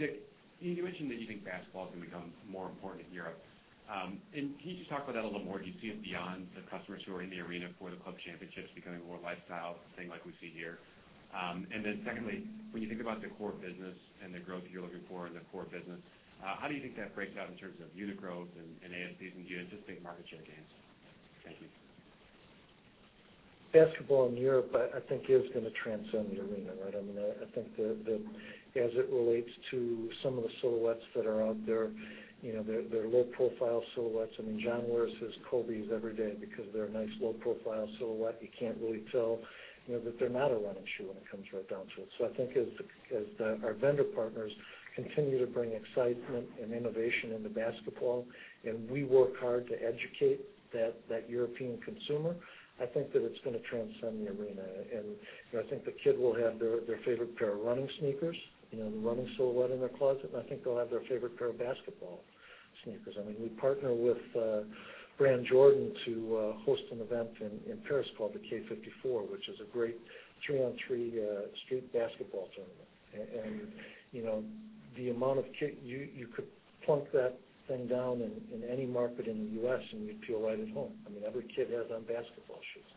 Dick, you mentioned that you think basketball is going to become more important in Europe. Can you just talk about that a little more? Do you see it beyond the customers who are in the arena for the club championships becoming a more lifestyle thing like we see here? Secondly, when you think about the core business and the growth you're looking for in the core business, how do you think that breaks out in terms of unit growth and ASPs and just big market share gains? Thank you. Basketball in Europe, I think, is going to transcend the arena, right? I think that as it relates to some of the silhouettes that are out there, they're low-profile silhouettes. John wears his Kobes every day because they're a nice low-profile silhouette. You can't really tell that they're not a running shoe when it comes right down to it. I think as our vendor partners continue to bring excitement and innovation into basketball, and we work hard to educate that European consumer, I think that it's going to transcend the arena. I think the kid will have their favorite pair of running sneakers, the running silhouette in their closet, and I think they'll have their favorite pair of basketball sneakers. We partner with Jordan Brand to host an event in Paris called the Quai 54, which is a great three-on-three street basketball tournament. You could plunk that thing down in any market in the U.S., and you'd feel right at home. Every kid has on basketball shoes.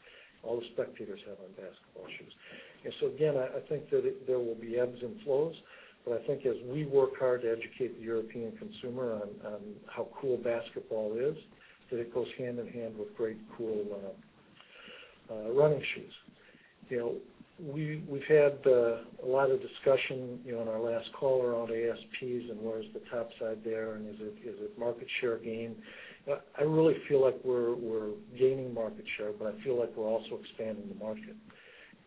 All the spectators have on basketball shoes. Again, I think that there will be ebbs and flows, but I think as we work hard to educate the European consumer on how cool basketball is, that it goes hand-in-hand with great, cool running shoes. We've had a lot of discussion in our last call around ASPs and where's the top side there, and is it market share gain? I really feel like we're gaining market share, but I feel like we're also expanding the market.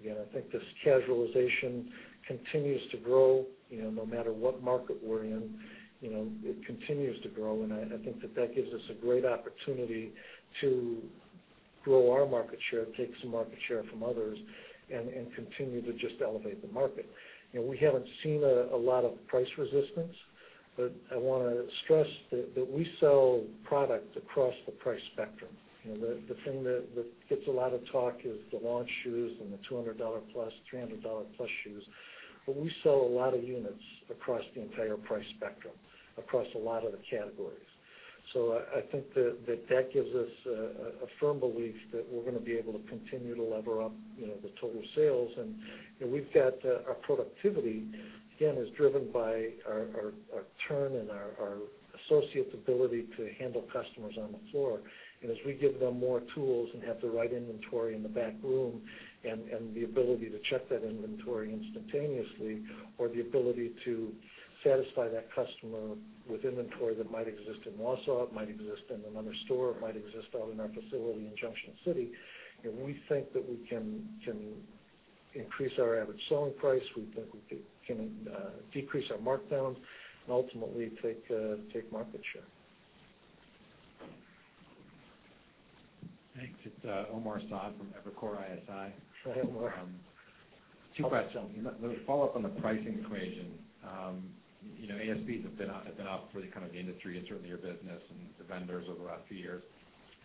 Again, I think this casualization continues to grow, no matter what market we're in, it continues to grow, and I think that that gives us a great opportunity to grow our market share, take some market share from others, and continue to just elevate the market. We haven't seen a lot of price resistance, but I want to stress that we sell product across the price spectrum. The thing that gets a lot of talk is the launch shoes and the $200 plus, $300 plus shoes, but we sell a lot of units across the entire price spectrum, across a lot of the categories. I think that that gives us a firm belief that we're going to be able to continue to lever up the total sales. Our productivity, again, is driven by our turn and our associates' ability to handle customers on the floor. As we give them more tools and have the right inventory in the back room and the ability to check that inventory instantaneously, or the ability to satisfy that customer with inventory that might exist in Wausau, it might exist in another store, it might exist out in our facility in Junction City, we think that we can increase our average selling price, we think we can decrease our markdowns, and ultimately take market share. Thanks. It is Omar Saad from Evercore ISI. Hi, Omar. Two questions. Let me follow up on the pricing equation. ASPs have been up for the kind of the industry and certainly your business and the vendors over the last few years.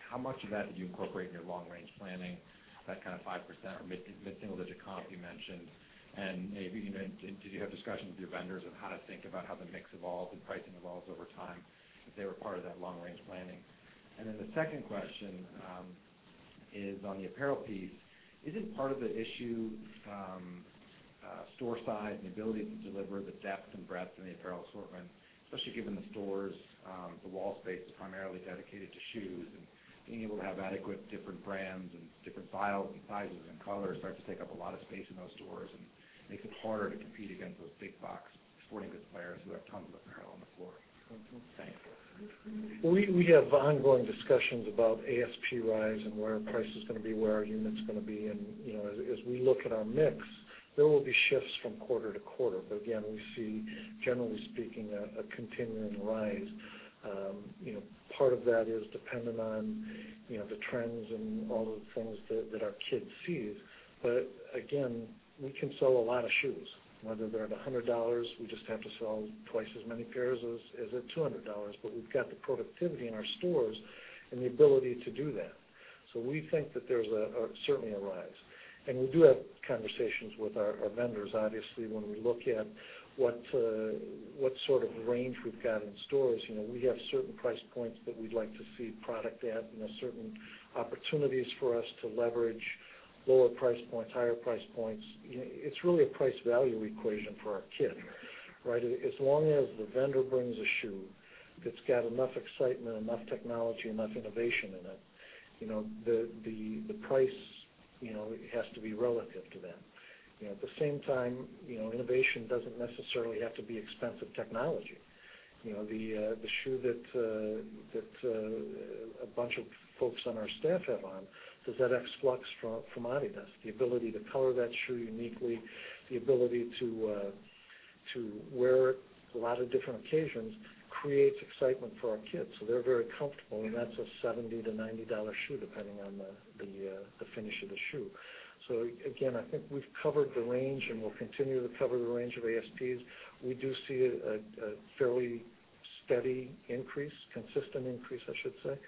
How much of that did you incorporate in your long-range planning, that kind of 5% or mid-single digit comp you mentioned? Maybe, did you have discussions with your vendors of how to think about how the mix evolves and pricing evolves over time, if they were part of that long-range planning? The second question is on the apparel piece. Is it part of the issue store size and the ability to deliver the depth and breadth in the apparel assortment, especially given the stores, the wall space is primarily dedicated to shoes, and being able to have adequate different brands and different styles and sizes and colors starts to take up a lot of space in those stores and makes it harder to compete against those big box sporting goods players who have tons of apparel on the floor. Thanks. We have ongoing discussions about ASP rise and where our price is going to be, where our unit's going to be. As we look at our mix, there will be shifts from quarter to quarter. Again, we see, generally speaking, a continuing rise. Part of that is dependent on the trends and all the things that our kids see. Again, we can sell a lot of shoes, whether they're at $100, we just have to sell twice as many pairs as at $200. We've got the productivity in our stores and the ability to do that. We think that there's certainly a rise. We do have conversations with our vendors. Obviously, when we look at what sort of range we've got in stores, we have certain price points that we'd like to see product at and there are certain opportunities for us to leverage lower price points, higher price points. It's really a price-value equation for our kid, right? As long as the vendor brings a shoe that's got enough excitement, enough technology, enough innovation in it, the price has to be relative to that. At the same time, innovation doesn't necessarily have to be expensive technology. The shoe that a bunch of folks on our staff have on, the ZX Flux from adidas, the ability to color that shoe uniquely, the ability to wear it a lot of different occasions creates excitement for our kids. They're very comfortable, and that's a $70 to $90 shoe, depending on the finish of the shoe. Again, I think we've covered the range, and we'll continue to cover the range of ASPs. We do see a fairly steady increase, consistent increase, I should say.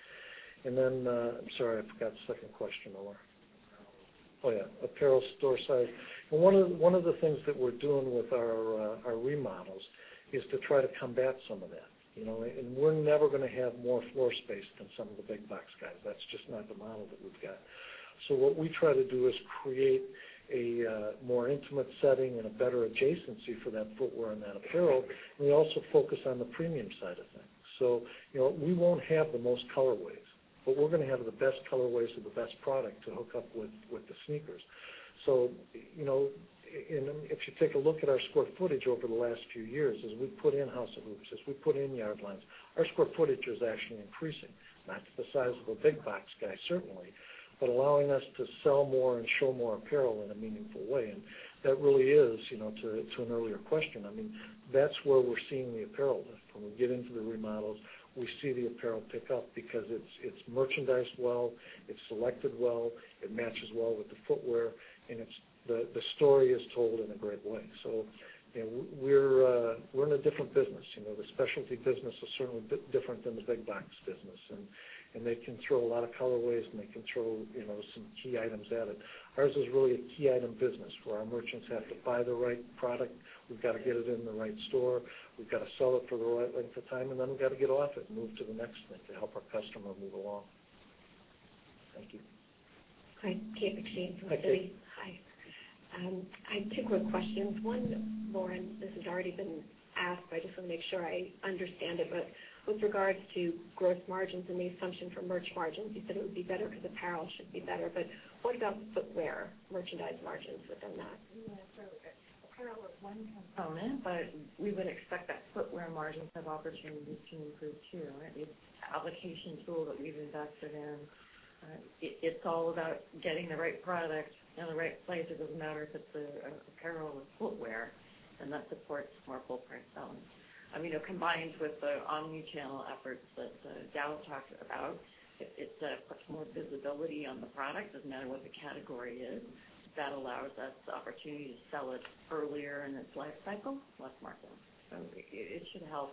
Then, I'm sorry, I forgot the second question, Laura. Apparel. Oh, yeah, apparel store size. One of the things that we're doing with our remodels is to try to combat some of that. We're never going to have more floor space than some of the big box guys. That's just not the model that we've got. What we try to do is create a more intimate setting and a better adjacency for that footwear and that apparel, and we also focus on the premium side of things. We won't have the most colorways, but we're going to have the best colorways and the best product to hook up with the sneakers. If you take a look at our square footage over the last few years, as we put in House of Hoops, as we put in Yard Lines, our square footage is actually increasing. Not to the size of a big box guy, certainly, but allowing us to sell more and show more apparel in a meaningful way. That really is, to an earlier question, that's where we're seeing the apparel. When we get into the remodels, we see the apparel pick up because it's merchandised well, it's selected well, it matches well with the footwear, and the story is told in a great way. We're in a different business. The specialty business is certainly different than the big box business, and they can throw a lot of colorways, and they can throw some key items at it. Ours is really a key item business where our merchants have to buy the right product, we've got to get it in the right store, we've got to sell it for the right length of time, and then we've got to get off it and move to the next thing to help our customer move along. Thank you. Hi, Kate McShane from Citigroup. Hi, Kate. Hi. I had two quick questions. One, Lauren, this has already been asked, but I just want to make sure I understand it. With regards to gross margins and the assumption for merch margins, you said it would be better because apparel should be better, but what about footwear merchandise margins within that? Yeah, apparel is one component, but we would expect that footwear margins have opportunities to improve too, right? The application tool that we've invested in, it's all about getting the right product in the right place. It doesn't matter if it's apparel or footwear, and that supports more full price selling. Combined with the omni-channel efforts that Dowe talked about, it's much more visibility on the product. Doesn't matter what the category is. That allows us the opportunity to sell it earlier in its life cycle, less margin. It should help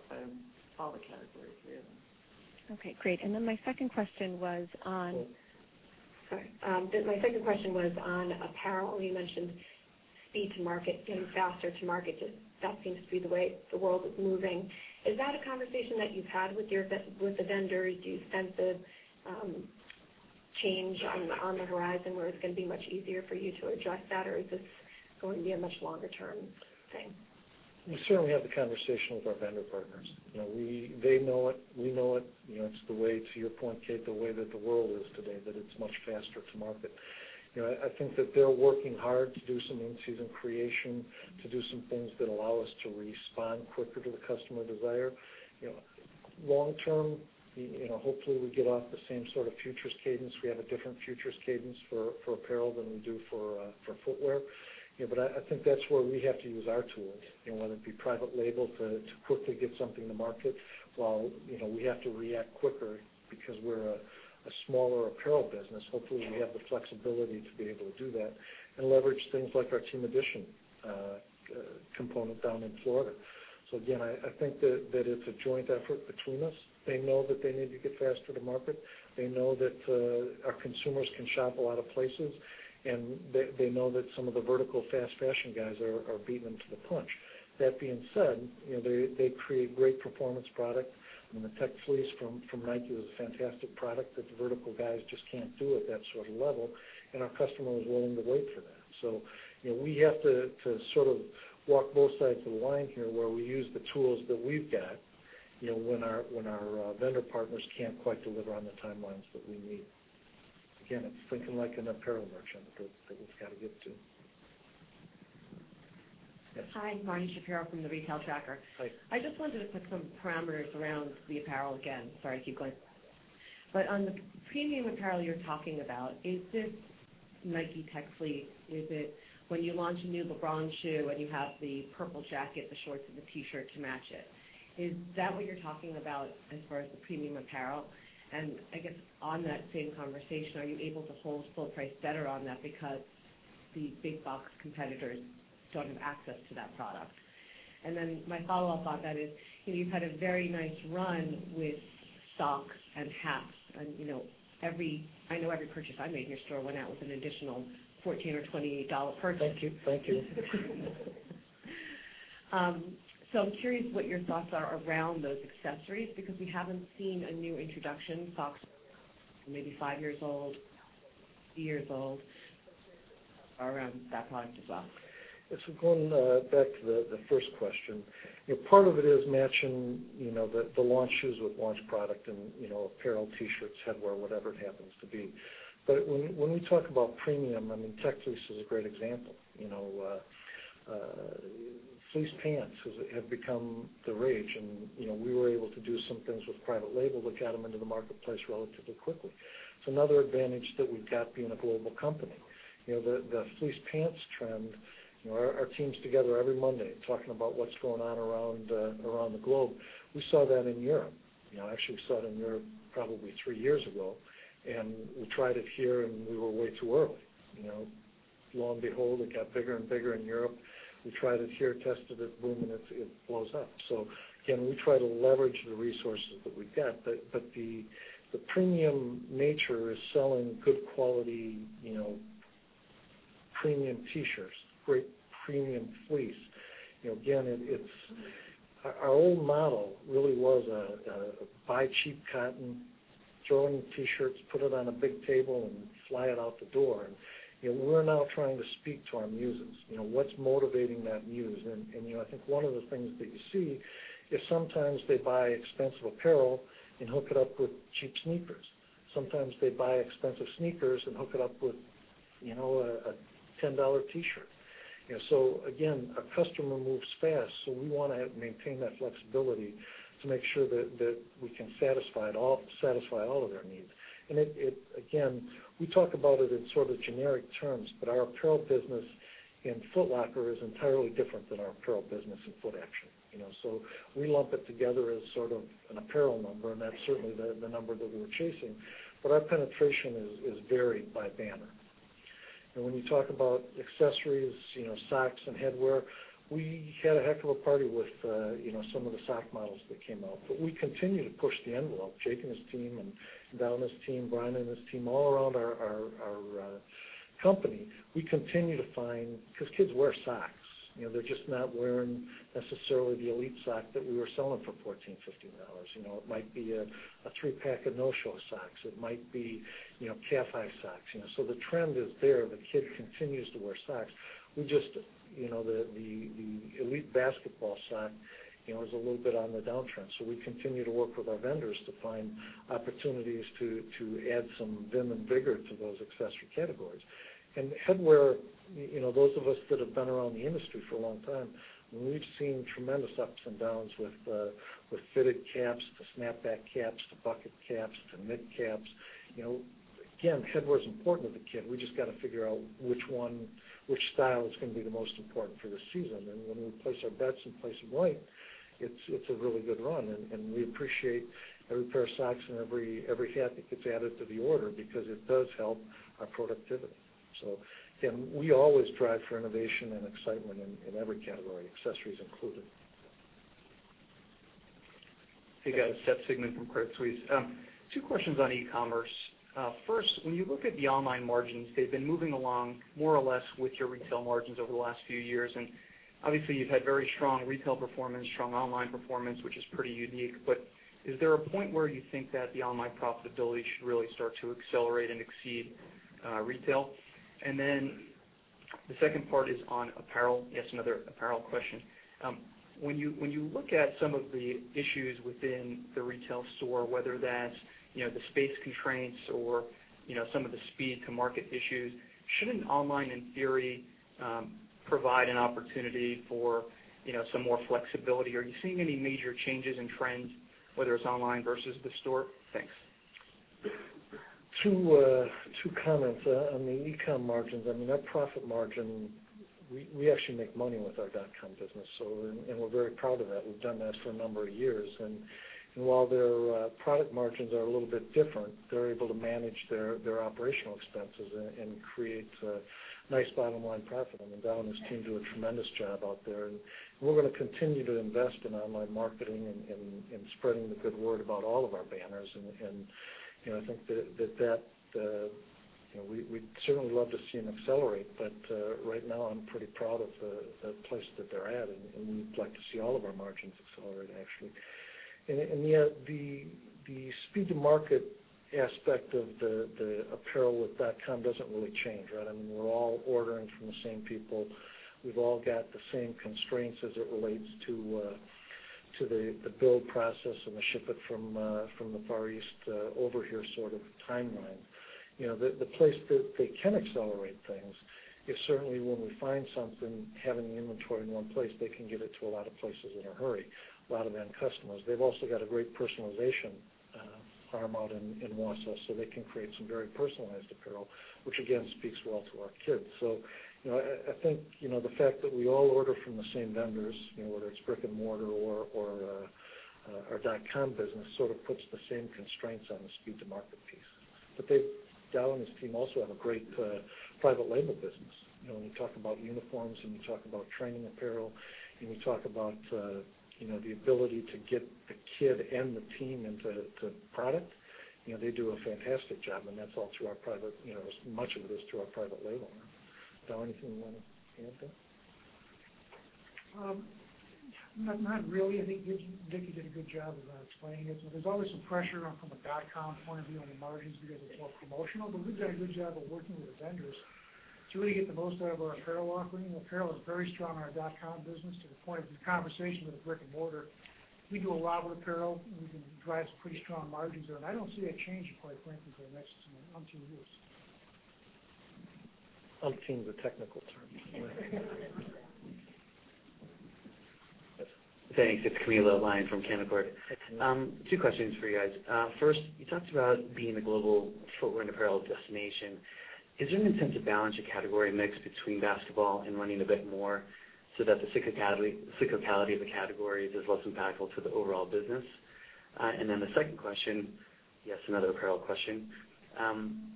all the categories really. Okay, great. My second question was on apparel. You mentioned speed to market, getting faster to market. That seems to be the way the world is moving. Is that a conversation that you've had with the vendors? Do you sense a change on the horizon where it's going to be much easier for you to adjust that or is this going to be a much longer-term thing? We certainly have the conversation with our vendor partners. They know it, we know it. It's the way, to your point, Kate, the way that the world is today, that it's much faster to market. I think that they're working hard to do some in-season creation, to do some things that allow us to respond quicker to the customer desire. Long term, hopefully, we get off the same sort of futures cadence. We have a different futures cadence for apparel than we do for footwear. I think that's where we have to use our tools, whether it be private label to quickly get something to market. While we have to react quicker because we're a smaller apparel business. Hopefully, we have the flexibility to be able to do that and leverage things like our Team Edition component down in Florida. Again, I think that it's a joint effort between us. They know that they need to get faster to market. They know that our consumers can shop a lot of places, and they know that some of the vertical fast fashion guys are beating them to the punch. That being said, they create great performance product. The Tech Fleece from Nike was a fantastic product that the vertical guys just can't do at that sort of level, and our customer was willing to wait for that. We have to sort of walk both sides of the line here where we use the tools that we've got when our vendor partners can't quite deliver on the timelines that we need. Again, it's thinking like an apparel merchant that we've got to get to. Yes. Hi, Marni Shapiro from The Retail Tracker. Hi. I just wanted to set some parameters around the apparel again. Sorry to keep going. On the premium apparel you're talking about, is this Nike Tech Fleece? Is it when you launch a new LeBron shoe and you have the purple jacket, the shorts, and the T-shirt to match it? Is that what you're talking about as far as the premium apparel? I guess on that same conversation, are you able to hold full price better on that because the big box competitors don't have access to that product? Then my follow-up on that is, you've had a very nice run with socks and hats. I know every purchase I made in your store went out with an additional $14 or $28 purchase. Thank you. I'm curious what your thoughts are around those accessories, because we haven't seen a new introduction. Socks are maybe five years old, three years old, around that product as well. Yes, going back to the first question. Part of it is matching the launch shoes with launch product and apparel, T-shirts, headwear, whatever it happens to be. When we talk about premium, Tech Fleece is a great example. Fleece pants have become the rage, and we were able to do some things with private label to get them into the marketplace relatively quickly. It's another advantage that we've got being a global company. The fleece pants trend, our team's together every Monday talking about what's going on around the globe. We saw that in Europe. Actually, we saw it in Europe probably three years ago, and we tried it here, and we were way too early. Lo and behold, it got bigger and bigger in Europe. We tried it here, tested it, boom, and it blows up. Again, we try to leverage the resources that we've got. The premium nature is selling good quality premium T-shirts, great premium fleece. Again, our old model really was buy cheap cotton, throw it in T-shirts, put it on a big table, and fly it out the door. We're now trying to speak to our muses. What's motivating that muse? I think one of the things that you see is sometimes they buy expensive apparel and hook it up with cheap sneakers. Sometimes they buy expensive sneakers and hook it up with a $10 T-shirt. Again, a customer moves fast, so we want to maintain that flexibility to make sure that we can satisfy all of their needs. Again, we talk about it in sort of generic terms, but our apparel business in Foot Locker is entirely different than our apparel business in Footaction. We lump it together as sort of an apparel number, and that's certainly the number that we're chasing. Our penetration is varied by banner. When you talk about accessories, socks and headwear, we had a heck of a party with some of the sock models that came out. We continue to push the envelope. Jake and his team and Don and his team, Bryon and his team, all around our company, we continue to find because kids wear socks. They're just not wearing necessarily the elite sock that we were selling for $14, $15. It might be a three-pack of no-show socks. It might be calf-high socks. The trend is there. The kid continues to wear socks. The elite basketball sock is a little bit on the downtrend. We continue to work with our vendors to find opportunities to add some vim and vigor to those accessory categories. Headwear, those of us that have been around the industry for a long time, we've seen tremendous ups and downs with fitted caps to snapback caps to bucket caps to mid caps. Headwear's important to the kid. We just got to figure out which style is going to be the most important for the season. When we place our bets and place them right, it's a really good run, and we appreciate every pair of socks and every hat that gets added to the order because it does help our productivity. We always strive for innovation and excitement in every category, accessories included. Hey, guys. Seth Sigman from Credit Suisse. Two questions on e-commerce. First, when you look at the online margins, they've been moving along more or less with your retail margins over the last few years. Obviously, you've had very strong retail performance, strong online performance, which is pretty unique. Is there a point where you think that the online profitability should really start to accelerate and exceed retail? The second part is on apparel. Yes, another apparel question. When you look at some of the issues within the retail store, whether that's the space constraints or some of the speed to market issues, shouldn't online, in theory, provide an opportunity for some more flexibility? Are you seeing any major changes in trends, whether it's online versus the store? Thanks. Two comments. On the e-com margins, that profit margin, we actually make money with our dotcom business, and we're very proud of that. We've done that for a number of years. While their product margins are a little bit different, they're able to manage their operational expenses and create nice bottom-line profit. Don and his team do a tremendous job out there. We're going to continue to invest in online marketing and spreading the good word about all of our banners. I think that we'd certainly love to see them accelerate. Right now, I'm pretty proud of the place that they're at, and we'd like to see all of our margins accelerate, actually. The speed to market aspect of the apparel with dotcom doesn't really change. We're all ordering from the same people. We've all got the same constraints as it relates to the build process and the ship it from the Far East over here sort of timeline. The place that they can accelerate things is certainly when we find something, having the inventory in one place, they can get it to a lot of places in a hurry, a lot of end customers. They've also got a great personalization farm out in Wausau, so they can create some very personalized apparel, which again, speaks well to our kids. I think, the fact that we all order from the same vendors, whether it's brick and mortar or our dot-com business, sort of puts the same constraints on the speed to market piece. Dowe and his team also have a great private label business. When you talk about uniforms and you talk about training apparel, and you talk about the ability to get the kid and the team into product, they do a fantastic job, and that's all through our private-- Much of it is through our private label. Dowe, anything you want to add to that? Not really. I think Dick did a good job of explaining it. There's always some pressure from a dot-com point of view on the margins because it's more promotional, but we've done a good job of working with the vendors to really get the most out of our apparel offering. Apparel is very strong in our dot-com business to the point of the conversation with the brick and mortar. We do a lot with apparel, and we can drive some pretty strong margins there, and I don't see that changing, quite frankly, for the next umpteen years. Umpteen is a technical term. Thanks. It's Camilo Lyon from Canaccord. Two questions for you guys. First, you talked about being the global footwear and apparel destination. Is there an attempt to balance your category mix between basketball and running a bit more so that the cyclicality of the categories is less impactful to the overall business? Then the second question, yes, another apparel question.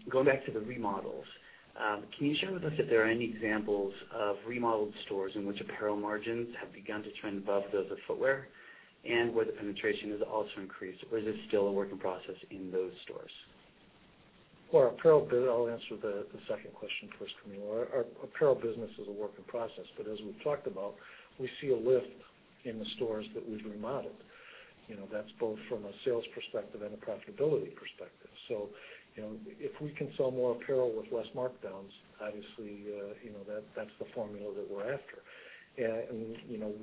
Going back to the remodels, can you share with us if there are any examples of remodeled stores in which apparel margins have begun to trend above those of footwear and where the penetration has also increased, or is this still a work in process in those stores? I'll answer the second question first, Camilo. Our apparel business is a work in process, as we've talked about, we see a lift in the stores that we've remodeled. That's both from a sales perspective and a profitability perspective. If we can sell more apparel with less markdowns, obviously, that's the formula that we're after.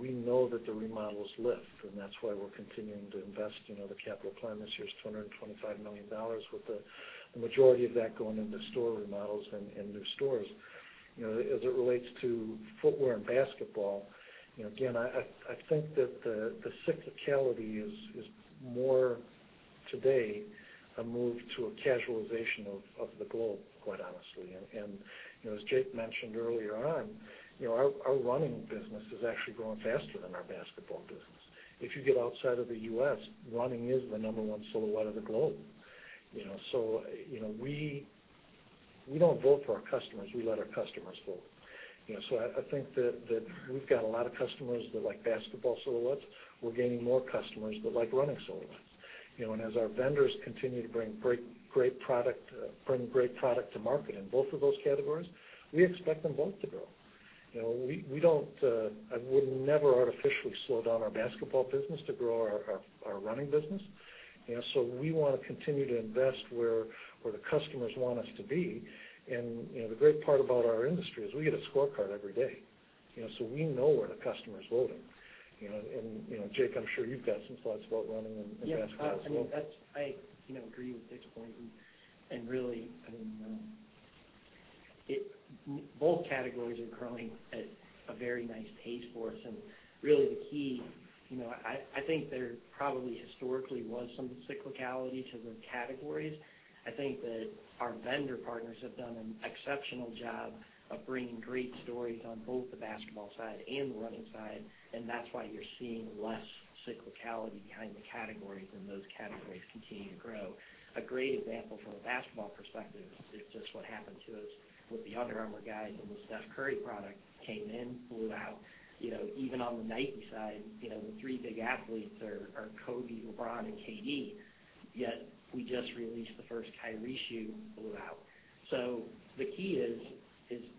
We know that the remodels lift, and that's why we're continuing to invest. The capital plan this year is $225 million, with the majority of that going into store remodels and new stores. As it relates to footwear and basketball, again, I think that the cyclicality is more today a move to a casualization of the globe, quite honestly. As Jake mentioned earlier on, our running business is actually growing faster than our basketball business. If you get outside of the U.S., running is the number one silhouette of the globe. We don't vote for our customers. We let our customers vote. I think that we've got a lot of customers that like basketball silhouettes. We're gaining more customers that like running silhouettes. As our vendors continue to bring great product to market in both of those categories, we expect them both to grow. We'll never artificially slow down our basketball business to grow our running business. We want to continue to invest where the customers want us to be, and the great part about our industry is we get a scorecard every day. We know where the customer's voting. Jake, I'm sure you've got some thoughts about running and basketball as well. Yes. I agree with Dick's point, really, both categories are growing at a very nice pace for us, really the key, I think there probably historically was some cyclicality to the categories. I think that our vendor partners have done an exceptional job of bringing great stories on both the basketball side and the running side, that's why you're seeing less cyclicality behind the categories, those categories continue to grow. A great example from a basketball perspective is just what happened to us with the Under Armour guys and the Steph Curry product, came in, blew out. Even on the Nike side, the three big athletes are Kobe, LeBron, and KD. Yet, we just released the first Kyrie shoe, blew out. The key is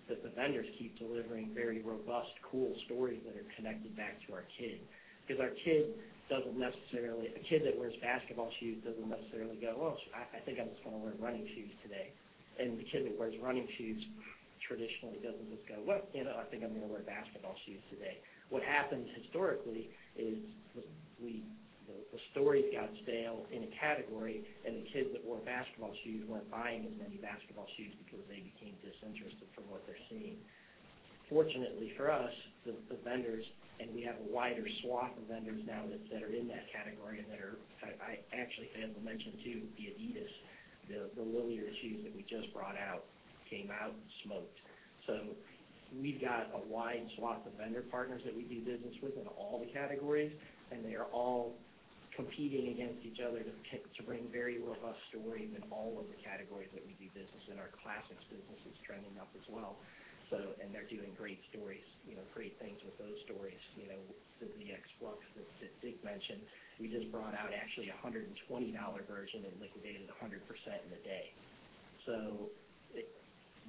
that the vendors keep delivering very robust, cool stories that are connected back to our kid, because our kid doesn't necessarily. A kid that wears basketball shoes doesn't necessarily go, "Oh, shoot, I think I'm just going to wear running shoes today." The kid that wears running shoes traditionally doesn't just go, "Well, I think I'm going to wear basketball shoes today." What happens historically is the stories got stale in a category, the kids that wore basketball shoes weren't buying as many basketball shoes because they became disinterested from what they're seeing. Fortunately for us, the vendors, we have a wider swath of vendors now that are in that category and that are. I actually failed to mention, too, the adidas, the Lillard shoes that we just brought out, came out and smoked. We've got a wide swath of vendor partners that we do business with in all the categories, and they are all competing against each other to bring very robust stories in all of the categories that we do business in. Our classics business is trending up as well, and they're doing great stories, great things with those stories. The ZX Flux that Dick mentioned, we just brought out actually a $120 version and liquidated 100% in a day.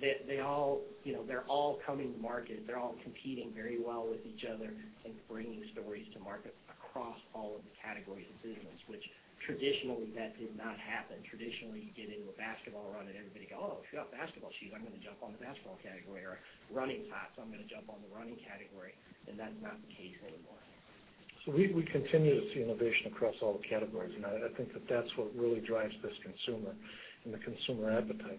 They're all coming to market. They're all competing very well with each other and bringing stories to market across all of the categories of business, which traditionally that did not happen. Traditionally, you get into a basketball run and everybody go, "Oh, she got basketball shoes. I'm going to jump on the basketball category," or, "Running's hot, so I'm going to jump on the running category." That's not the case anymore. We continue to see innovation across all the categories. I think that that's what really drives this consumer and the consumer appetite.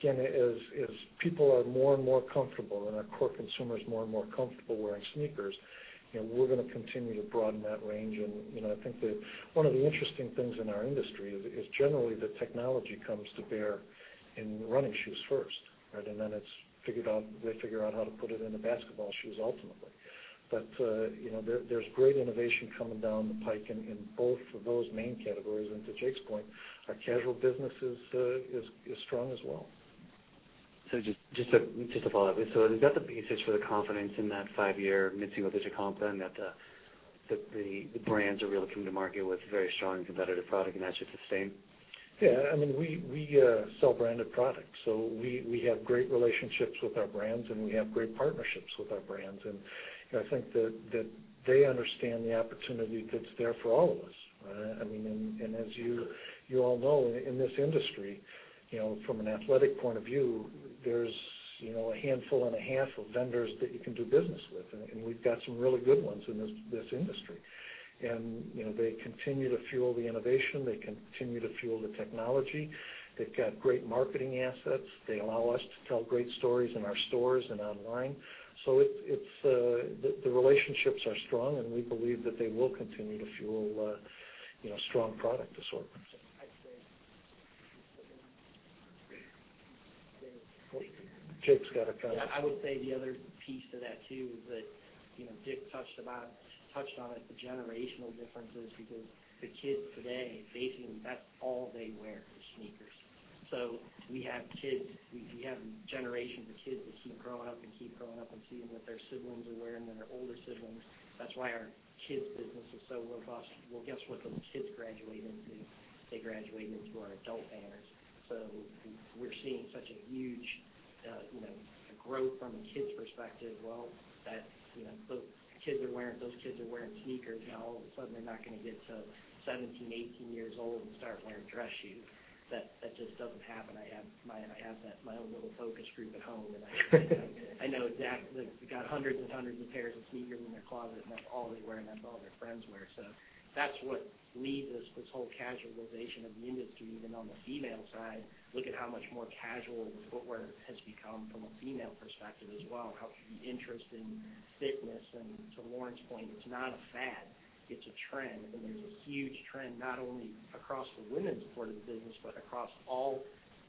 Again, as people are more and more comfortable and our core consumer is more and more comfortable wearing sneakers, we're going to continue to broaden that range. I think that one of the interesting things in our industry is generally the technology comes to bear in running shoes first, right? Then they figure out how to put it into basketball shoes ultimately. There's great innovation coming down the pike in both of those main categories. To Jake's point, our casual business is strong as well. Just to follow up. Is that the basis for the confidence in that five-year mid-single-digit comp, that the brands are really coming to market with very strong competitive product, and that should sustain? Yeah. We sell branded products, so we have great relationships with our brands, and we have great partnerships with our brands. I think that they understand the opportunity that's there for all of us, right? As you all know, in this industry, from an athletic point of view, there's a handful and a half of vendors that you can do business with. We've got some really good ones in this industry. They continue to fuel the innovation. They continue to fuel the technology. They've got great marketing assets. They allow us to tell great stories in our stores and online. The relationships are strong, and we believe that they will continue to fuel strong product assortments. I'd say. Jake's got a comment. Yeah. I would say the other piece to that too, is that Dick touched on it, the generational differences, because the kids today, basically, that's all they wear is sneakers. We have a generation of kids that keep growing up and keep growing up and seeing what their siblings are wearing, and their older siblings. That's why our kids' business is so robust. Well, guess what those kids graduate into? They graduate into our adult banners. We're seeing such a huge growth from the kids' perspective. Well, those kids are wearing sneakers, and all of a sudden, they're not going to get to 17, 18 years old and start wearing dress shoes. That just doesn't happen. I have my own little focus group at home. I know that they've got hundreds and hundreds of pairs of sneakers in their closet, and that's all they wear, and that's all their friends wear. That's what leads this whole casualization of the industry, even on the female side. Look at how much more casual the footwear has become from a female perspective as well, how the interest in fitness, and to Lauren's point, it's not a fad. It's a trend. There's a huge trend not only across the women's part of the business but across all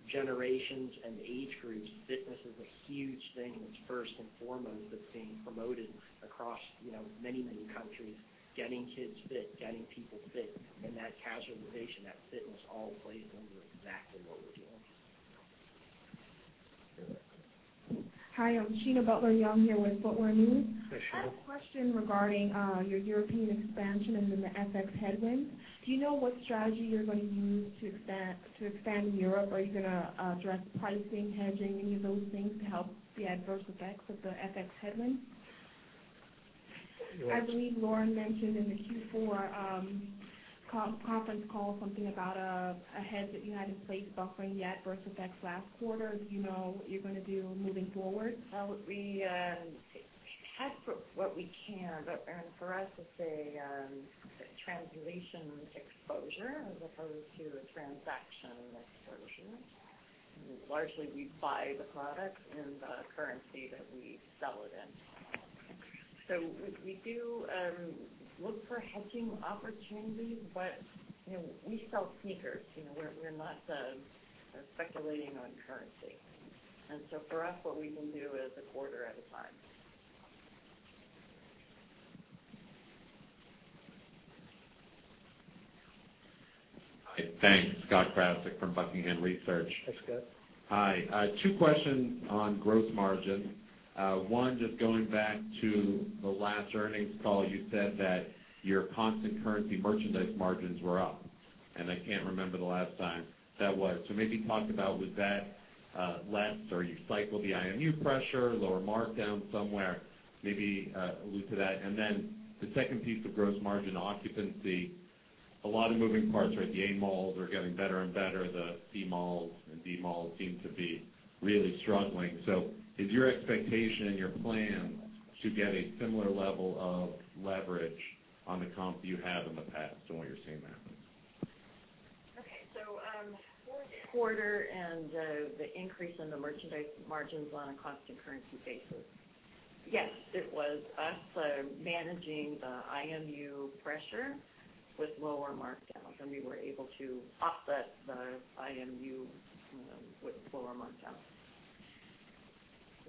generations and age groups. Fitness is a huge thing, and it's first and foremost that's being promoted across many, many countries, getting kids fit, getting people fit. That casualization, that fitness all plays into exactly what we're doing. Hi, I'm Sheena Butler-Young here with Footwear News. Hi, Sheena. I have a question regarding your European expansion and the FX headwind. Do you know what strategy you're going to use to expand in Europe? Are you going to address pricing, hedging, any of those things to help the adverse effects of the FX headwind? Lauren. I believe Lauren mentioned in the Q4 conference call something about a hedge that you had in place buffering the adverse effects last quarter. Do you know what you're going to do moving forward? We hedge what we can. For us, it's a translation exposure as opposed to a transaction exposure. Largely, we buy the product in the currency that we sell it in. We do look for hedging opportunities, but we sell sneakers. We're not speculating on currency. For us, what we can do is a quarter at a time. Hi. Thanks. Scott Krasik from Buckingham Research. Hi, Scott. Hi. Two questions on gross margin. One, just going back to the last earnings call, you said that your constant currency merchandise margins were up, and I can't remember the last time that was. Maybe talk about was that less or you cycled the IMU pressure, lower markdown somewhere, maybe allude to that. The second piece of gross margin occupancy, a lot of moving parts, right? The A malls are getting better and better. The C malls and D malls seem to be really struggling. Is your expectation and your plan to get a similar level of leverage on the comp you have in the past and what you're seeing happen? Okay. Fourth quarter and the increase in the merchandise margins on a constant currency basis. Yes, it was us managing the IMU pressure with lower markdowns, and we were able to offset the IMU with lower markdowns.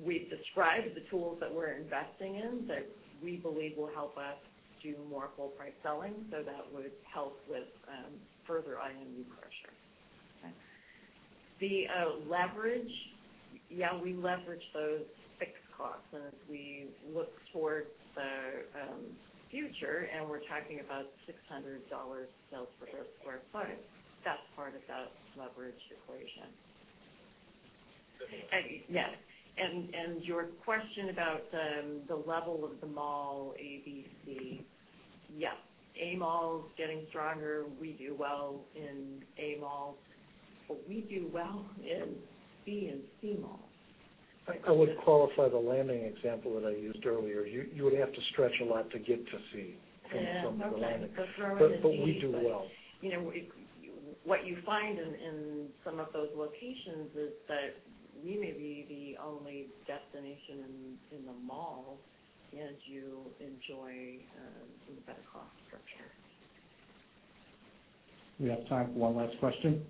We've described the tools that we're investing in that we believe will help us do more full-price selling, so that would help with further IMU pressure. Okay. The leverage, yeah, we leverage those fixed costs, and as we look towards the future and we're talking about $600 sales per square foot, that's part of that leverage equation. Okay. Yes. Your question about the level of the mall, A, B, C. Yes. A mall is getting stronger. We do well in A malls, but we do well in B and C malls. I would qualify the landing example that I used earlier. You would have to stretch a lot to get to C from some of the landings. Yeah. Okay. Throw in a D. We do well. What you find in some of those locations is that we may be the only destination in the mall, and you enjoy some of that cost structure. We have time for one last question.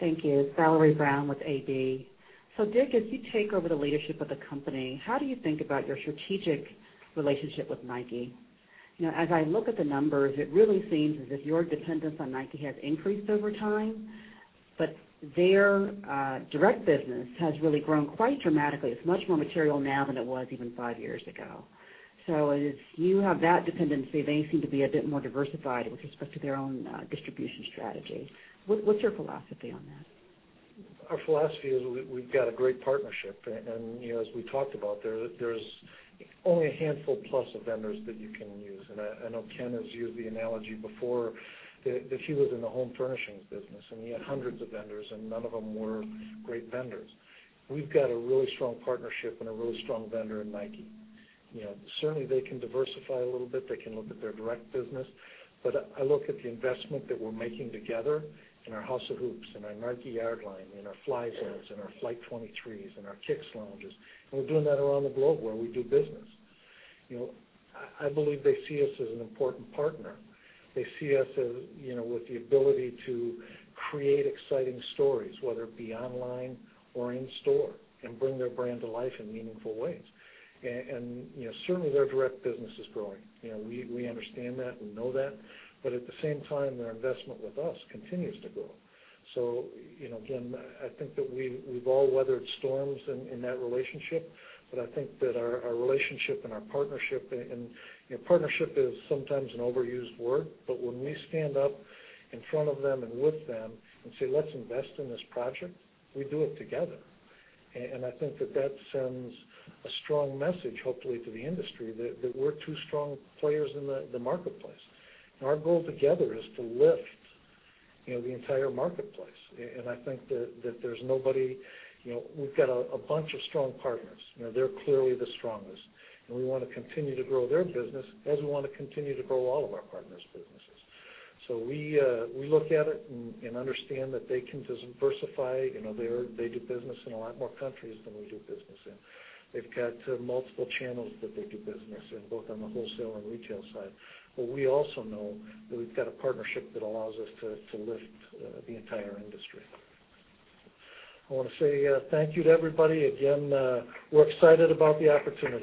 Thank you. Valerie Brown with AllianceBernstein. Dick, as you take over the leadership of the company, how do you think about your strategic relationship with Nike? As I look at the numbers, it really seems as if your dependence on Nike has increased over time, but their direct business has really grown quite dramatically. It's much more material now than it was even five years ago. As you have that dependency, they seem to be a bit more diversified with respect to their own distribution strategy. What's your philosophy on that? Our philosophy is we've got a great partnership, as we talked about, there's only a handful plus of vendors that you can use. I know Ken has used the analogy before, that he was in the home furnishings business, and he had hundreds of vendors, and none of them were great vendors. We've got a really strong partnership and a really strong vendor in Nike. Certainly, they can diversify a little bit. They can look at their direct business. I look at the investment that we're making together in our House of Hoops, in our Nike Yardline, in our Fly Zones, in our Flight 23s, in our Kicks Lounges, and we're doing that around the globe where we do business. I believe they see us as an important partner. They see us with the ability to create exciting stories, whether it be online or in-store, and bring their brand to life in meaningful ways. Certainly, their direct business is growing. We understand that. We know that. At the same time, their investment with us continues to grow. Again, I think that we've all weathered storms in that relationship, but I think that our relationship and our partnership is sometimes an overused word, but when we stand up in front of them and with them and say, "Let's invest in this project," we do it together. I think that that sends a strong message, hopefully, to the industry that we're two strong players in the marketplace. Our goal together is to lift the entire marketplace. I think that there's nobody. We've got a bunch of strong partners. They're clearly the strongest. We want to continue to grow their business as we want to continue to grow all of our partners' businesses. We look at it and understand that they can diversify. They do business in a lot more countries than we do business in. They've got multiple channels that they do business in, both on the wholesale and retail side. We also know that we've got a partnership that allows us to lift the entire industry. I want to say thank you to everybody. Again, we're excited about the opportunity.